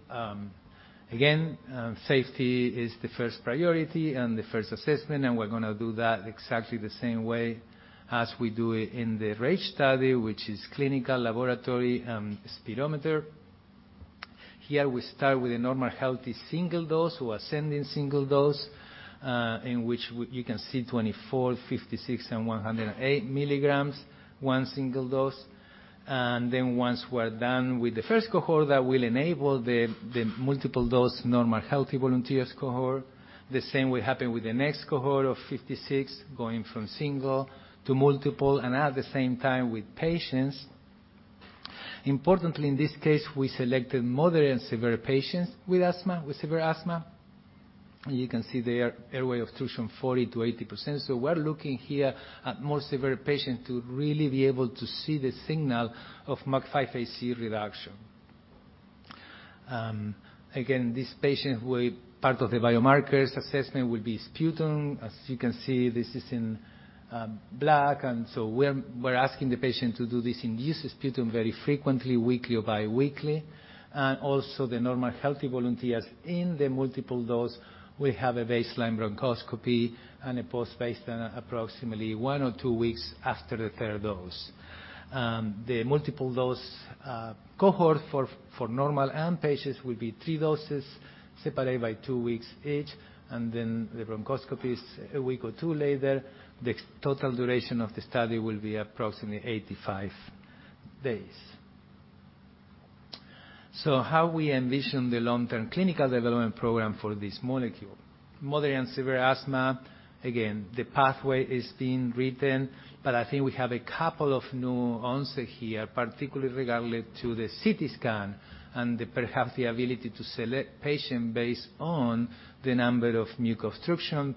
S7: safety is the first priority and the first assessment, and we're gonna do that exactly the same way as we do it in the RAGE study, which is clinical, laboratory, and spirometry. Here we start with a normal healthy single dose or ascending single dose, in which you can see 24 mg, 56 mg, and 108 mg, one single dose. Once we're done with the first cohort, that will enable the multiple dose normal healthy volunteers cohort. The same will happen with the next cohort of 56 mg, going from single to multiple, and at the same time with patients. Importantly, in this case, we selected moderate and severe patients with asthma, with severe asthma. You can see their airway obstruction 40%-80%. We're looking here at more severe patients to really be able to see the signal of MUC5AC reduction. Part of the biomarkers assessment will be sputum. As you can see, this is in black. We're asking the patient to do this induced sputum very frequently, weekly or biweekly. Also the normal healthy volunteers in the multiple dose will have a baseline bronchoscopy and a post-dose approximately one or two weeks after the third dose. The multiple dose cohort for normal and patients will be three doses separated by two weeks each, and then the bronchoscopy is a week or two later. The total duration of the study will be approximately 85 days. How we envision the long-term clinical development program for this molecule. Moderate and severe asthma, again, the pathway is being written, but I think we have a couple of new onset here, particularly regarding to the CT scan and the perhaps the ability to select patient based on the number of mucus obstruction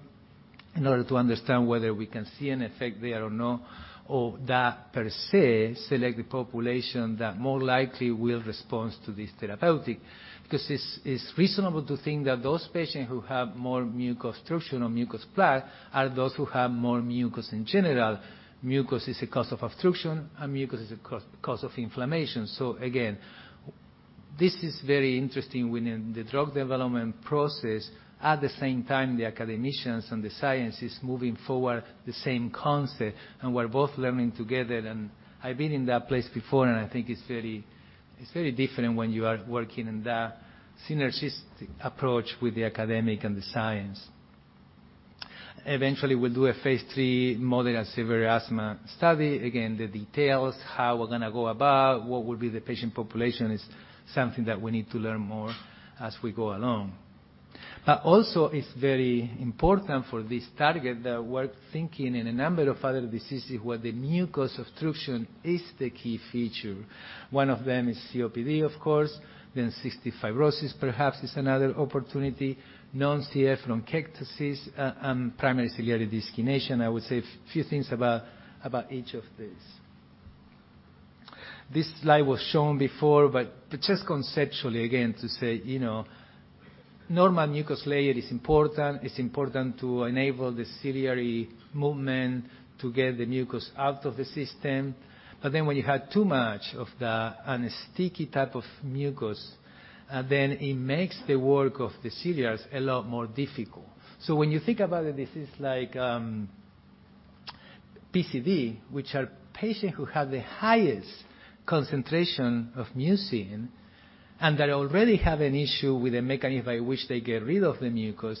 S7: in order to understand whether we can see an effect there or no, or that per se select the population that more likely will response to this therapeutic. Because it's reasonable to think that those patients who have more mucus obstruction or mucus plug are those who have more mucus in general. Mucus is a cause of obstruction, and mucus is a cause of inflammation. Again, this is very interesting within the drug development process. At the same time, the academicians and the science is moving forward the same concept, and we're both learning together. I've been in that place before, and I think it's very different when you are working in that synergistic approach with the academic and the science. Eventually, we'll do a phase III moderate and severe asthma study. Again, the details, how we're gonna go about, what will be the patient population is something that we need to learn more as we go along. It's very important for this target that we're thinking in a number of other diseases where the mucus obstruction is the key feature. One of them is COPD, of course. Then cystic fibrosis perhaps is another opportunity, non-CF bronchiectasis, and primary ciliary dyskinesia, and I will say a few things about each of these. This slide was shown before, but just conceptually again to say, you know, normal mucus layer is important. It's important to enable the ciliary movement to get the mucus out of the system. When you have too much of the and a sticky type of mucus, then it makes the work of the cilia a lot more difficult. When you think about a disease like PCD, which are patients who have the highest concentration of mucin, and they already have an issue with the mechanism by which they get rid of the mucus,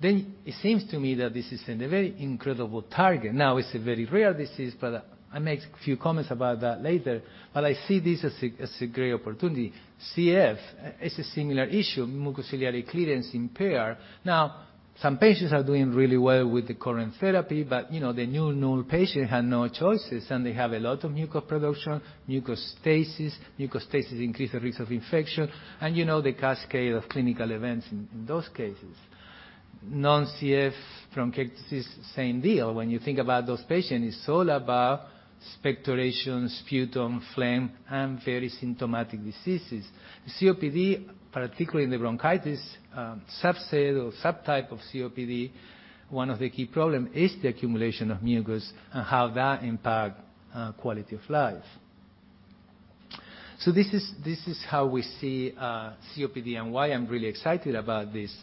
S7: then it seems to me that this is a very incredible target. Now, it's a very rare disease, but I'll make a few comments about that later. I see this as a great opportunity. CF is a similar issue, mucociliary clearance impair. Now, some patients are doing really well with the current therapy, but, you know, the new normal patient had no choices, and they have a lot of mucus production, mucus stasis. Mucus stasis increase the risk of infection, and you know the cascade of clinical events in those cases. Non-CF bronchiectasis, same deal. When you think about those patients, it's all about expectoration, sputum, phlegm, and very symptomatic diseases. COPD, particularly in the bronchitis subset or subtype of COPD, one of the key problem is the accumulation of mucus and how that impact quality of life. This is how we see COPD and why I'm really excited about this.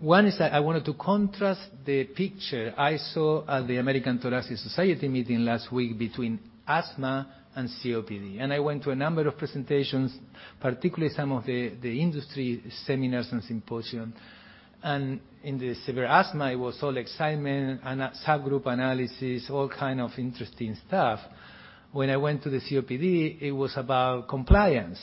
S7: One is that I wanted to contrast the picture I saw at the American Thoracic Society meeting last week between asthma and COPD. I went to a number of presentations, particularly some of the industry seminars and symposium. In the severe asthma, it was all excitement and subgroup analysis, all kind of interesting stuff. When I went to the COPD, it was about compliance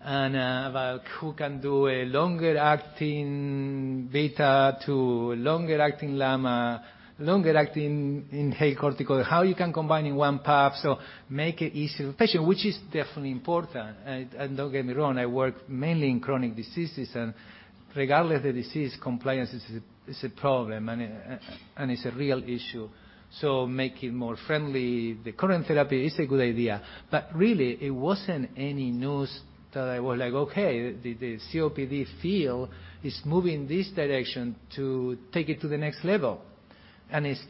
S7: and about who can do a longer acting beta to longer acting LAMA, longer acting inhaled corticosteroid, how you can combine in one puff, so make it easier for the patient, which is definitely important. And don't get me wrong, I work mainly in chronic diseases, and regardless of the disease, compliance is a problem and is a real issue. Make it more friendly. The current therapy is a good idea. Really, it wasn't any news that I was like, "Okay, the COPD field is moving this direction to take it to the next level." This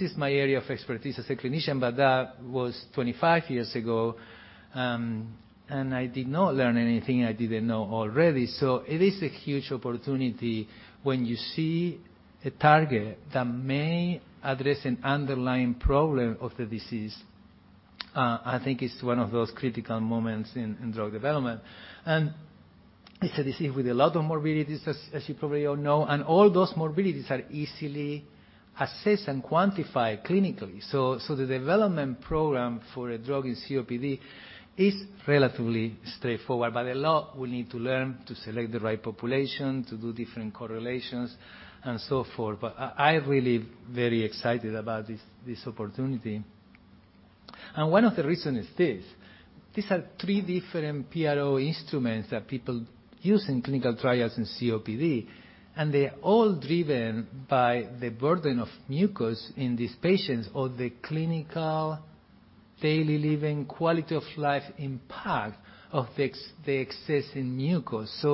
S7: is my area of expertise as a clinician, but that was 25 years ago, and I did not learn anything I didn't know already. It is a huge opportunity when you see a target that may address an underlying problem of the disease. I think it's one of those critical moments in drug development. It's a disease with a lot of morbidities, as you probably all know, and all those morbidities are easily assessed and quantified clinically. The development program for a drug in COPD is relatively straightforward. A lot we need to learn to select the right population, to do different correlations, and so forth. I'm really very excited about this opportunity. One of the reason is this. These are three different PRO instruments that people use in clinical trials in COPD, and they're all driven by the burden of mucus in these patients or the clinical daily living quality of life impact of the excess in mucus.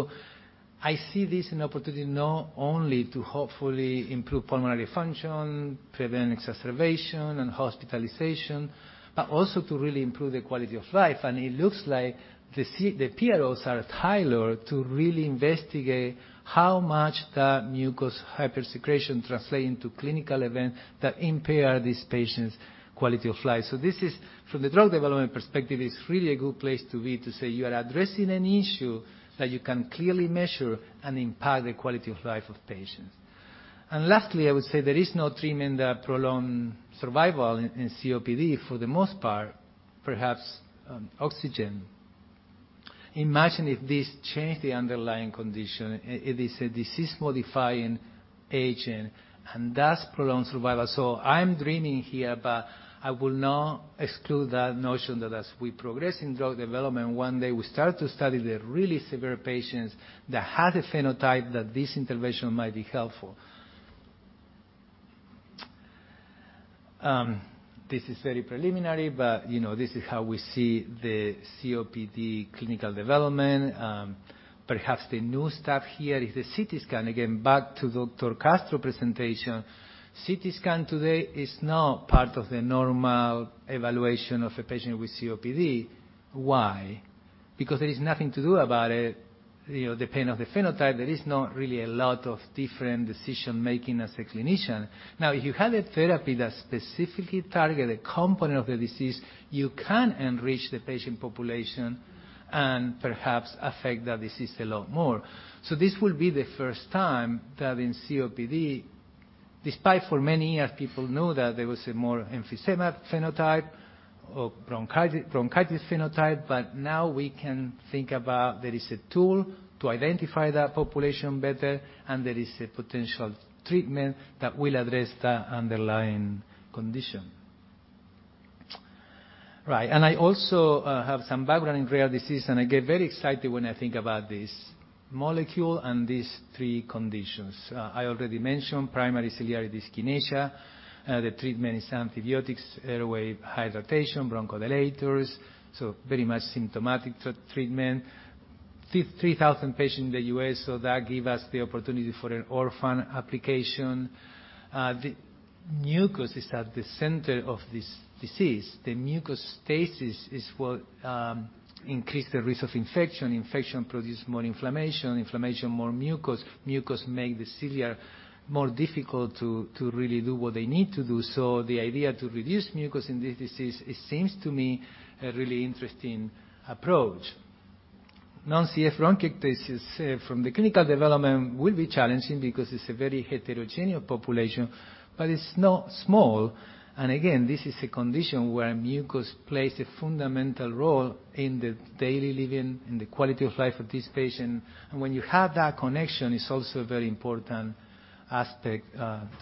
S7: I see this an opportunity not only to hopefully improve pulmonary function, prevent exacerbation and hospitalization, but also to really improve the quality of life. It looks like the PROs are tailored to really investigate how much that mucus hypersecretion translate into clinical event that impair these patients' quality of life. This is from the drug development perspective, it's really a good place to be, to say you are addressing an issue that you can clearly measure and impact the quality of life of patients. Last, I would say there is no treatment that prolong survival in COPD for the most part, perhaps oxygen. Imagine if this changed the underlying condition. It is a disease-modifying agent, and thus prolong survival. I'm dreaming here, but I will not exclude that notion that as we progress in drug development, one day we start to study the really severe patients that had a phenotype that this intervention might be helpful. This is very preliminary, but you know, this is how we see the COPD clinical development. Perhaps the new stuff here is the CT scan. Again, back to Dr. Castro presentation. CT scan today is now part of the normal evaluation of a patient with COPD. Why? Because there is nothing to do about it. You know, depending on the phenotype, there is not really a lot of different decision-making as a clinician. Now, if you have a therapy that specifically target a component of the disease, you can enrich the patient population and perhaps affect the disease a lot more. This will be the first time that in COPD, despite for many years, people know that there was a more emphysema phenotype or bronchitis phenotype. Now we can think about there is a tool to identify that population better, and there is a potential treatment that will address the underlying condition. Right. I also have some background in rare disease, and I get very excited when I think about this molecule and these three conditions. I already mentioned primary ciliary dyskinesia. The treatment is antibiotics, airway hydration, bronchodilators, so very much symptomatic treatment. 3,000 patients in the U.S., so that give us the opportunity for an orphan application. The mucus is at the center of this disease. The mucus stasis is what increase the risk of infection. Infection produce more inflammation more mucus. Mucus make the cilia more difficult to really do what they need to do. The idea to reduce mucus in this disease, it seems to me a really interesting approach. Non-CF bronchiectasis from the clinical development will be challenging because it's a very heterogeneous population, but it's not small. Again, this is a condition where mucus plays a fundamental role in the daily living, in the quality of life of this patient. When you have that connection, it's also a very important aspect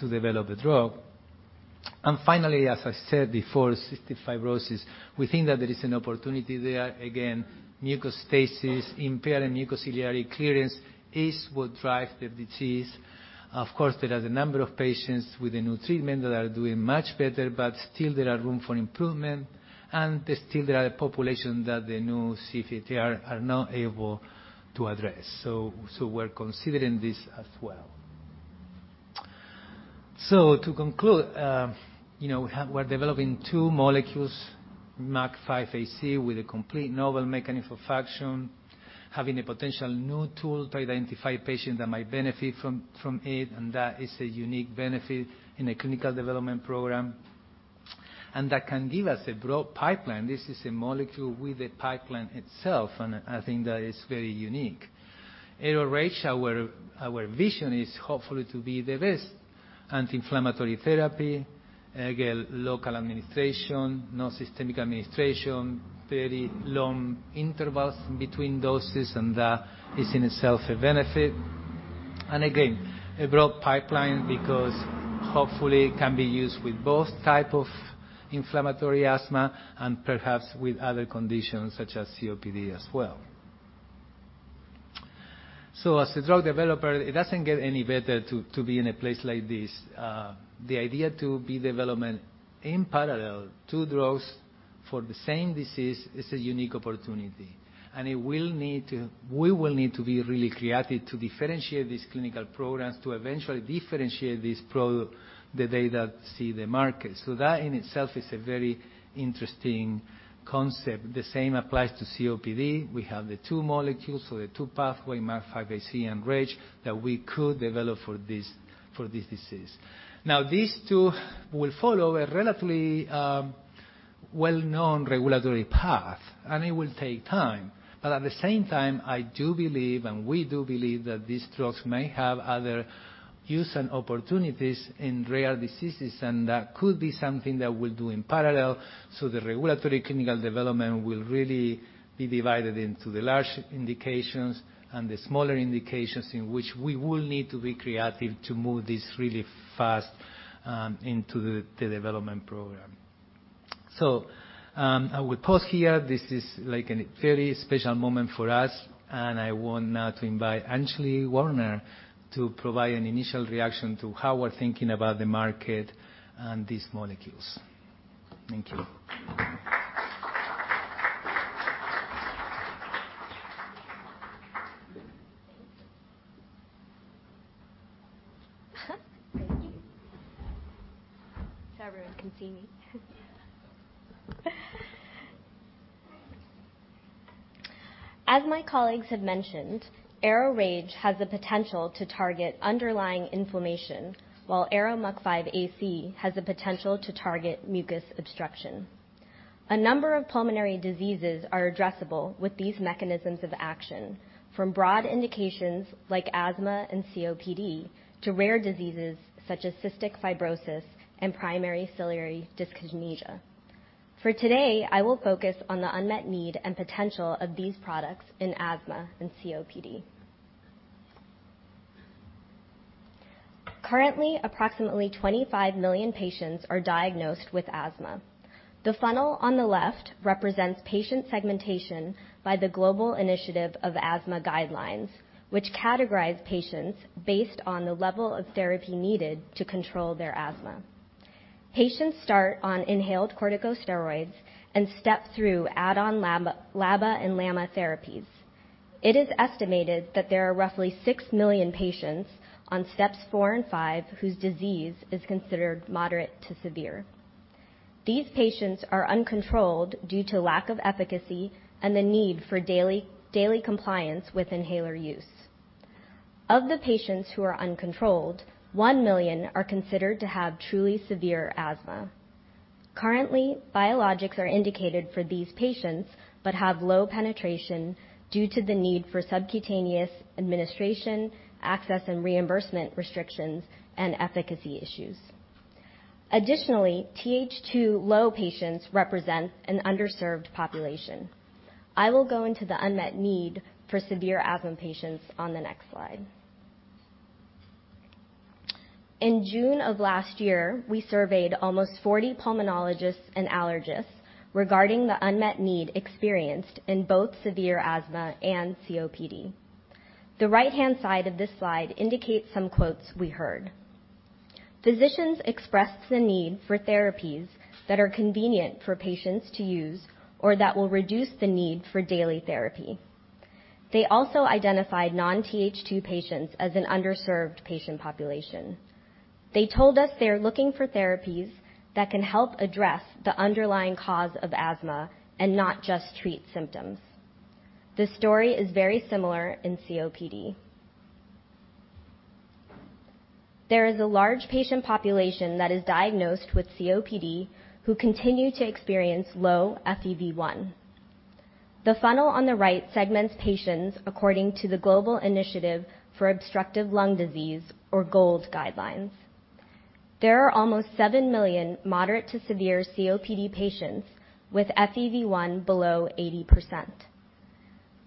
S7: to develop a drug. Finally, as I said before, cystic fibrosis, we think that there is an opportunity there. Again, mucus stasis, impaired mucociliary clearance is what drive the disease. Of course, there are a number of patients with a new treatment that are doing much better, but still there are room for improvement, and there still are population that the new CFTR are not able to address. So we're considering this as well. To conclude, you know, we're developing two molecules, MUC5AC with a complete novel mechanism of action, having a potential new tool to identify patients that might benefit from it and that is a unique benefit in a clinical development program. That can give us a broad pipeline. This is a molecule with a pipeline itself, and I think that is very unique. ARO-RAGE, our vision is hopefully to be the best anti-inflammatory therapy. Again, local administration, non-systemic administration, very long intervals between doses, and that is in itself a benefit. Again, a broad pipeline because hopefully it can be used with both types of inflammatory asthma and perhaps with other conditions such as COPD as well. As a drug developer, it doesn't get any better to be in a place like this. The idea to develop in parallel two drugs for the same disease is a unique opportunity. We will need to be really creative to differentiate these clinical programs, to eventually differentiate this product the day that it sees the market. That in itself is a very interesting concept. The same applies to COPD. We have the two molecules, so the two pathway, MUC5AC and RAGE, that we could develop for this disease. Now, these two will follow a relatively well-known regulatory path, and it will take time. At the same time, I do believe and we do believe that these drugs may have other use and opportunities in rare diseases, and that could be something that we'll do in parallel. The regulatory clinical development will really be divided into the large indications and the smaller indications in which we will need to be creative to move this really fast into the development program. I will pause here. This is like a very special moment for us, and I want now to invite Anjali Sharma to provide an initial reaction to how we're thinking about the market and these molecules. Thank you.
S8: Thank you. Everyone can see me. As my colleagues have mentioned, ARO-RAGE has the potential to target underlying inflammation, while ARO-MUC5AC has the potential to target mucus obstruction. A number of pulmonary diseases are addressable with these mechanisms of action, from broad indications like asthma and COPD to rare diseases such as cystic fibrosis and primary ciliary dyskinesia. For today, I will focus on the unmet need and potential of these products in asthma and COPD. Currently, approximately 25 million patients are diagnosed with asthma. The funnel on the left represents patient segmentation by the Global Initiative for Asthma guidelines, which categorize patients based on the level of therapy needed to control their asthma. Patients start on inhaled corticosteroids and step through add-on LABA and LAMA therapies. It is estimated that there are roughly 6 million patients on steps four and five whose disease is considered moderate to severe. These patients are uncontrolled due to lack of efficacy and the need for daily compliance with inhaler use. Of the patients who are uncontrolled, 1 million are considered to have truly severe asthma. Currently, biologics are indicated for these patients but have low penetration due to the need for subcutaneous administration, access and reimbursement restrictions, and efficacy issues. Additionally, TH2 low patients represent an underserved population. I will go into the unmet need for severe asthma patients on the next slide. In June of last year, we surveyed almost 40 pulmonologists and allergists regarding the unmet need experienced in both severe asthma and COPD. The right-hand side of this slide indicates some quotes we heard. Physicians expressed the need for therapies that are convenient for patients to use or that will reduce the need for daily therapy. They also identified non-TH2 patients as an underserved patient population. They told us they are looking for therapies that can help address the underlying cause of asthma and not just treat symptoms. The story is very similar in COPD. There is a large patient population that is diagnosed with COPD who continue to experience low FEV1. The funnel on the right segments patients according to the Global Initiative for Chronic Obstructive Lung Disease or GOLD guidelines. There are almost 7 million moderate to severe COPD patients with FEV1 below 80%.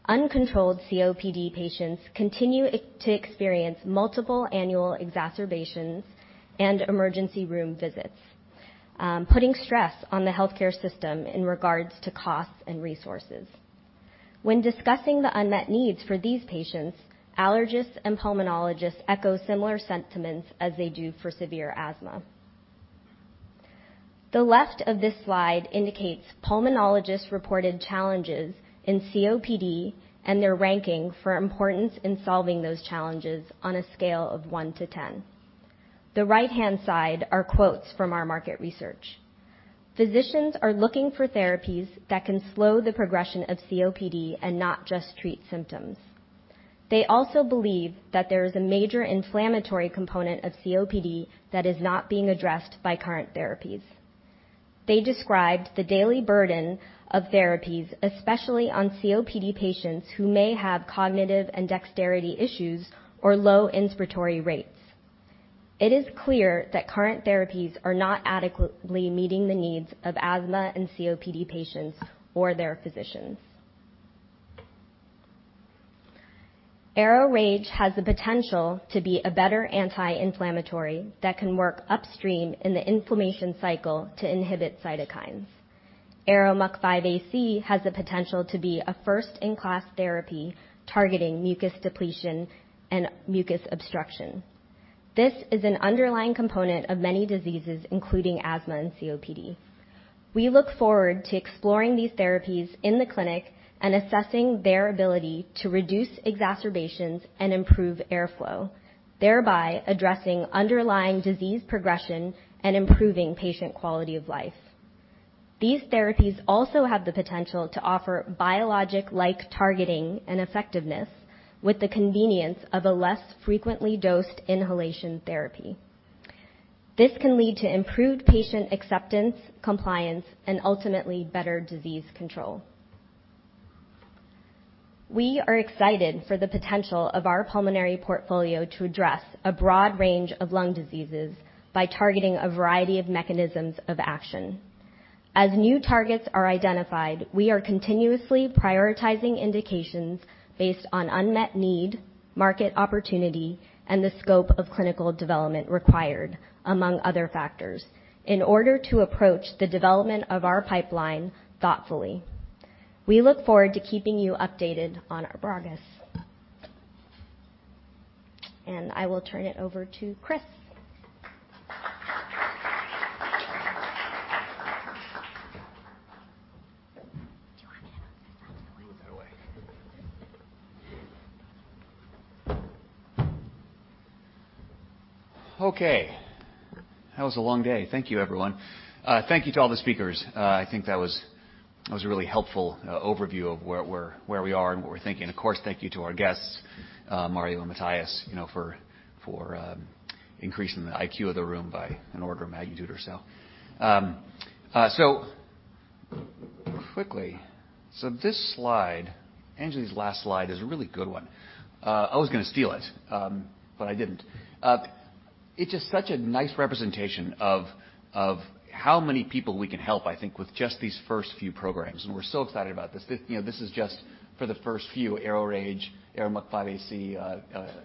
S8: Uncontrolled COPD patients continue to experience multiple annual exacerbations and emergency room visits, putting stress on the healthcare system in regards to costs and resources. When discussing the unmet needs for these patients, allergists and pulmonologists echo similar sentiments as they do for severe asthma. The left of this slide indicates pulmonologists reported challenges in COPD and their ranking for importance in solving those challenges on a scale of one to 10. The right-hand side are quotes from our market research. Physicians are looking for therapies that can slow the progression of COPD and not just treat symptoms. They also believe that there is a major inflammatory component of COPD that is not being addressed by current therapies. They described the daily burden of therapies, especially on COPD patients who may have cognitive and dexterity issues or low inspiratory rates. It is clear that current therapies are not adequately meeting the needs of asthma and COPD patients or their physicians. ARO-RAGE has the potential to be a better anti-inflammatory that can work upstream in the inflammation cycle to inhibit cytokines. ARO-MUC5AC has the potential to be a first-in-class therapy targeting mucus depletion and mucus obstruction. This is an underlying component of many diseases, including asthma and COPD. We look forward to exploring these therapies in the clinic and assessing their ability to reduce exacerbations and improve airflow, thereby addressing underlying disease progression and improving patient quality of life. These therapies also have the potential to offer biologic-like targeting and effectiveness with the convenience of a less frequently dosed inhalation therapy. This can lead to improved patient acceptance, compliance, and ultimately better disease control. We are excited for the potential of our pulmonary portfolio to address a broad range of lung diseases by targeting a variety of mechanisms of action. As new targets are identified, we are continuously prioritizing indications based on unmet need, market opportunity, and the scope of clinical development required, among other factors, in order to approach the development of our pipeline thoughtfully. We look forward to keeping you updated on our progress. I will turn it over to Chris.
S2: Do you want me to move this on to the way? Move it that way. Okay. That was a long day. Thank you, everyone. Thank you to all the speakers. I think that was a really helpful overview of where we are and what we're thinking. Of course, thank you to our guests, Mario and Matthias, you know, for increasing the IQ of the room by an order of magnitude or so. This slide, Anjali's last slide, is a really good one. I was gonna steal it, but I didn't. It's just such a nice representation of how many people we can help, I think, with just these first few programs, and we're so excited about this. This, you know, this is just for the fit few ARO-RAGE, ARO-MUC5AC,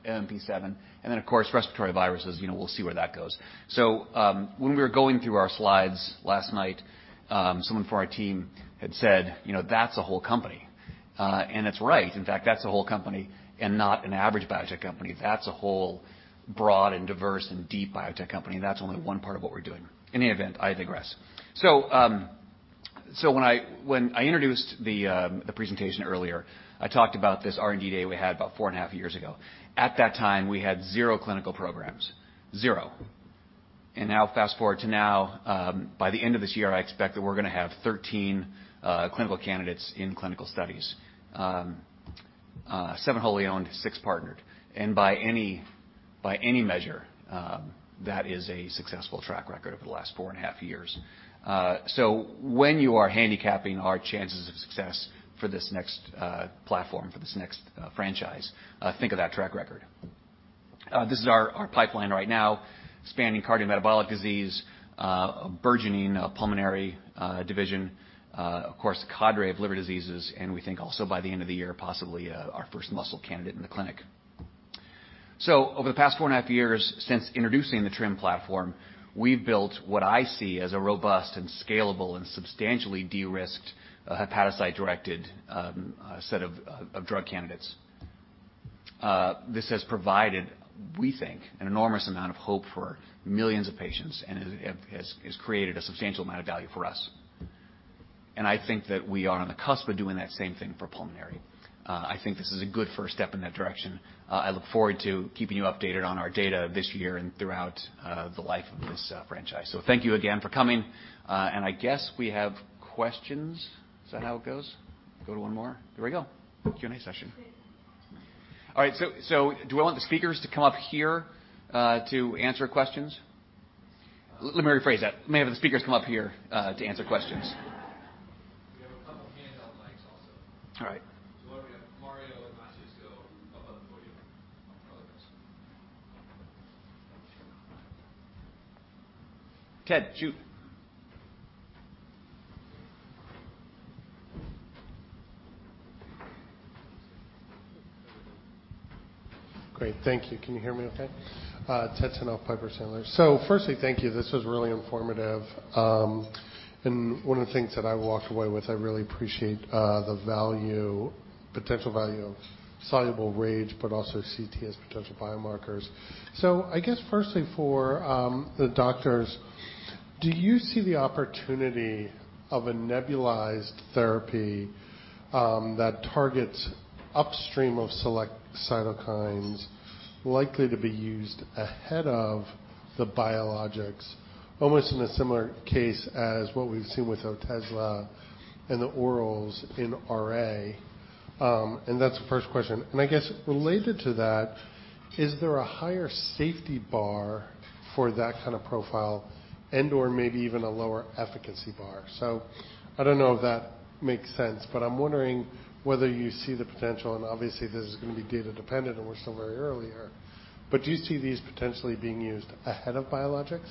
S2: MMP7, and then, of course, respiratory viruses. You know, we'll see where that goes. When we were going through our slides last night, someone from our team had said, "You know, that's a whole company," and it's right. In fact, that's a whole company and not an average biotech company. That's a whole broad and diverse and deep biotech company. That's only one part of what we're doing. In any event, I digress. When I introduced the presentation earlier, I talked about this R&D day we had about four and a half years ago. At that time, we had zero clinical programs. Zero. Now fast-forward to now, by the end of this year, I expect that we're gonna have 13 clinical candidates in clinical studies. Seven wholly owned, six partnered. By any measure, that is a successful track record over the last four and a half years. When you are handicapping our chances of success for this next platform, this next franchise, think of that track record. This is our pipeline right now, spanning cardiometabolic disease, burgeoning pulmonary division, of course, the cadre of liver diseases, and we think also by the end of the year, possibly, our first muscle candidate in the clinic. Over the past four and a half years since introducing the TRiM platform, we've built what I see as a robust and scalable and substantially de-risked hepatocyte-directed set of drug candidates. This has provided, we think, an enormous amount of hope for millions of patients and has created a substantial amount of value for us. I think that we are on the cusp of doing that same thing for pulmonary. I look forward to keeping you updated on our data this year and throughout the life of this franchise. Thank you again for coming. I guess we have questions. Is that how it goes? Go to one more. Here we go. Q&A session. All right. Do I want the speakers to come up here to answer questions? Let me rephrase that. May I have the speakers come up here to answer questions.
S1: We have a couple handheld mics also.
S2: All right.
S1: If you want to bring up Mario and Matthias, go up on the podium.
S2: Ted, you.
S9: Great. Thank you. Can you hear me okay? Ted Tenthoff, Piper Sandler. Firstly, thank you. This was really informative. One of the things that I walked away with, I really appreciate the value, potential value of soluble RAGE, but also as potential biomarkers. I guess firstly for the doctors, do you see the opportunity of a nebulized therapy that targets upstream of select cytokines likely to be used ahead of the biologics, almost in a similar case as what we've seen with Otezla and the orals in RA? That's the first question. I guess related to that, is there a higher safety bar for that kind of profile and/or maybe even a lower efficacy bar? I don't know if that makes sense, but I'm wondering whether you see the potential, and obviously this is gonna be data dependent, and we're still very early here, but do you see these potentially being used ahead of biologics?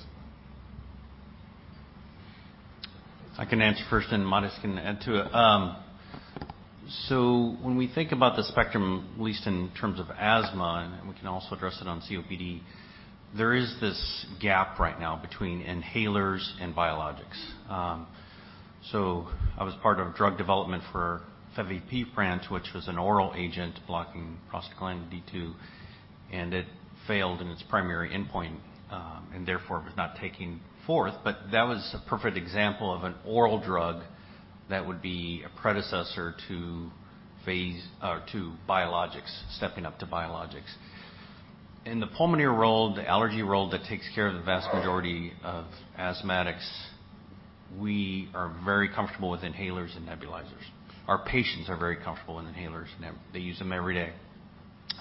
S5: I can answer first then Matthias can add to it. When we think about the spectrum, at least in terms of asthma, and we can also address it on COPD, there is this gap right now between inhalers and biologics. I was part of drug development for Fevipiprant, which was an oral agent blocking prostaglandin D2, and it failed in its primary endpoint, and therefore was not taking forth. That was a perfect example of an oral drug that would be a predecessor to phase or to biologics, stepping up to biologics. In the pulmonary world, the allergy world, that takes care of the vast majority of asthmatics, we are very comfortable with inhalers and nebulizers. Our patients are very comfortable with inhalers and neb. They use them every day.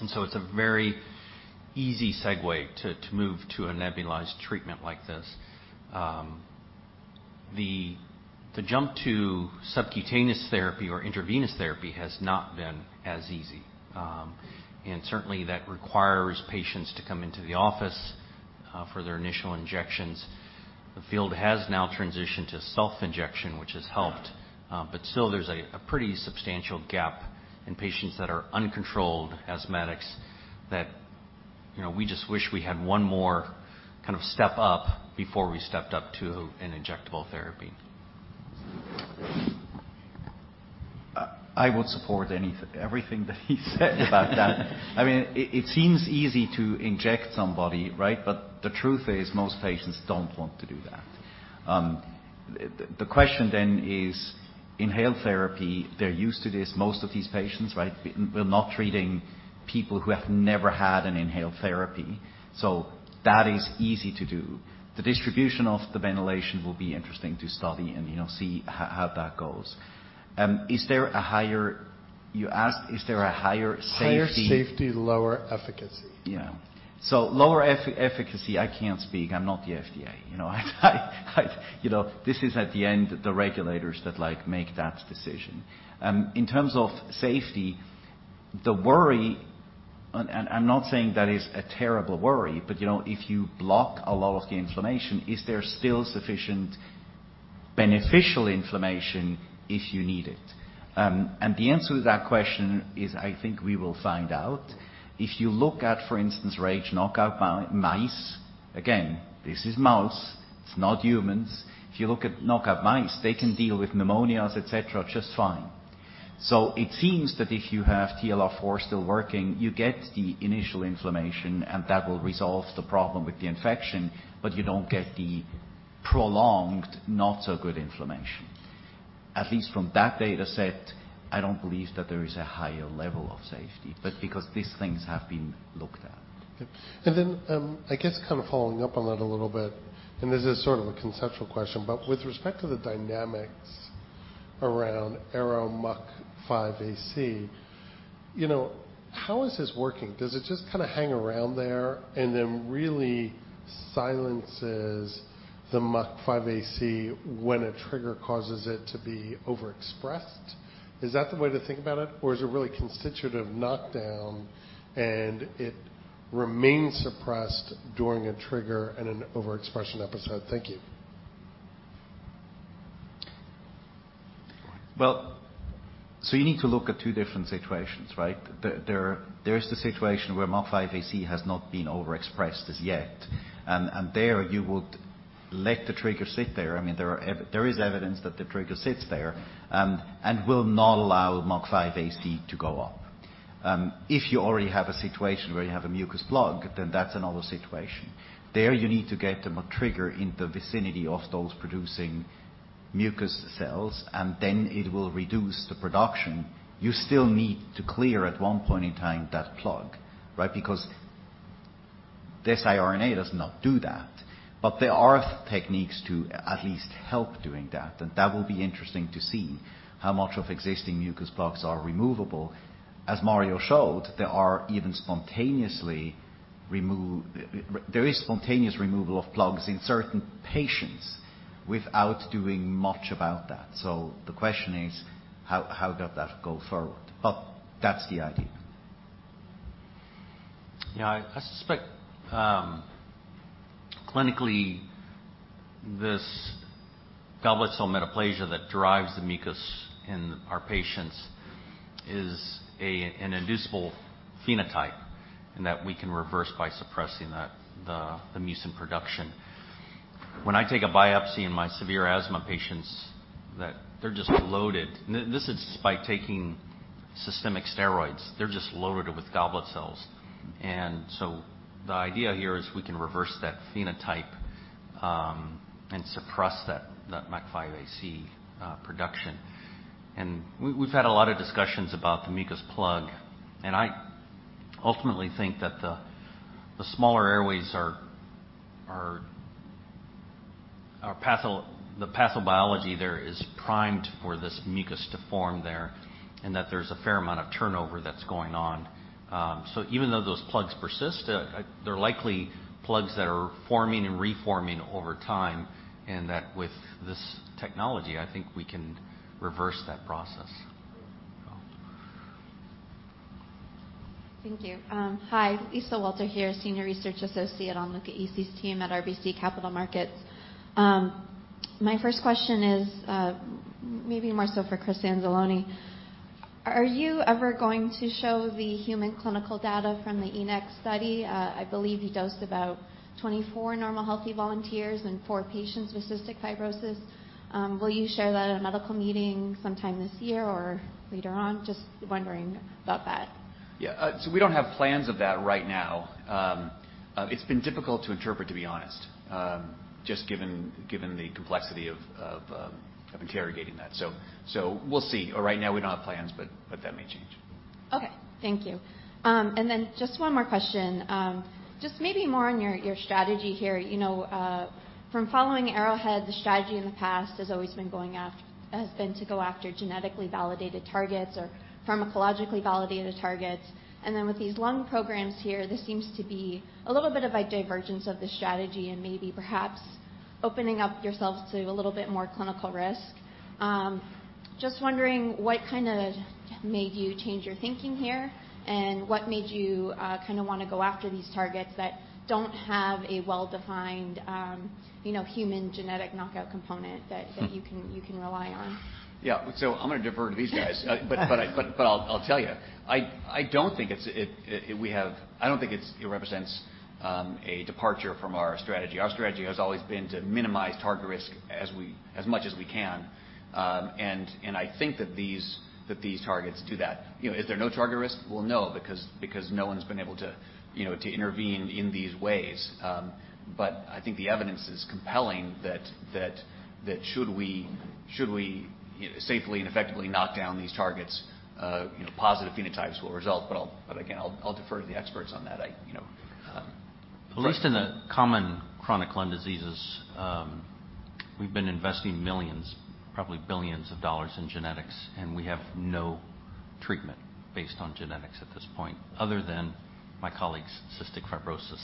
S5: It's a very easy segue to move to a nebulized treatment like this. The jump to subcutaneous therapy or intravenous therapy has not been as easy. Certainly, that requires patients to come into the office for their initial injections. The field has now transitioned to self-injection, which has helped, but still there's a pretty substantial gap in patients that are uncontrolled asthmatics that, you know, we just wish we had one more kind of step up before we stepped up to an injectable therapy.
S6: I would support everything that he said about that. I mean, it seems easy to inject somebody, right? The truth is most patients don't want to do that. The question then is inhaled therapy, they're used to this, most of these patients, right? We're not treating people who have never had an inhaled therapy. That is easy to do. The distribution of the ventilation will be interesting to study and, you know, see how that goes. Is there a higher safety? You asked, is there a higher safety.
S9: Higher safety, lower efficacy.
S6: Yeah. Lower efficacy, I can't speak. I'm not the FDA. You know, this is at the end, the regulators that, like, make that decision. In terms of safety, the worry, and I'm not saying that is a terrible worry, but you know, if you block a lot of the inflammation, is there still sufficient beneficial inflammation if you need it? The answer to that question is I think we will find out. If you look at, for instance, RAGE knockout mice, again, this is mouse, it's not humans. If you look at knockout mice, they can deal with pneumonias, et cetera, just fine. It seems that if you have TLR4 still working, you get the initial inflammation, and that will resolve the problem with the infection, but you don't get the prolonged, not so good inflammation. At least from that data set, I don't believe that there is a higher level of safety, but because these things have been looked at.
S9: Okay. I guess kind of following up on that a little bit, and this is sort of a conceptual question, but with respect to the dynamics around ARO-MUC5AC, you know, how is this working? Does it just kinda hang around there and then really silences the MUC5AC when a trigger causes it to be overexpressed? Is that the way to think about it? Or is it really constitutive knockdown, and it remains suppressed during a trigger and an overexpression episode? Thank you.
S6: Well, you need to look at two different situations, right? There is the situation where MUC5AC has not been overexpressed as yet, and there you would let the trigger sit there. I mean, there is evidence that the trigger sits there and will not allow MUC5AC to go up. If you already have a situation where you have a mucus plug, then that's another situation. There you need to get the trigger in the vicinity of those producing mucus cells, and then it will reduce the production. You still need to clear at one point in time that plug, right? Because this RNA does not do that. But there are techniques to at least help doing that, and that will be interesting to see how much of existing mucus plugs are removable. As Mario showed, there are even spontaneously remove. There is spontaneous removal of plugs in certain patients without doing much about that. The question is how does that go forward? That's the idea.
S5: Yeah. I suspect clinically this goblet cell metaplasia that drives the mucus in our patients is an inducible phenotype, and that we can reverse by suppressing that mucin production. When I take a biopsy in my severe asthma patients, that they're just loaded. This is by taking systemic steroids. They're just loaded with goblet cells. The idea here is we can reverse that phenotype and suppress that MUC5AC production. We've had a lot of discussions about the mucus plug, and I ultimately think that the smaller airways are. The pathobiology there is primed for this mucus to form there, and that there's a fair amount of turnover that's going on. Even though those plugs persist, they're likely plugs that are forming and reforming over time, and that with this technology, I think we can reverse that process.
S10: Thank you. Hi. Lisa Walter here, Senior Research Associate on Luca Issi's team at RBC Capital Markets. My first question is, maybe more so for Chris Anzalone. Are you ever going to show the human clinical data from the ENaC study? I believe you dosed about 24 normal healthy volunteers and four patients with cystic fibrosis. Will you share that at a medical meeting sometime this year or later on? Just wondering about that.
S2: Yeah. We don't have plans of that right now. It's been difficult to interpret, to be honest, just given the complexity of interrogating that. We'll see. Right now, we don't have plans, but that may change.
S10: Okay. Thank you. Just one more question. Just maybe more on your strategy here. You know, from following Arrowhead, the strategy in the past has always been to go after genetically validated targets or pharmacologically validated targets. With these lung programs here, this seems to be a little bit of a divergence of the strategy and maybe perhaps opening up yourselves to a little bit more clinical risk. Just wondering what kinda made you change your thinking here, and what made you kinda wanna go after these targets that don't have a well-defined, you know, human genetic knockout component that you can rely on?
S2: I'm gonna defer to these guys. I'll tell you. I don't think it represents a departure from our strategy. Our strategy has always been to minimize target risk as much as we can. I think that these targets do that. You know, is there no target risk? Well, no, because no one has been able to, you know, to intervene in these ways. I think the evidence is compelling that should we safely and effectively knock down these targets, you know, positive phenotypes will result. Again, I'll defer to the experts on that. I you know.
S5: At least in the common chronic lung diseases, we've been investing millions, probably billions of dollars in genetics, and we have no treatment based on genetics at this point, other than my colleagues' cystic fibrosis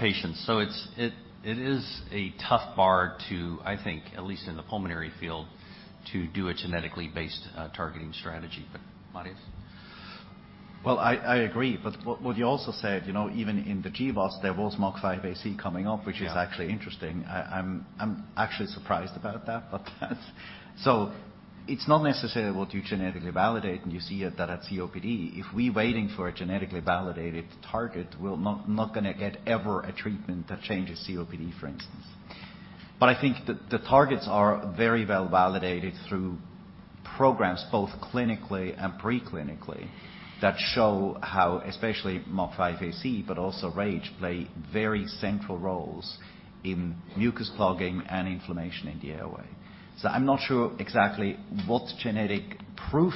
S5: patients. It is a tough bar to, I think, at least in the pulmonary field, to do a genetically based targeting strategy. Matthias.
S6: Well, I agree. What you also said, you know, even in the GWAS, there was MUC5AC coming up.
S5: Yeah.
S6: Which is actually interesting. I'm actually surprised about that. That's not necessarily what you genetically validate, and you see it that at COPD. If we're waiting for a genetically validated target, we'll not gonna get ever a treatment that changes COPD, for instance. I think the targets are very well validated through programs both clinically and pre-clinically, that show how especially MUC5AC but also RAGE play very central roles in mucus clogging and inflammation in the airway. I'm not sure exactly what genetic proof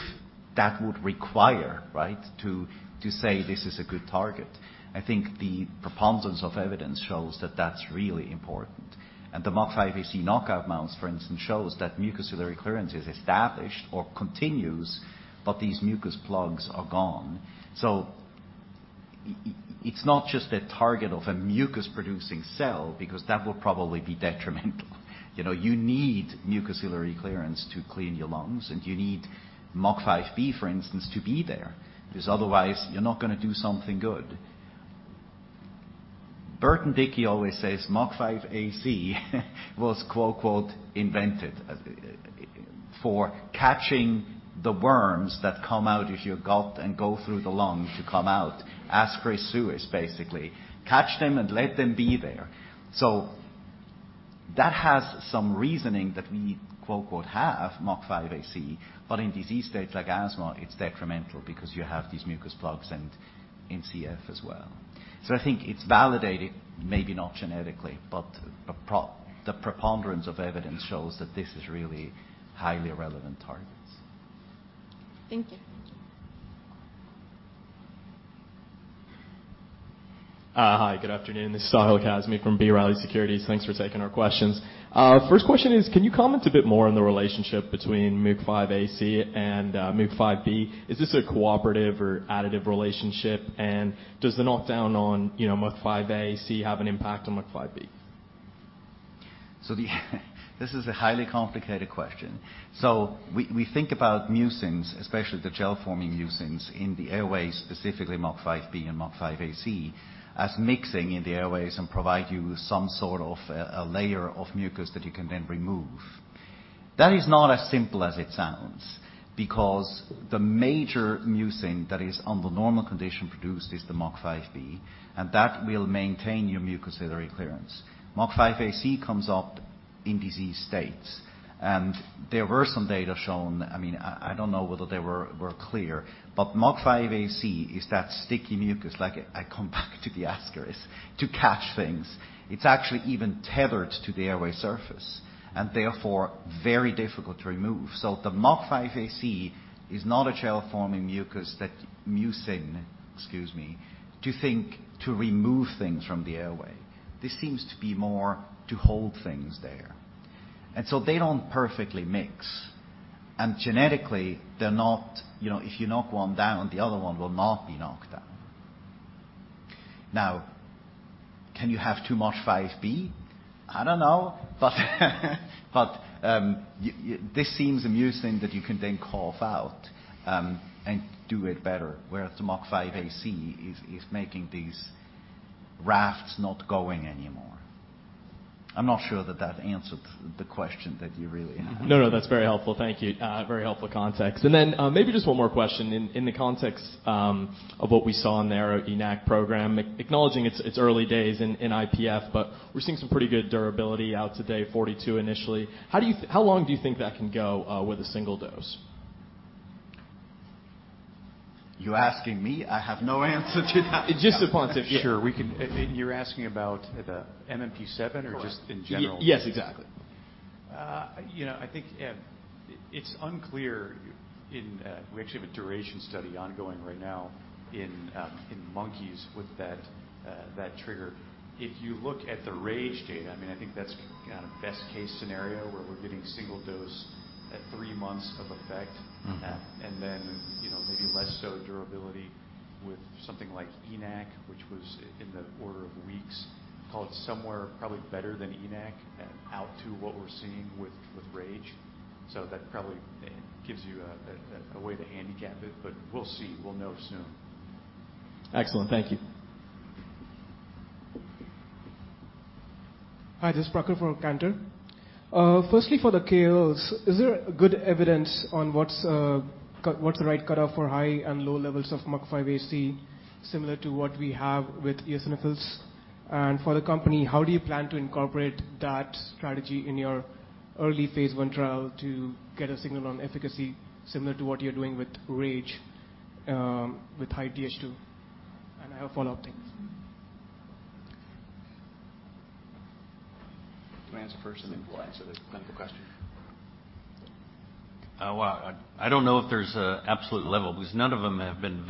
S6: that would require, right? To say this is a good target. I think the preponderance of evidence shows that that's really important. The MUC5AC knockout mouse, for instance, shows that mucociliary clearance is established or continues, but these mucus plugs are gone. It's not just a target of a mucus-producing cell because that will probably be detrimental. You know, you need mucociliary clearance to clean your lungs, and you need MUC5B, for instance, to be there 'cause otherwise you're not gonna do something good. Burton Dickey always says MUC5AC was, “invented” for catching the worms that come out of your gut and go through the lungs to come out. As carriers, basically. Catch them and let them be there. That has some reasoning that we, “have” MUC5AC, but in disease states like asthma, it's detrimental because you have these mucus plugs and in CF as well. I think it's validated, maybe not genetically, but the preponderance of evidence shows that this is really highly relevant targets.
S10: Thank you.
S11: Hi, good afternoon. This is Sahil Kazmi from B. Riley Securities. Thanks for taking our questions. First question is, can you comment a bit more on the relationship between MUC5AC and, MUC5B? Is this a cooperative or additive relationship? And does the knockdown on, you know, MUC5AC have an impact on MUC5B?
S6: This is a highly complicated question. We think about mucins, especially the gel-forming mucins in the airways, specifically MUC5B and MUC5AC, as mixing in the airways and provide you with some sort of a layer of mucus that you can then remove. That is not as simple as it sounds because the major mucin that is under normal condition produced is the MUC5B, and that will maintain your mucociliary clearance. MUC5AC comes up in disease states, and there were some data shown. I mean, I don't know whether they were clear, but MUC5AC is that sticky mucus. Like, it's there to catch things. It's actually even tethered to the airway surface and therefore very difficult to remove. The MUC5AC is not a gel-forming mucin intended to remove things from the airway. This seems to be more to hold things there. They don't perfectly mix. Genetically, they're not. You know, if you knock one down, the other one will not be knocked down. Now, can you have two MUC5B? I don't know. But this seems a mucin that you can then cough out, and do it better, whereas the MUC5AC is making these rafts not going anymore. I'm not sure that answered the question that you really had.
S11: No, no, that's very helpful. Thank you. Very helpful context. Maybe just one more question in the context of what we saw in the ENaC program, acknowledging its early days in IPF, but we're seeing some pretty good durability out to day 42 initially. How long do you think that can go with a single dose?
S6: You asking me? I have no answer to that.
S11: Just upon if-
S4: Sure. We can, and you're asking about the MMP7.
S11: Correct.
S4: Just in general?
S11: Yes, exactly.
S4: You know, I think, it's unclear in. We actually have a duration study ongoing right now in monkeys with that trigger. If you look at the RAGE data, I mean, I think that's kind of best case scenario where we're getting single dose at three months of effect.
S11: Mm-hmm.
S4: You know, maybe less so durability with something like ENaC, which was in the order of weeks. Call it somewhere probably better than ENaC and out to what we're seeing with RAGE. That probably gives you a way to handicap it, but we'll see. We'll know soon.
S11: Excellent. Thank you.
S12: Hi. This is Prakhar from Cantor. Firstly, for the KOLs, is there good evidence on what's the right cutoff for high and low levels of MUC5AC, similar to what we have with eosinophils? For the company, how do you plan to incorporate that strategy in your early phase I trial to get a signal on efficacy similar to what you're doing with RAGE, with high Th2? I have a follow-up. Thanks.
S4: Do you wanna answer first, and then we'll answer the clinical question?
S6: Well, I don't know if there's an absolute level because none of them have been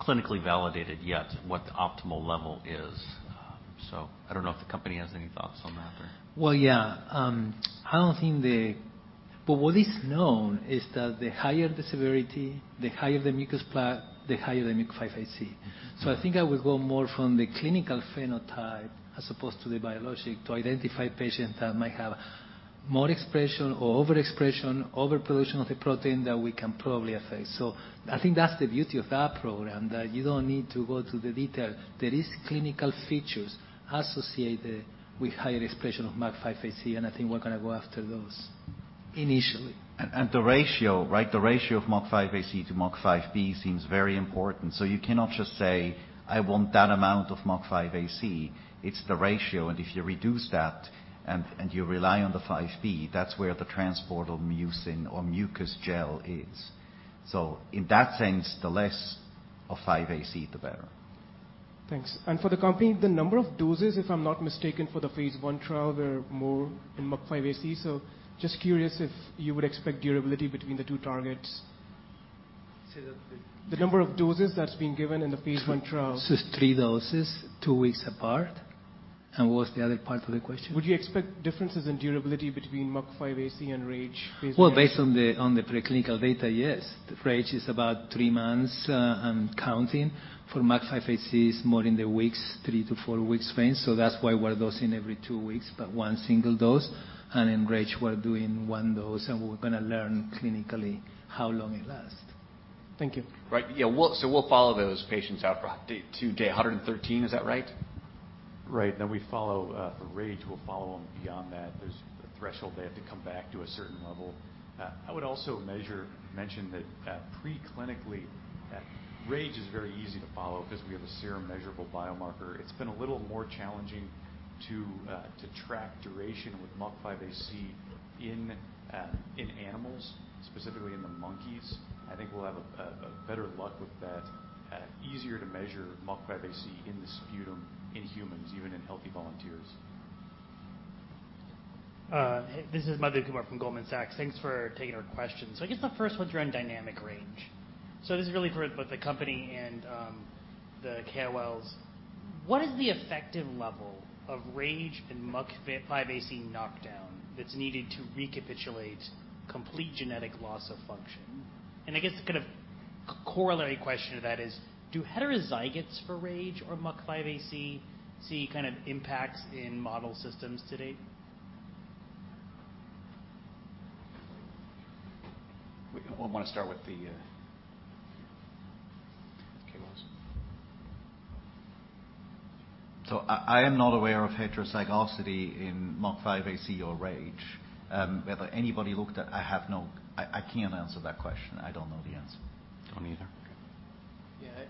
S6: clinically validated yet, what the optimal level is. I don't know if the company has any thoughts on that or...
S7: Well, yeah. What is known is that the higher the severity, the higher the mucus plug, the higher the MUC5AC. I think I would go more from the clinical phenotype as opposed to the biologic to identify patients that might have more expression or overexpression, overproduction of the protein that we can probably affect. I think that's the beauty of that program, that you don't need to go to the detail. There is clinical features associated with higher expression of MUC5AC, and I think we're gonna go after those initially.
S6: The ratio, right? The ratio of MUC5AC to MUC5B seems very important. You cannot just say, "I want that amount of MUC5AC." It's the ratio, and if you reduce that and you rely on the MUC5B, that's where the transport of mucin or mucus gel is. In that sense, the less of MUC5AC, the better.
S12: Thanks. For the company, the number of doses, if I'm not mistaken, for the phase I trial were more in MUC5AC. Just curious if you would expect durability between the two targets.
S7: Say that again.
S12: The number of doses that's being given in the phase I trial.
S7: It's three doses, two weeks apart. What was the other part of the question?
S12: Would you expect differences in durability between MUC5AC and RAGE phase I?
S7: Well, based on the preclinical data, yes. The RAGE is about three months and counting. For MUC5AC, it's more in the weeks, three to four weeks range. That's why we're dosing every two weeks, but one single dose. In RAGE, we're doing one dose, and we're gonna learn clinically how long it lasts.
S12: Thank you.
S2: Right. Yeah, we'll follow those patients out to day 113. Is that right?
S7: Right. We follow for RAGE, we'll follow them beyond that. There's a threshold they have to come back to a certain level. I would also mention that, pre-clinically, RAGE is very easy to follow 'cause we have a serum-measurable biomarker. It's been a little more challenging to track duration with MUC5AC in animals, specifically in the monkeys. I think we'll have a better luck with that, easier to measure MUC5AC in the sputum in humans, even in healthy volunteers.
S13: This is Madhu Kumar from Goldman Sachs. Thanks for taking our questions. I guess the first one's around dynamic range. This is really for both the company and the KOLs. What is the effective level of RAGE and MUC5AC knockdown that's needed to recapitulate complete genetic loss of function? And I guess the kind of corollary question to that is, do heterozygotes for RAGE or MUC5AC see kind of impacts in model systems to date?
S2: We wanna start with the KOLs.
S6: I am not aware of heterozygosity in MUC5AC or RAGE. I can't answer that question. I don't know the answer.
S2: Don't either.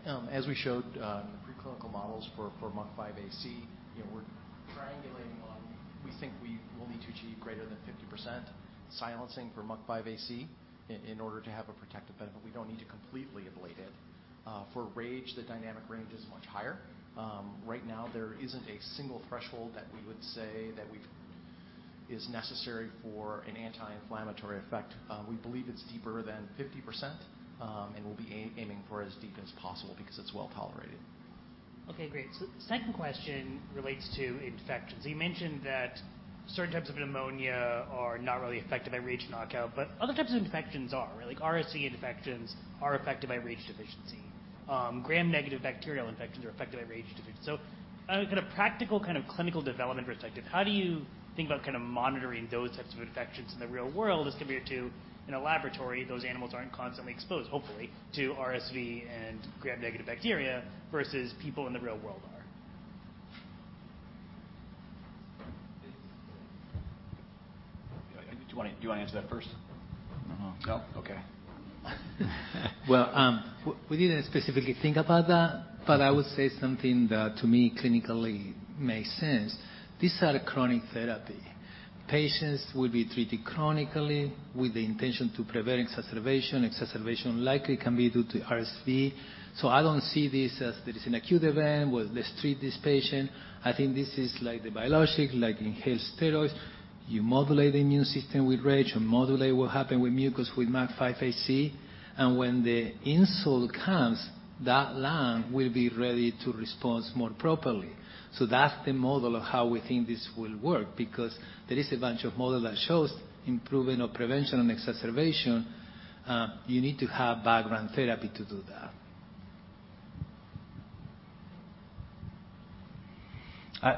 S2: Okay.
S13: Yeah. As we showed, the preclinical models for MUC5AC, you know, we're triangulating on, we think we will need to achieve greater than 50% silencing for MUC5AC in order to have a protective benefit. We don't need to completely ablate it. For RAGE, the dynamic range is much higher. Right now there isn't a single threshold that we would say is necessary for an anti-inflammatory effect. We believe it's deeper than 50%, and we'll be aiming for as deep as possible because it's well-tolerated. Okay, great. Second question relates to infections. You mentioned that certain types of pneumonia are not really affected by RAGE knockout, but other types of infections are. Like RSV infections are affected by RAGE deficiency. Gram-negative bacterial infections are affected by RAGE deficiency. At a kind of practical, kind of clinical development perspective, how do you think about kind of monitoring those types of infections in the real world as compared to in a laboratory, those animals aren't constantly exposed, hopefully, to RSV and gram-negative bacteria versus people in the real world are?
S2: Do you wanna answer that first?
S6: No.
S2: No? Okay.
S7: We didn't specifically think about that, but I would say something that to me clinically makes sense. These are chronic therapy. Patients will be treated chronically with the intention to prevent exacerbation. Exacerbation likely can be due to RSV. I don't see this as there is an acute event, let's treat this patient. I think this is like the biologic, like inhaled steroids. You modulate the immune system with RAGE. You modulate what happen with mucus with MUC5AC. When the insult comes, that lung will be ready to response more properly. That's the model of how we think this will work, because there is a bunch of model that shows improving or prevention on exacerbation, you need to have background therapy to do that.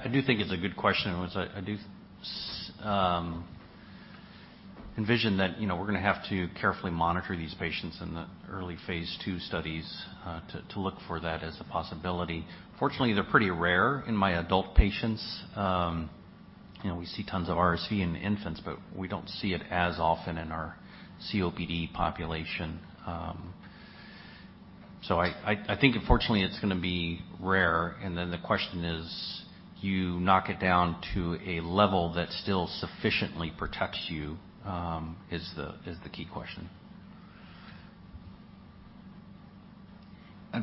S2: I do think it's a good question, Madhu. I do envision that, you know, we're gonna have to carefully monitor these patients in the early phase II studies, to look for that as a possibility. Fortunately, they're pretty rare in my adult patients. You know, we see tons of RSV in infants, but we don't see it as often in our COPD population. I think fortunately, it's gonna be rare, and then the question is, you knock it down to a level that still sufficiently protects you, is the key question?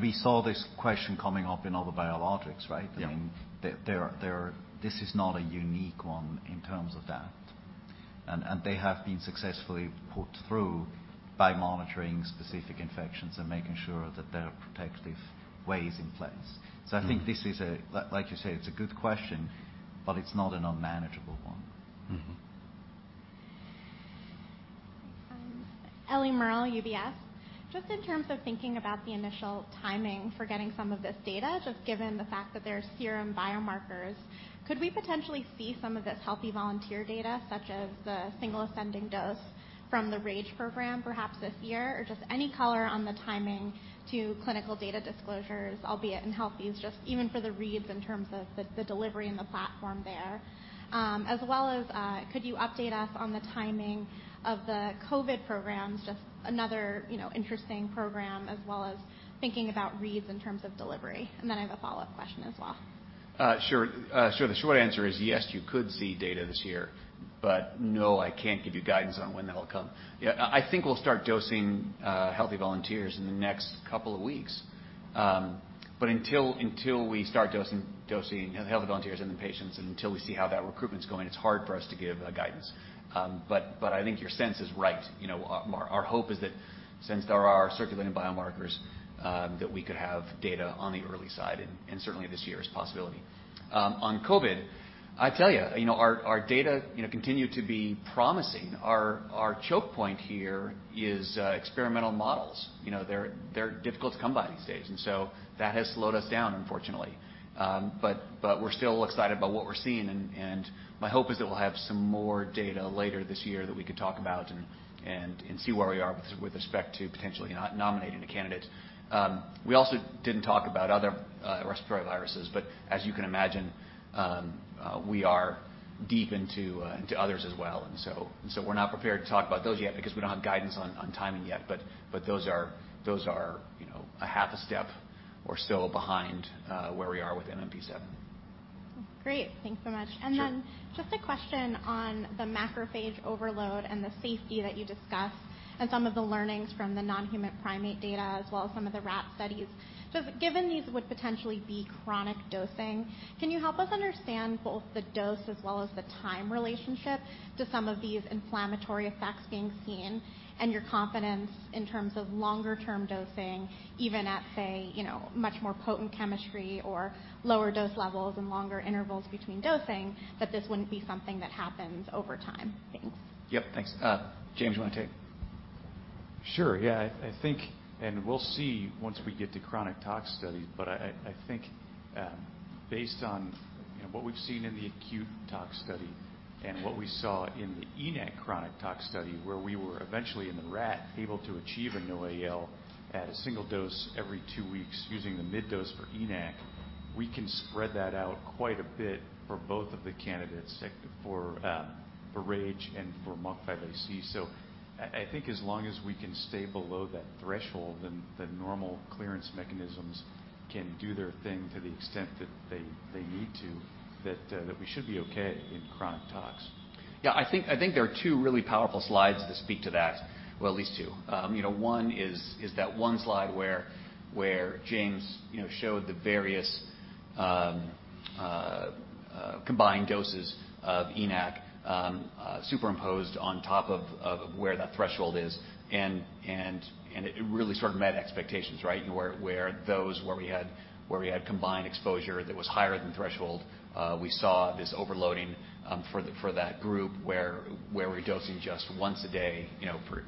S6: We saw this question coming up in other biologics, right?
S2: Yeah.
S6: I mean. This is not a unique one in terms of that. They have been successfully put through by monitoring specific infections and making sure that there are protective ways in place.
S2: Mm-hmm.
S6: I think this is like you say, it's a good question, but it's not an unmanageable one.
S2: Mm-hmm.
S14: Eliana Merle, UBS. Just in terms of thinking about the initial timing for getting some of this data, just given the fact that there are serum biomarkers, could we potentially see some of this healthy volunteer data, such as the single ascending dose from the RAGE program perhaps this year? Or just any color on the timing to clinical data disclosures, albeit in healthy volunteers, just even for the readouts in terms of the delivery and the platform there. As well as, could you update us on the timing of the COVID programs? Just another, you know, interesting program, as well as thinking about readouts in terms of delivery. Then I have a follow-up question as well.
S2: Sure. The short answer is, yes, you could see data this year, but no, I can't give you guidance on when that'll come. Yeah, I think we'll start dosing healthy volunteers in the next couple of weeks. But until we start dosing healthy volunteers and the patients, and until we see how that recruitment's going, it's hard for us to give guidance. But I think your sense is right. You know, our hope is that since there are circulating biomarkers, that we could have data on the early side, and certainly this year is a possibility. On COVID, I tell you know, our data continue to be promising. Our choke point here is experimental models. You know, they're difficult to come by these days, and so that has slowed us down, unfortunately. We're still excited about what we're seeing, and my hope is that we'll have some more data later this year that we could talk about and see where we are with respect to potentially nominating a candidate. We also didn't talk about other respiratory viruses, but as you can imagine, we are deep into others as well. We're not prepared to talk about those yet because we don't have guidance on timing yet. Those are, you know, a half a step or so behind where we are with MMP7.
S14: Great. Thanks so much.
S2: Sure.
S14: Then just a question on the macrophage overload and the safety that you discussed and some of the learnings from the non-human primate data as well as some of the rat studies. Given these would potentially be chronic dosing, can you help us understand both the dose as well as the time relationship to some of these inflammatory effects being seen and your confidence in terms of longer-term dosing, even at, say, you know, much more potent chemistry or lower dose levels and longer intervals between dosing, that this wouldn't be something that happens over time? Thanks.
S2: Yep. Thanks. James, you wanna take it?
S4: Sure. Yeah. I think, and we'll see once we get to chronic tox studies, but I think, based on, you know, what we've seen in the acute tox study and what we saw in the ENaC chronic tox study, where we were eventually in the rat able to achieve a NOAEL at a single dose every two weeks using the mid dose for ENaC, we can spread that out quite a bit for both of the candidates, like for RAGE and for MUC5AC. I think as long as we can stay below that threshold, then the normal clearance mechanisms can do their thing to the extent that they need to, that we should be okay in chronic tox.
S2: Yeah. I think there are two really powerful slides that speak to that. Well, at least two. You know, one is that one slide where James, you know, showed the various combined doses of ENaC, superimposed on top of where that threshold is. It really sort of met expectations, right? Where those we had combined exposure that was higher than threshold, we saw this overloading for that group where we're dosing just once a day, you know, for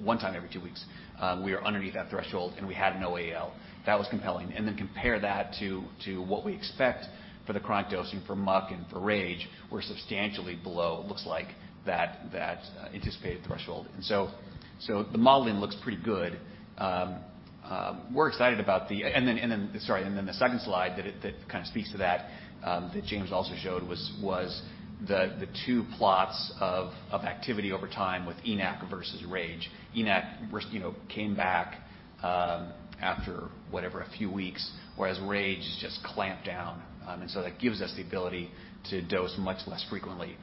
S2: one time every two weeks, we are underneath that threshold, and we had NOAEL. That was compelling. Then compare that to what we expect for the chronic dosing for MUC and for RAGE, we're substantially below, looks like that anticipated threshold. The modeling looks pretty good. We're excited about the second slide that kind of speaks to that James also showed was the two plots of activity over time with ENaC versus RAGE. ENaC, you know, came back after whatever a few weeks, whereas RAGE just clamped down. That gives us the ability to dose much less frequently.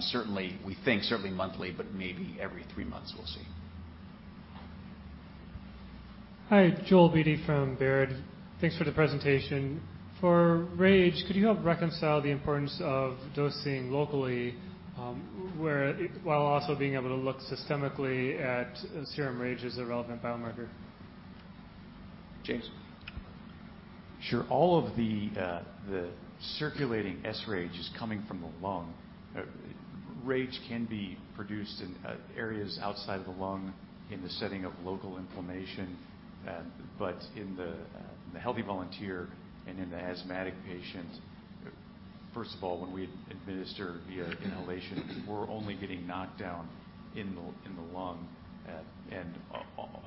S2: Certainly, we think monthly, but maybe every three months. We'll see.
S15: Hi. Joel Beatty from Baird. Thanks for the presentation. For RAGE, could you help reconcile the importance of dosing locally, while also being able to look systemically at serum RAGE as a relevant biomarker?
S2: James.
S4: Sure. All of the circulating sRAGE is coming from the lung. RAGE can be produced in areas outside of the lung in the setting of local inflammation. In the healthy volunteer and in the asthmatic patients, first of all, when we administer via inhalation, we're only getting knockdown in the lung.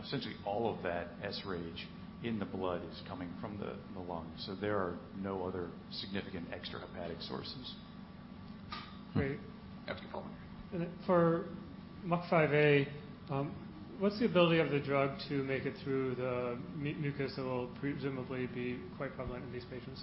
S4: Essentially all of that sRAGE in the blood is coming from the lung. There are no other significant extrahepatic sources.
S15: Great.
S2: Up to you, Colin.
S9: For MUC5AC, what's the ability of the drug to make it through the mucus that will presumably be quite prevalent in these patients?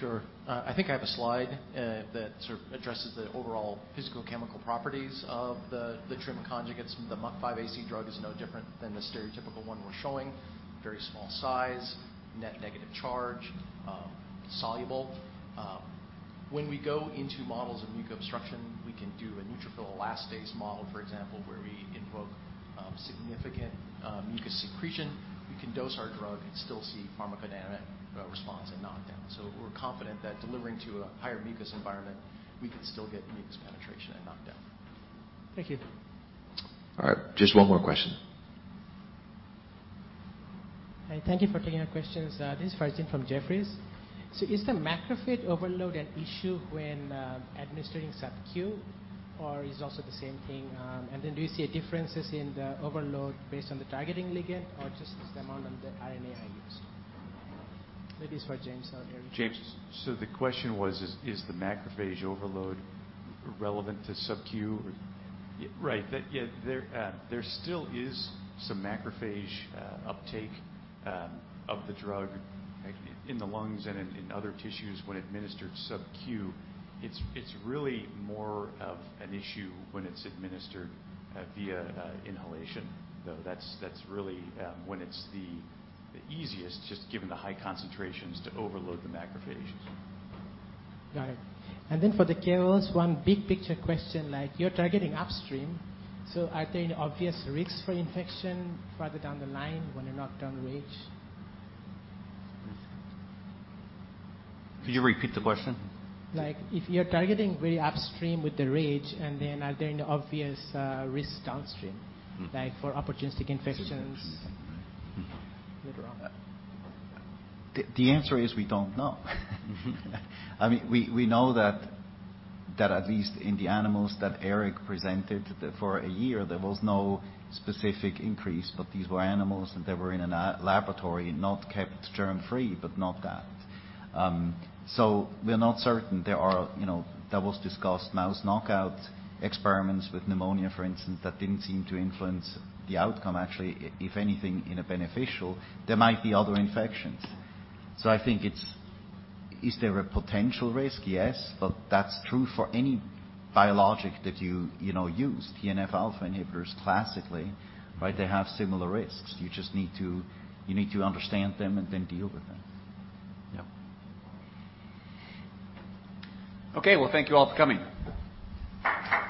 S2: Sure. I think I have a slide that sort of addresses the overall physicochemical properties of the TRiM conjugates. The MUC5AC drug is no different than the stereotypical one we're showing. Very small size, net negative charge, soluble. When we go into models of mucus obstruction, we can do a neutrophil elastase model, for example, where we invoke significant mucus secretion. We can dose our drug and still see pharmacodynamic response and knockdown. We're confident that delivering to a higher mucus environment, we can still get mucus penetration and knockdown.
S15: Thank you.
S2: All right. Just one more question.
S16: Hi. Thank you for taking our questions. This is Farzin from Jefferies. Is the macrophage overload an issue when administering subq, or is also the same thing on? Then do you see a differences in the overload based on the targeting ligand or just it's the amount on the RNAi used? Maybe it's for James or Erik.
S2: James.
S4: The question is the macrophage overload relevant to subq or? Right. That, yeah, there still is some macrophage uptake of the drug in the lungs and in other tissues when administered subq. It's really more of an issue when it's administered via inhalation. Though that's really when it's the easiest just given the high concentrations to overload the macrophages.
S16: Got it. For the KOLs, one big picture question, like you're targeting upstream, so are there any obvious risks for infection further down the line when you knock down RAGE?
S2: Could you repeat the question?
S16: Like if you're targeting very upstream with the RAGE, and then are there any obvious risks downstream?
S2: Mm.
S16: Like for opportunistic infections later on?
S2: The answer is we don't know. I mean, we know that at least in the animals that Erik presented for a year, there was no specific increase. But these were animals, and they were in a laboratory, not kept germ-free, but not that. So we're not certain. There are, you know, that was discussed, mouse knockout experiments with pneumonia, for instance, that didn't seem to influence the outcome. Actually, if anything, in a beneficial. There might be other infections. So I think it's. Is there a potential risk? Yes, but that's true for any biologic that you know, use. TNF-alpha inhibitors classically, right, they have similar risks. You just need to understand them and then deal with them. Yeah. Okay. Well, thank you all for coming.